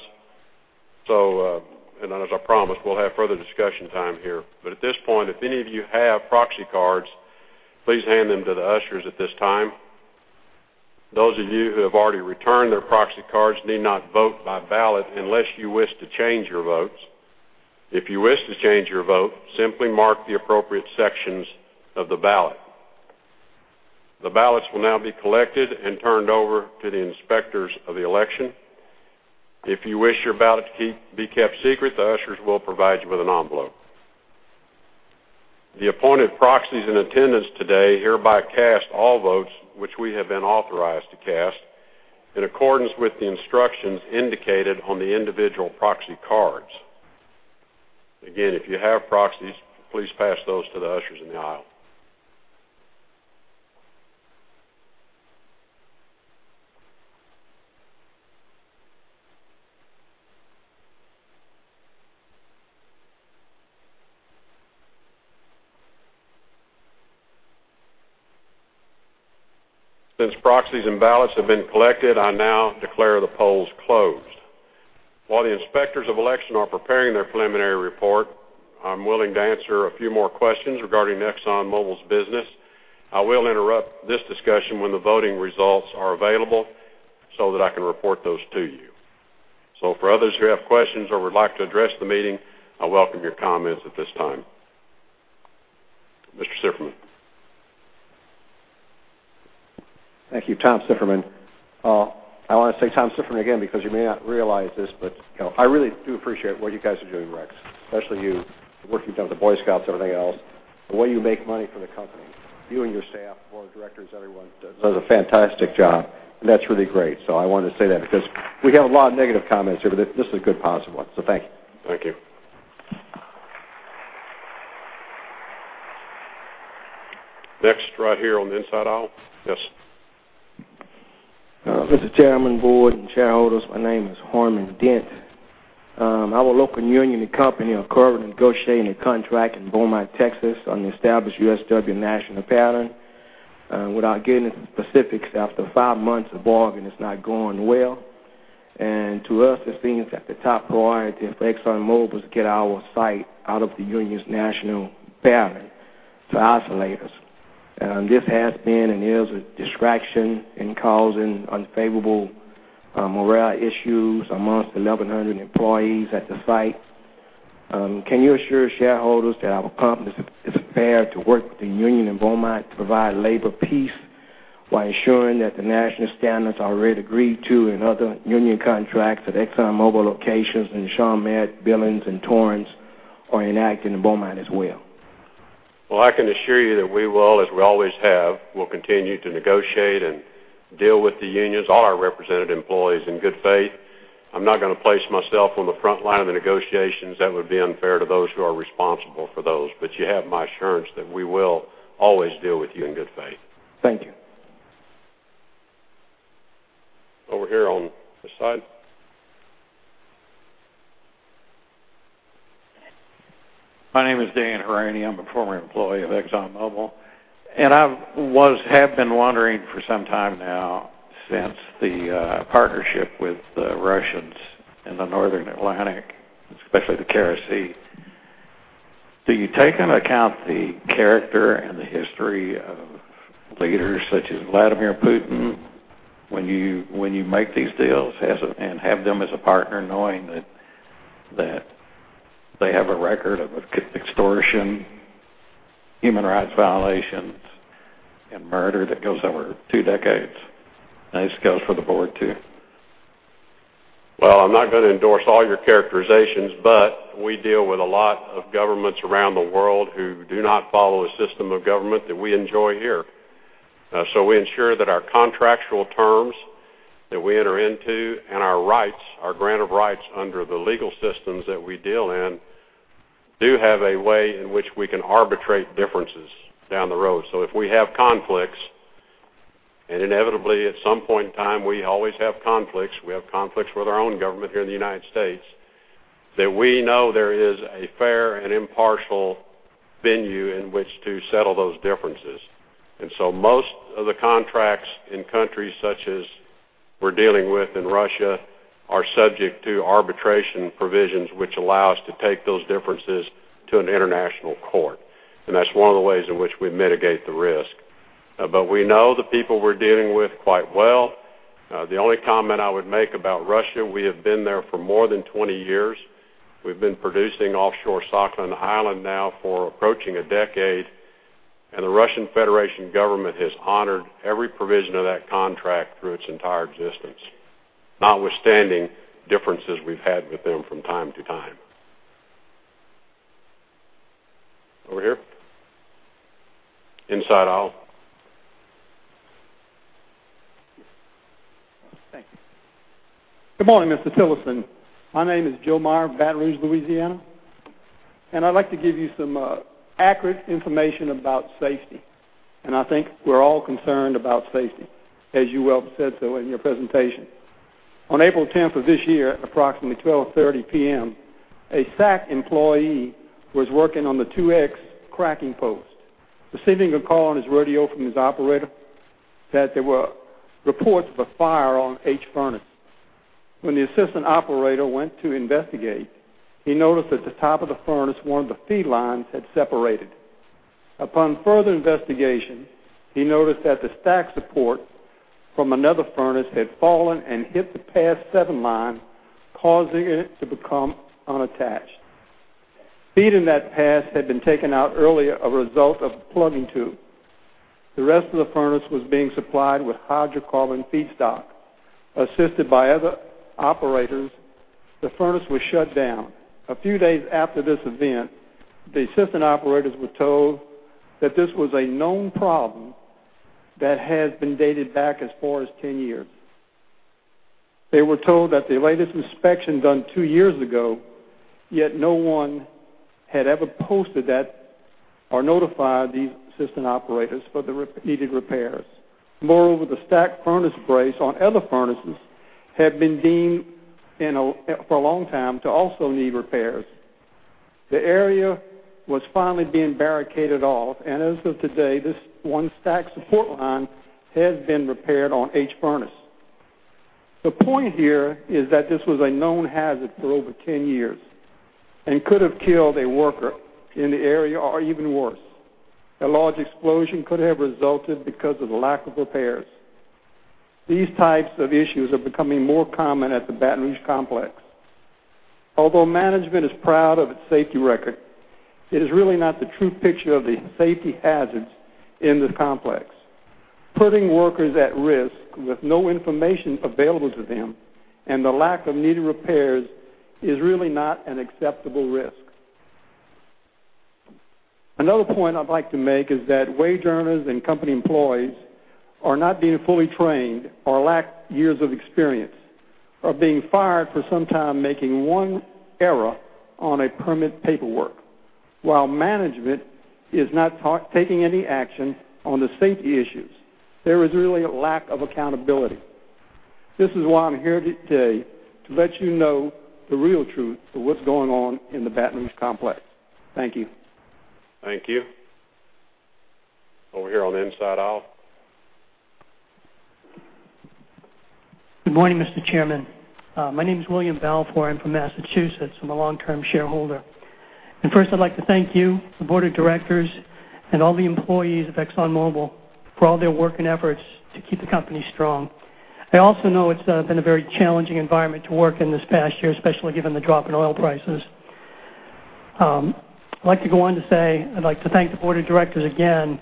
As I promised, we'll have further discussion time here. At this point, if any of you have proxy cards, please hand them to the ushers at this time. Those of you who have already returned their proxy cards need not vote by ballot unless you wish to change your votes. If you wish to change your vote, simply mark the appropriate sections of the ballot. The ballots will now be collected and turned over to the inspectors of the election. If you wish your ballot to be kept secret, the ushers will provide you with an envelope. The appointed proxies in attendance today hereby cast all votes which we have been authorized to cast in accordance with the instructions indicated on the individual proxy cards. Again, if you have proxies, please pass those to the ushers in the aisle. Since proxies and ballots have been collected, I now declare the polls closed. While the inspectors of election are preparing their preliminary report, I'm willing to answer a few more questions regarding ExxonMobil's business. I will interrupt this discussion when the voting results are available. That I can report those to you. For others who have questions or would like to address the meeting, I welcome your comments at this time. Mr. Sifferman. Thank you. Tom Sifferman. I want to say Tom Sifferman again because you may not realize this, but I really do appreciate what you guys are doing, Rex, especially you, the work you've done with the Boy Scouts and everything else, the way you make money for the company. You and your staff, Board of Directors, everyone does a fantastic job, and that's really great. I wanted to say that because we have a lot of negative comments here, but this is a good positive one. Thank you. Thank you. Next, right here on the inside aisle. Yes. Mr. Chairman, Board, and shareholders, my name is Harmon Dent. Our local union and company are currently negotiating a contract in Beaumont, Texas, on the established USW national pattern. Without getting into specifics, after five months of bargain, it's not going well. To us, it seems that the top priority for ExxonMobil is to get our site out of the union's national pattern to isolate us. This has been and is a distraction in causing unfavorable morale issues amongst 1,100 employees at the site. Can you assure shareholders that our company is prepared to work with the union in Beaumont to provide labor peace while ensuring that the national standards already agreed to in other union contracts at ExxonMobil locations in Chalmette, Billings, and Torrance are enacted in Beaumont as well? I can assure you that we will, as we always have, we'll continue to negotiate and deal with the unions, all our represented employees in good faith. I'm not going to place myself on the front line of the negotiations. That would be unfair to those who are responsible for those. You have my assurance that we will always deal with you in good faith. Thank you. Over here on this side. My name is Dan Hrany. I'm a former employee of ExxonMobil, I have been wondering for some time now, since the partnership with the Russians in the Russian Arctic, especially the Kara Sea. Do you take into account the character and the history of leaders such as Vladimir Putin when you make these deals and have them as a partner, knowing that they have a record of extortion, human rights violations, and murder that goes over two decades? This goes for the board, too. Well, I'm not going to endorse all your characterizations, we deal with a lot of governments around the world who do not follow a system of government that we enjoy here. We ensure that our contractual terms that we enter into and our rights, our grant of rights under the legal systems that we deal in, do have a way in which we can arbitrate differences down the road. If we have conflicts, and inevitably at some point in time, we always have conflicts, we have conflicts with our own government here in the United States, that we know there is a fair and impartial venue in which to settle those differences. Most of the contracts in countries such as we're dealing with in Russia are subject to arbitration provisions, which allow us to take those differences to an international court. That's one of the ways in which we mitigate the risk. We know the people we're dealing with quite well. The only comment I would make about Russia, we have been there for more than 20 years. We've been producing offshore Sakhalin Island now for approaching a decade, and the Russian Federation government has honored every provision of that contract through its entire existence, notwithstanding differences we've had with them from time to time. Over here. Inside aisle. Thank you. Good morning, Mr. Tillerson. My name is Joe Meyer of Baton Rouge, Louisiana. I'd like to give you some accurate information about safety, and I think we're all concerned about safety, as you well said so in your presentation. On April 10th of this year, at approximately 12:30 P.M., a SAC employee was working on the 2X cracking unit. Receiving a call on his radio from his operator said there were reports of a fire on H furnace. When the assistant operator went to investigate, he noticed at the top of the furnace, one of the feed lines had separated. Upon further investigation, he noticed that the stack support from another furnace had fallen and hit the pass 7 line, causing it to become unattached. Feed in that pass had been taken out earlier, a result of plugging 2. The rest of the furnace was being supplied with hydrocarbon feedstock. Assisted by other operators, the furnace was shut down. A few days after this event, the assistant operators were told that this was a known problem that had been dated back as far as 10 years. They were told that the latest inspection done 2 years ago, yet no one had ever posted that or notified these assistant operators for the needed repairs. Moreover, the stack furnace brace on other furnaces had been deemed for a long time to also need repairs. The area was finally being barricaded off, and as of today, this one stack support line has been repaired on H furnace. The point here is that this was a known hazard for over 10 years and could have killed a worker in the area or even worse. A large explosion could have resulted because of the lack of repairs. These types of issues are becoming more common at the Baton Rouge complex. Although management is proud of its safety record, it is really not the true picture of the safety hazards in this complex. Putting workers at risk with no information available to them and the lack of needed repairs is really not an acceptable risk. Another point I'd like to make is that wage earners and company employees are not being fully trained or lack years of experience, are being fired for sometime making one error on a permit paperwork while management is not taking any action on the safety issues. There is really a lack of accountability. This is why I'm here today to let you know the real truth of what's going on in the Baton Rouge complex. Thank you. Thank you. Over here on the inside aisle. Good morning, Mr. Chairman. My name is William Balfour. I am from Massachusetts. I am a long-term shareholder. First, I'd like to thank you, the board of directors, and all the employees of ExxonMobil for all their work and efforts to keep the company strong. I also know it's been a very challenging environment to work in this past year, especially given the drop in oil prices. I'd like to go on to say I'd like to thank the board of directors again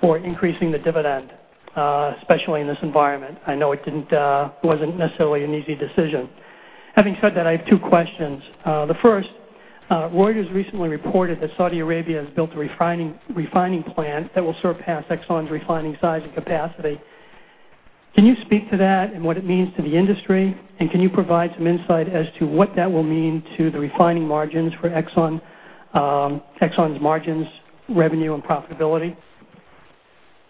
for increasing the dividend, especially in this environment. I know it wasn't necessarily an easy decision. Having said that, I have two questions. The first, Reuters recently reported that Saudi Arabia has built a refining plant that will surpass Exxon's refining size and capacity. Can you speak to that and what it means to the industry? Can you provide some insight as to what that will mean to the refining margins for Exxon's margins, revenue, and profitability?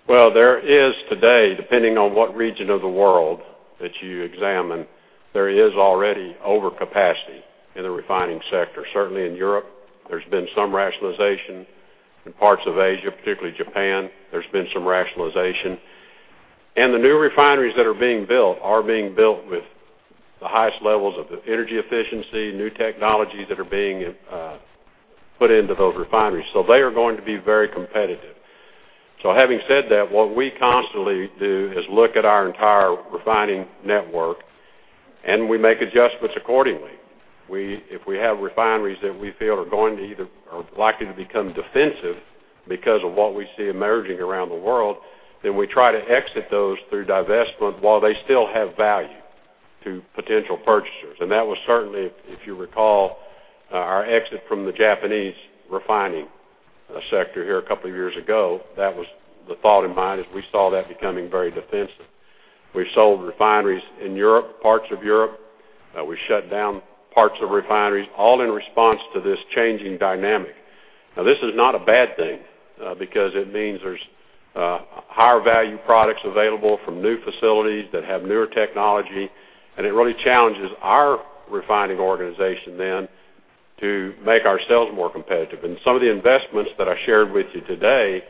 Well, there is today, depending on what region of the world that you examine, there is already overcapacity in the refining sector. Certainly in Europe, there's been some rationalization. In parts of Asia, particularly Japan, there's been some rationalization. The new refineries that are being built are being built with the highest levels of energy efficiency, new technologies that are being put into those refineries. They are going to be very competitive. Having said that, what we constantly do is look at our entire refining network, and we make adjustments accordingly. If we have refineries that we feel are likely to become defensive because of what we see emerging around the world, then we try to exit those through divestment while they still have value to potential purchasers. That was certainly, if you recall, our exit from the Japanese refining sector here a couple of years ago. That was the thought in mind as we saw that becoming very defensive. We sold refineries in parts of Europe. We shut down parts of refineries, all in response to this changing dynamic. This is not a bad thing because it means there's higher value products available from new facilities that have newer technology, and it really challenges our refining organization then to make ourselves more competitive. Some of the investments that I shared with you today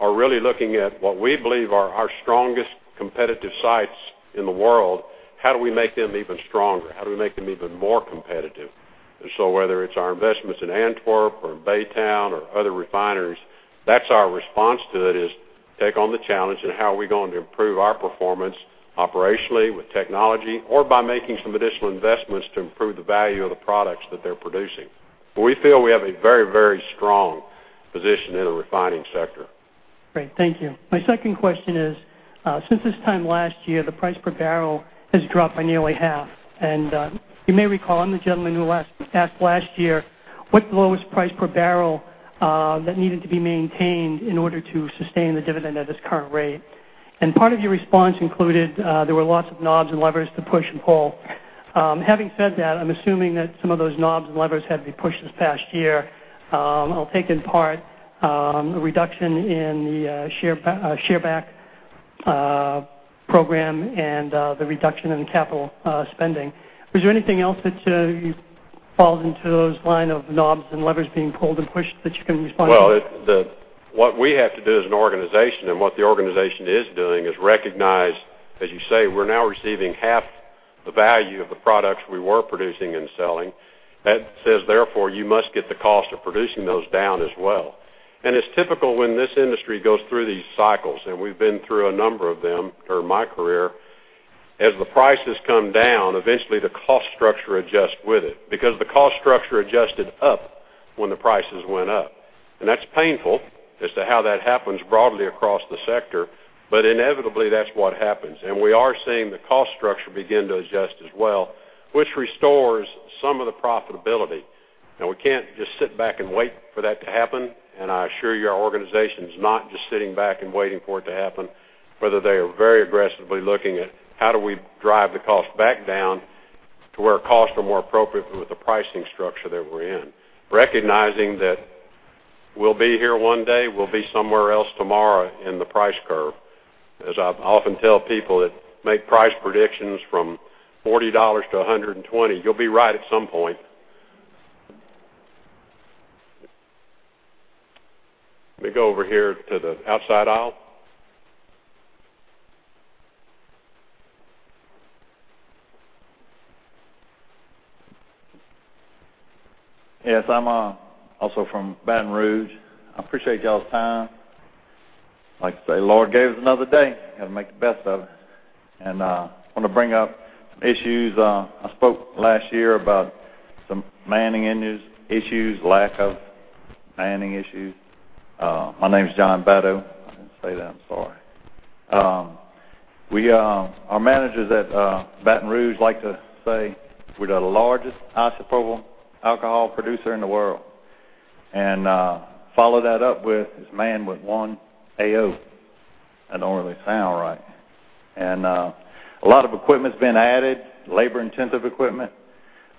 are really looking at what we believe are our strongest competitive sites in the world. How do we make them even stronger? How do we make them even more competitive? Whether it's our investments in Antwerp or Baytown or other refineries, that's our response to it, is take on the challenge and how are we going to improve our performance operationally with technology or by making some additional investments to improve the value of the products that they're producing. We feel we have a very strong position in the refining sector. Great. Thank you. My second question is, since this time last year, the price per barrel has dropped by nearly half. You may recall, I'm the gentleman who asked last year what the lowest price per barrel that needed to be maintained in order to sustain the dividend at this current rate. Part of your response included there were lots of knobs and levers to push and pull. Having said that, I'm assuming that some of those knobs and levers had to be pushed this past year. I'll take in part a reduction in the share back program and the reduction in capital spending. Was there anything else that falls into those line of knobs and levers being pulled and pushed that you can respond to? What we have to do as an organization and what the organization is doing is recognize, as you say, we're now receiving half the value of the products we were producing and selling. That says, therefore, you must get the cost of producing those down as well. It's typical when this industry goes through these cycles, and we've been through a number of them for my career. As the prices come down, eventually the cost structure adjusts with it because the cost structure adjusted up when the prices went up. That's painful as to how that happens broadly across the sector. Inevitably, that's what happens. We are seeing the cost structure begin to adjust as well, which restores some of the profitability. We can't just sit back and wait for that to happen. I assure you, our organization is not just sitting back and waiting for it to happen. They are very aggressively looking at how do we drive the cost back down to where costs are more appropriate with the pricing structure that we're in, recognizing that we'll be here one day, we'll be somewhere else tomorrow in the price curve. I often tell people that make price predictions from $40 to $120, you'll be right at some point. Let me go over here to the outside aisle. Yes, I'm also from Baton Rouge. I appreciate y'all's time. Like they say, Lord gave us another day, got to make the best of it. I want to bring up some issues. I spoke last year about some manning issues, lack of manning issues. My name is John Battle. I didn't say that, I'm sorry. Our managers at Baton Rouge like to say we're the largest isopropyl alcohol producer in the world, and follow that up with, "It's manned with one A-O." That don't really sound right. A lot of equipment's been added, labor-intensive equipment.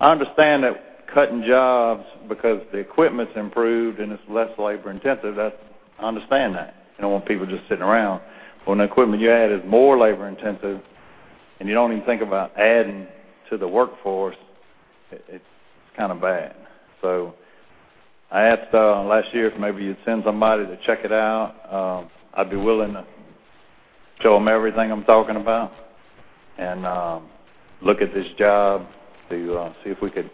I understand that cutting jobs because the equipment's improved and it's less labor-intensive, I understand that. You don't want people just sitting around. When the equipment you add is more labor-intensive and you don't even think about adding to the workforce, it's kind of bad. I asked last year if maybe you'd send somebody to check it out. I'd be willing to show them everything I'm talking about and look at this job to see if we could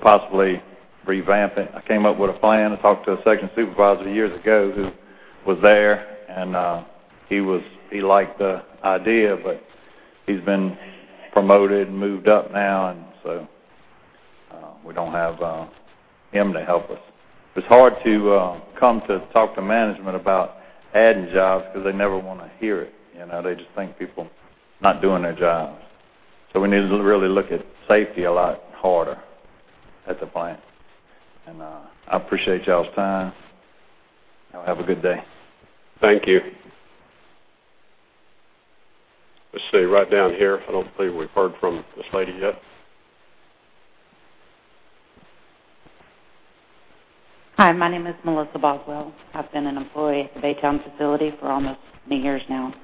possibly revamp it. I came up with a plan. I talked to a section supervisor years ago who was there, he liked the idea, but he's been promoted and moved up now, we don't have him to help us. It's hard to come to talk to management about adding jobs because they never want to hear it. They just think people not doing their jobs. We need to really look at safety a lot harder at the plant. I appreciate y'all's time. Y'all have a good day. Thank you. Let's see, right down here. I don't believe we've heard from this lady yet. Hi, my name is Melissa Boswell. I've been an employee at the Baytown facility for almost 20 years now.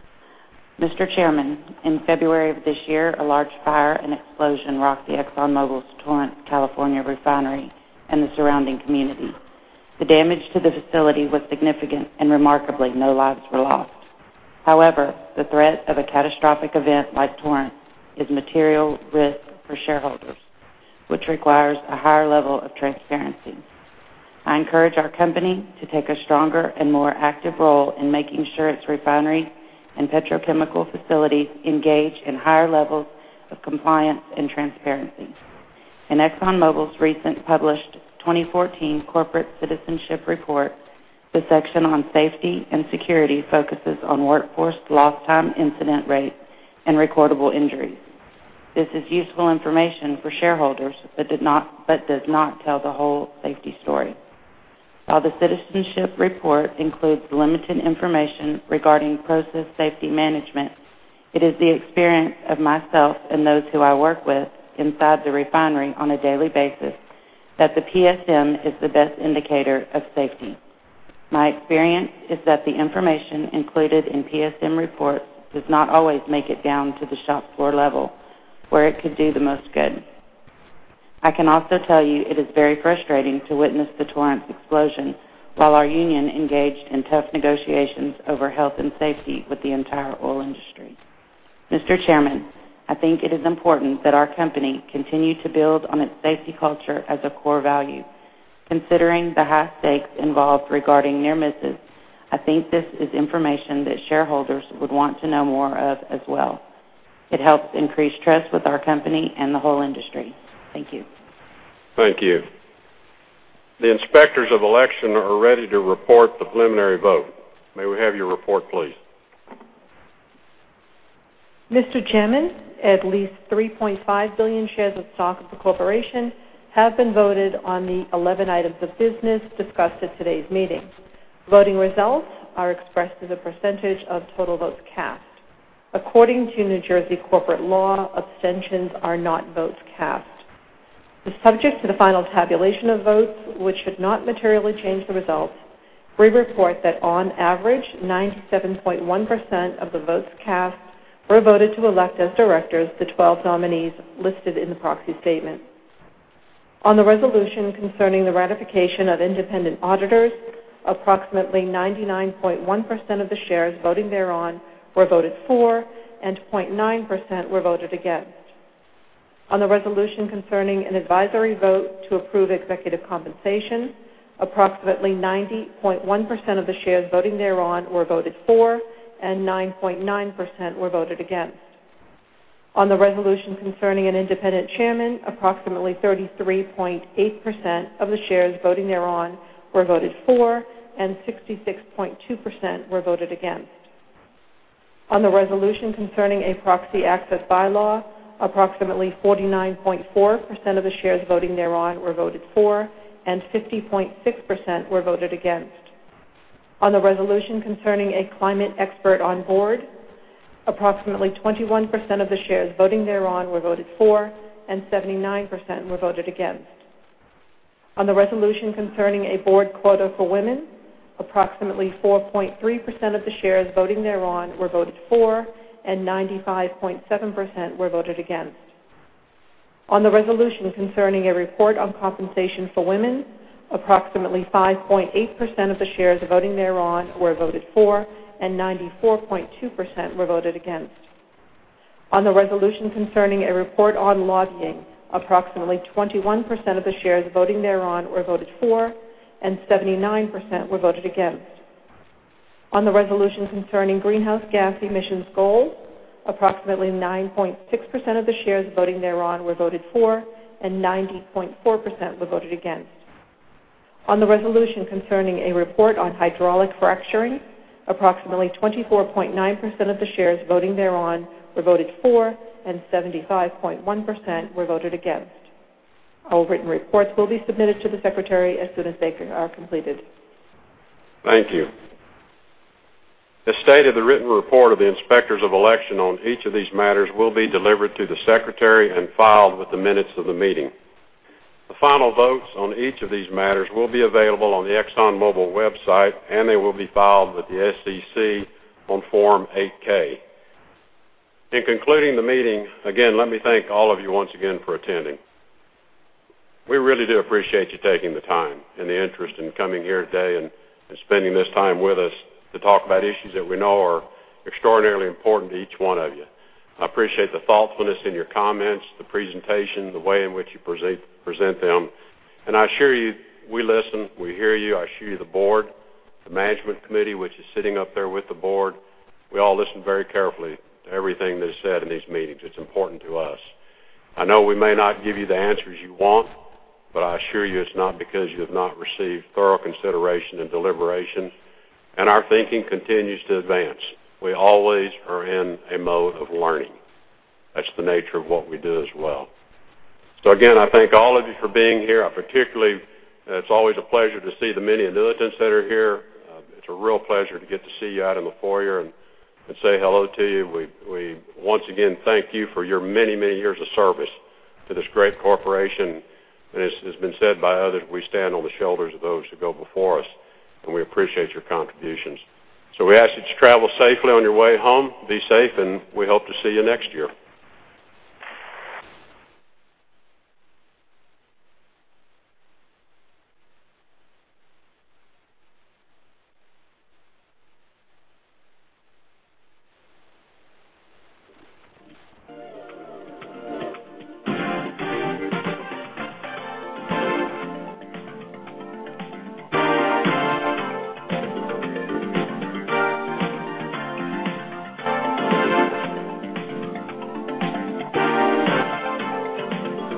Mr. Chairman, in February of this year, a large fire and explosion rocked the ExxonMobil's Torrance, California refinery and the surrounding community. The damage to the facility was significant and remarkably, no lives were lost. However, the threat of a catastrophic event like Torrance is material risk for shareholders, which requires a higher level of transparency. I encourage our company to take a stronger and more active role in making sure its refinery and petrochemical facilities engage in higher levels of compliance and transparency. In ExxonMobil's recent published 2014 Corporate Citizenship Report, the section on safety and security focuses on workforce lost time incident rate, and recordable injuries. This is useful information for shareholders but does not tell the whole safety story. While the citizenship report includes limited information regarding process safety management, it is the experience of myself and those who I work with inside the refinery on a daily basis that the PSM is the best indicator of safety. My experience is that the information included in PSM reports does not always make it down to the shop floor level where it could do the most good. I can also tell you it is very frustrating to witness the Torrance explosion while our union engaged in tough negotiations over health and safety with the entire oil industry. Mr. Chairman, I think it is important that our company continue to build on its safety culture as a core value. Considering the high stakes involved regarding near misses, I think this is information that shareholders would want to know more of as well. It helps increase trust with our company and the whole industry. Thank you. Thank you. The inspectors of election are ready to report the preliminary vote. May we have your report, please? Mr. Chairman, at least 3.5 billion shares of stock of the corporation have been voted on the 11 items of business discussed at today's meeting. Voting results are expressed as a percentage of total votes cast. According to New Jersey corporate law, abstentions are not votes cast. The subject to the final tabulation of votes, which should not materially change the results, we report that on average, 97.1% of the votes cast were voted to elect as directors the 12 nominees listed in the proxy statement. On the resolution concerning the ratification of independent auditors, approximately 99.1% of the shares voting thereon were voted for and 0.9% were voted against. On the resolution concerning an advisory vote to approve executive compensation, approximately 90.1% of the shares voting thereon were voted for and 9.9% were voted against. On the resolution concerning an independent chairman, approximately 33.8% of the shares voting thereon were voted for and 66.2% were voted against. On the resolution concerning a proxy access bylaw, approximately 49.4% of the shares voting thereon were voted for and 50.6% were voted against. On the resolution concerning a climate expert on board, approximately 21% of the shares voting thereon were voted for and 79% were voted against. On the resolution concerning a board quota for women, approximately 4.3% of the shares voting thereon were voted for and 95.7% were voted against. On the resolution concerning a report on compensation for women, approximately 5.8% of the shares voting thereon were voted for and 94.2% were voted against. On the resolution concerning a report on lobbying, approximately 21% of the shares voting thereon were voted for, and 79% were voted against. On the resolution concerning greenhouse gas emissions goals, approximately 9.6% of the shares voting thereon were voted for, and 90.4% were voted against. On the resolution concerning a report on hydraulic fracturing, approximately 24.9% of the shares voting thereon were voted for, and 75.1% were voted against. Our written reports will be submitted to the Secretary as soon as they are completed. Thank you. The state of the written report of the inspectors of election on each of these matters will be delivered to the Secretary and filed with the minutes of the meeting. The final votes on each of these matters will be available on the ExxonMobil website, and they will be filed with the SEC on Form 8-K. In concluding the meeting, again, let me thank all of you once again for attending. We really do appreciate you taking the time and the interest in coming here today and spending this time with us to talk about issues that we know are extraordinarily important to each one of you. I appreciate the thoughtfulness in your comments, the presentation, the way in which you present them, and I assure you, we listen. We hear you. I assure you, the board, the management committee, which is sitting up there with the board, we all listen very carefully to everything that is said in these meetings. It's important to us. I know we may not give you the answers you want, but I assure you it's not because you have not received thorough consideration and deliberation, and our thinking continues to advance. We always are in a mode of learning. That's the nature of what we do as well. Again, I thank all of you for being here. It's always a pleasure to see the many annuitants that are here. It's a real pleasure to get to see you out in the foyer and say hello to you. We once again thank you for your many years of service to this great corporation. As has been said by others, we stand on the shoulders of those who go before us, and we appreciate your contributions. We ask that you travel safely on your way home, be safe, and we hope to see you next year.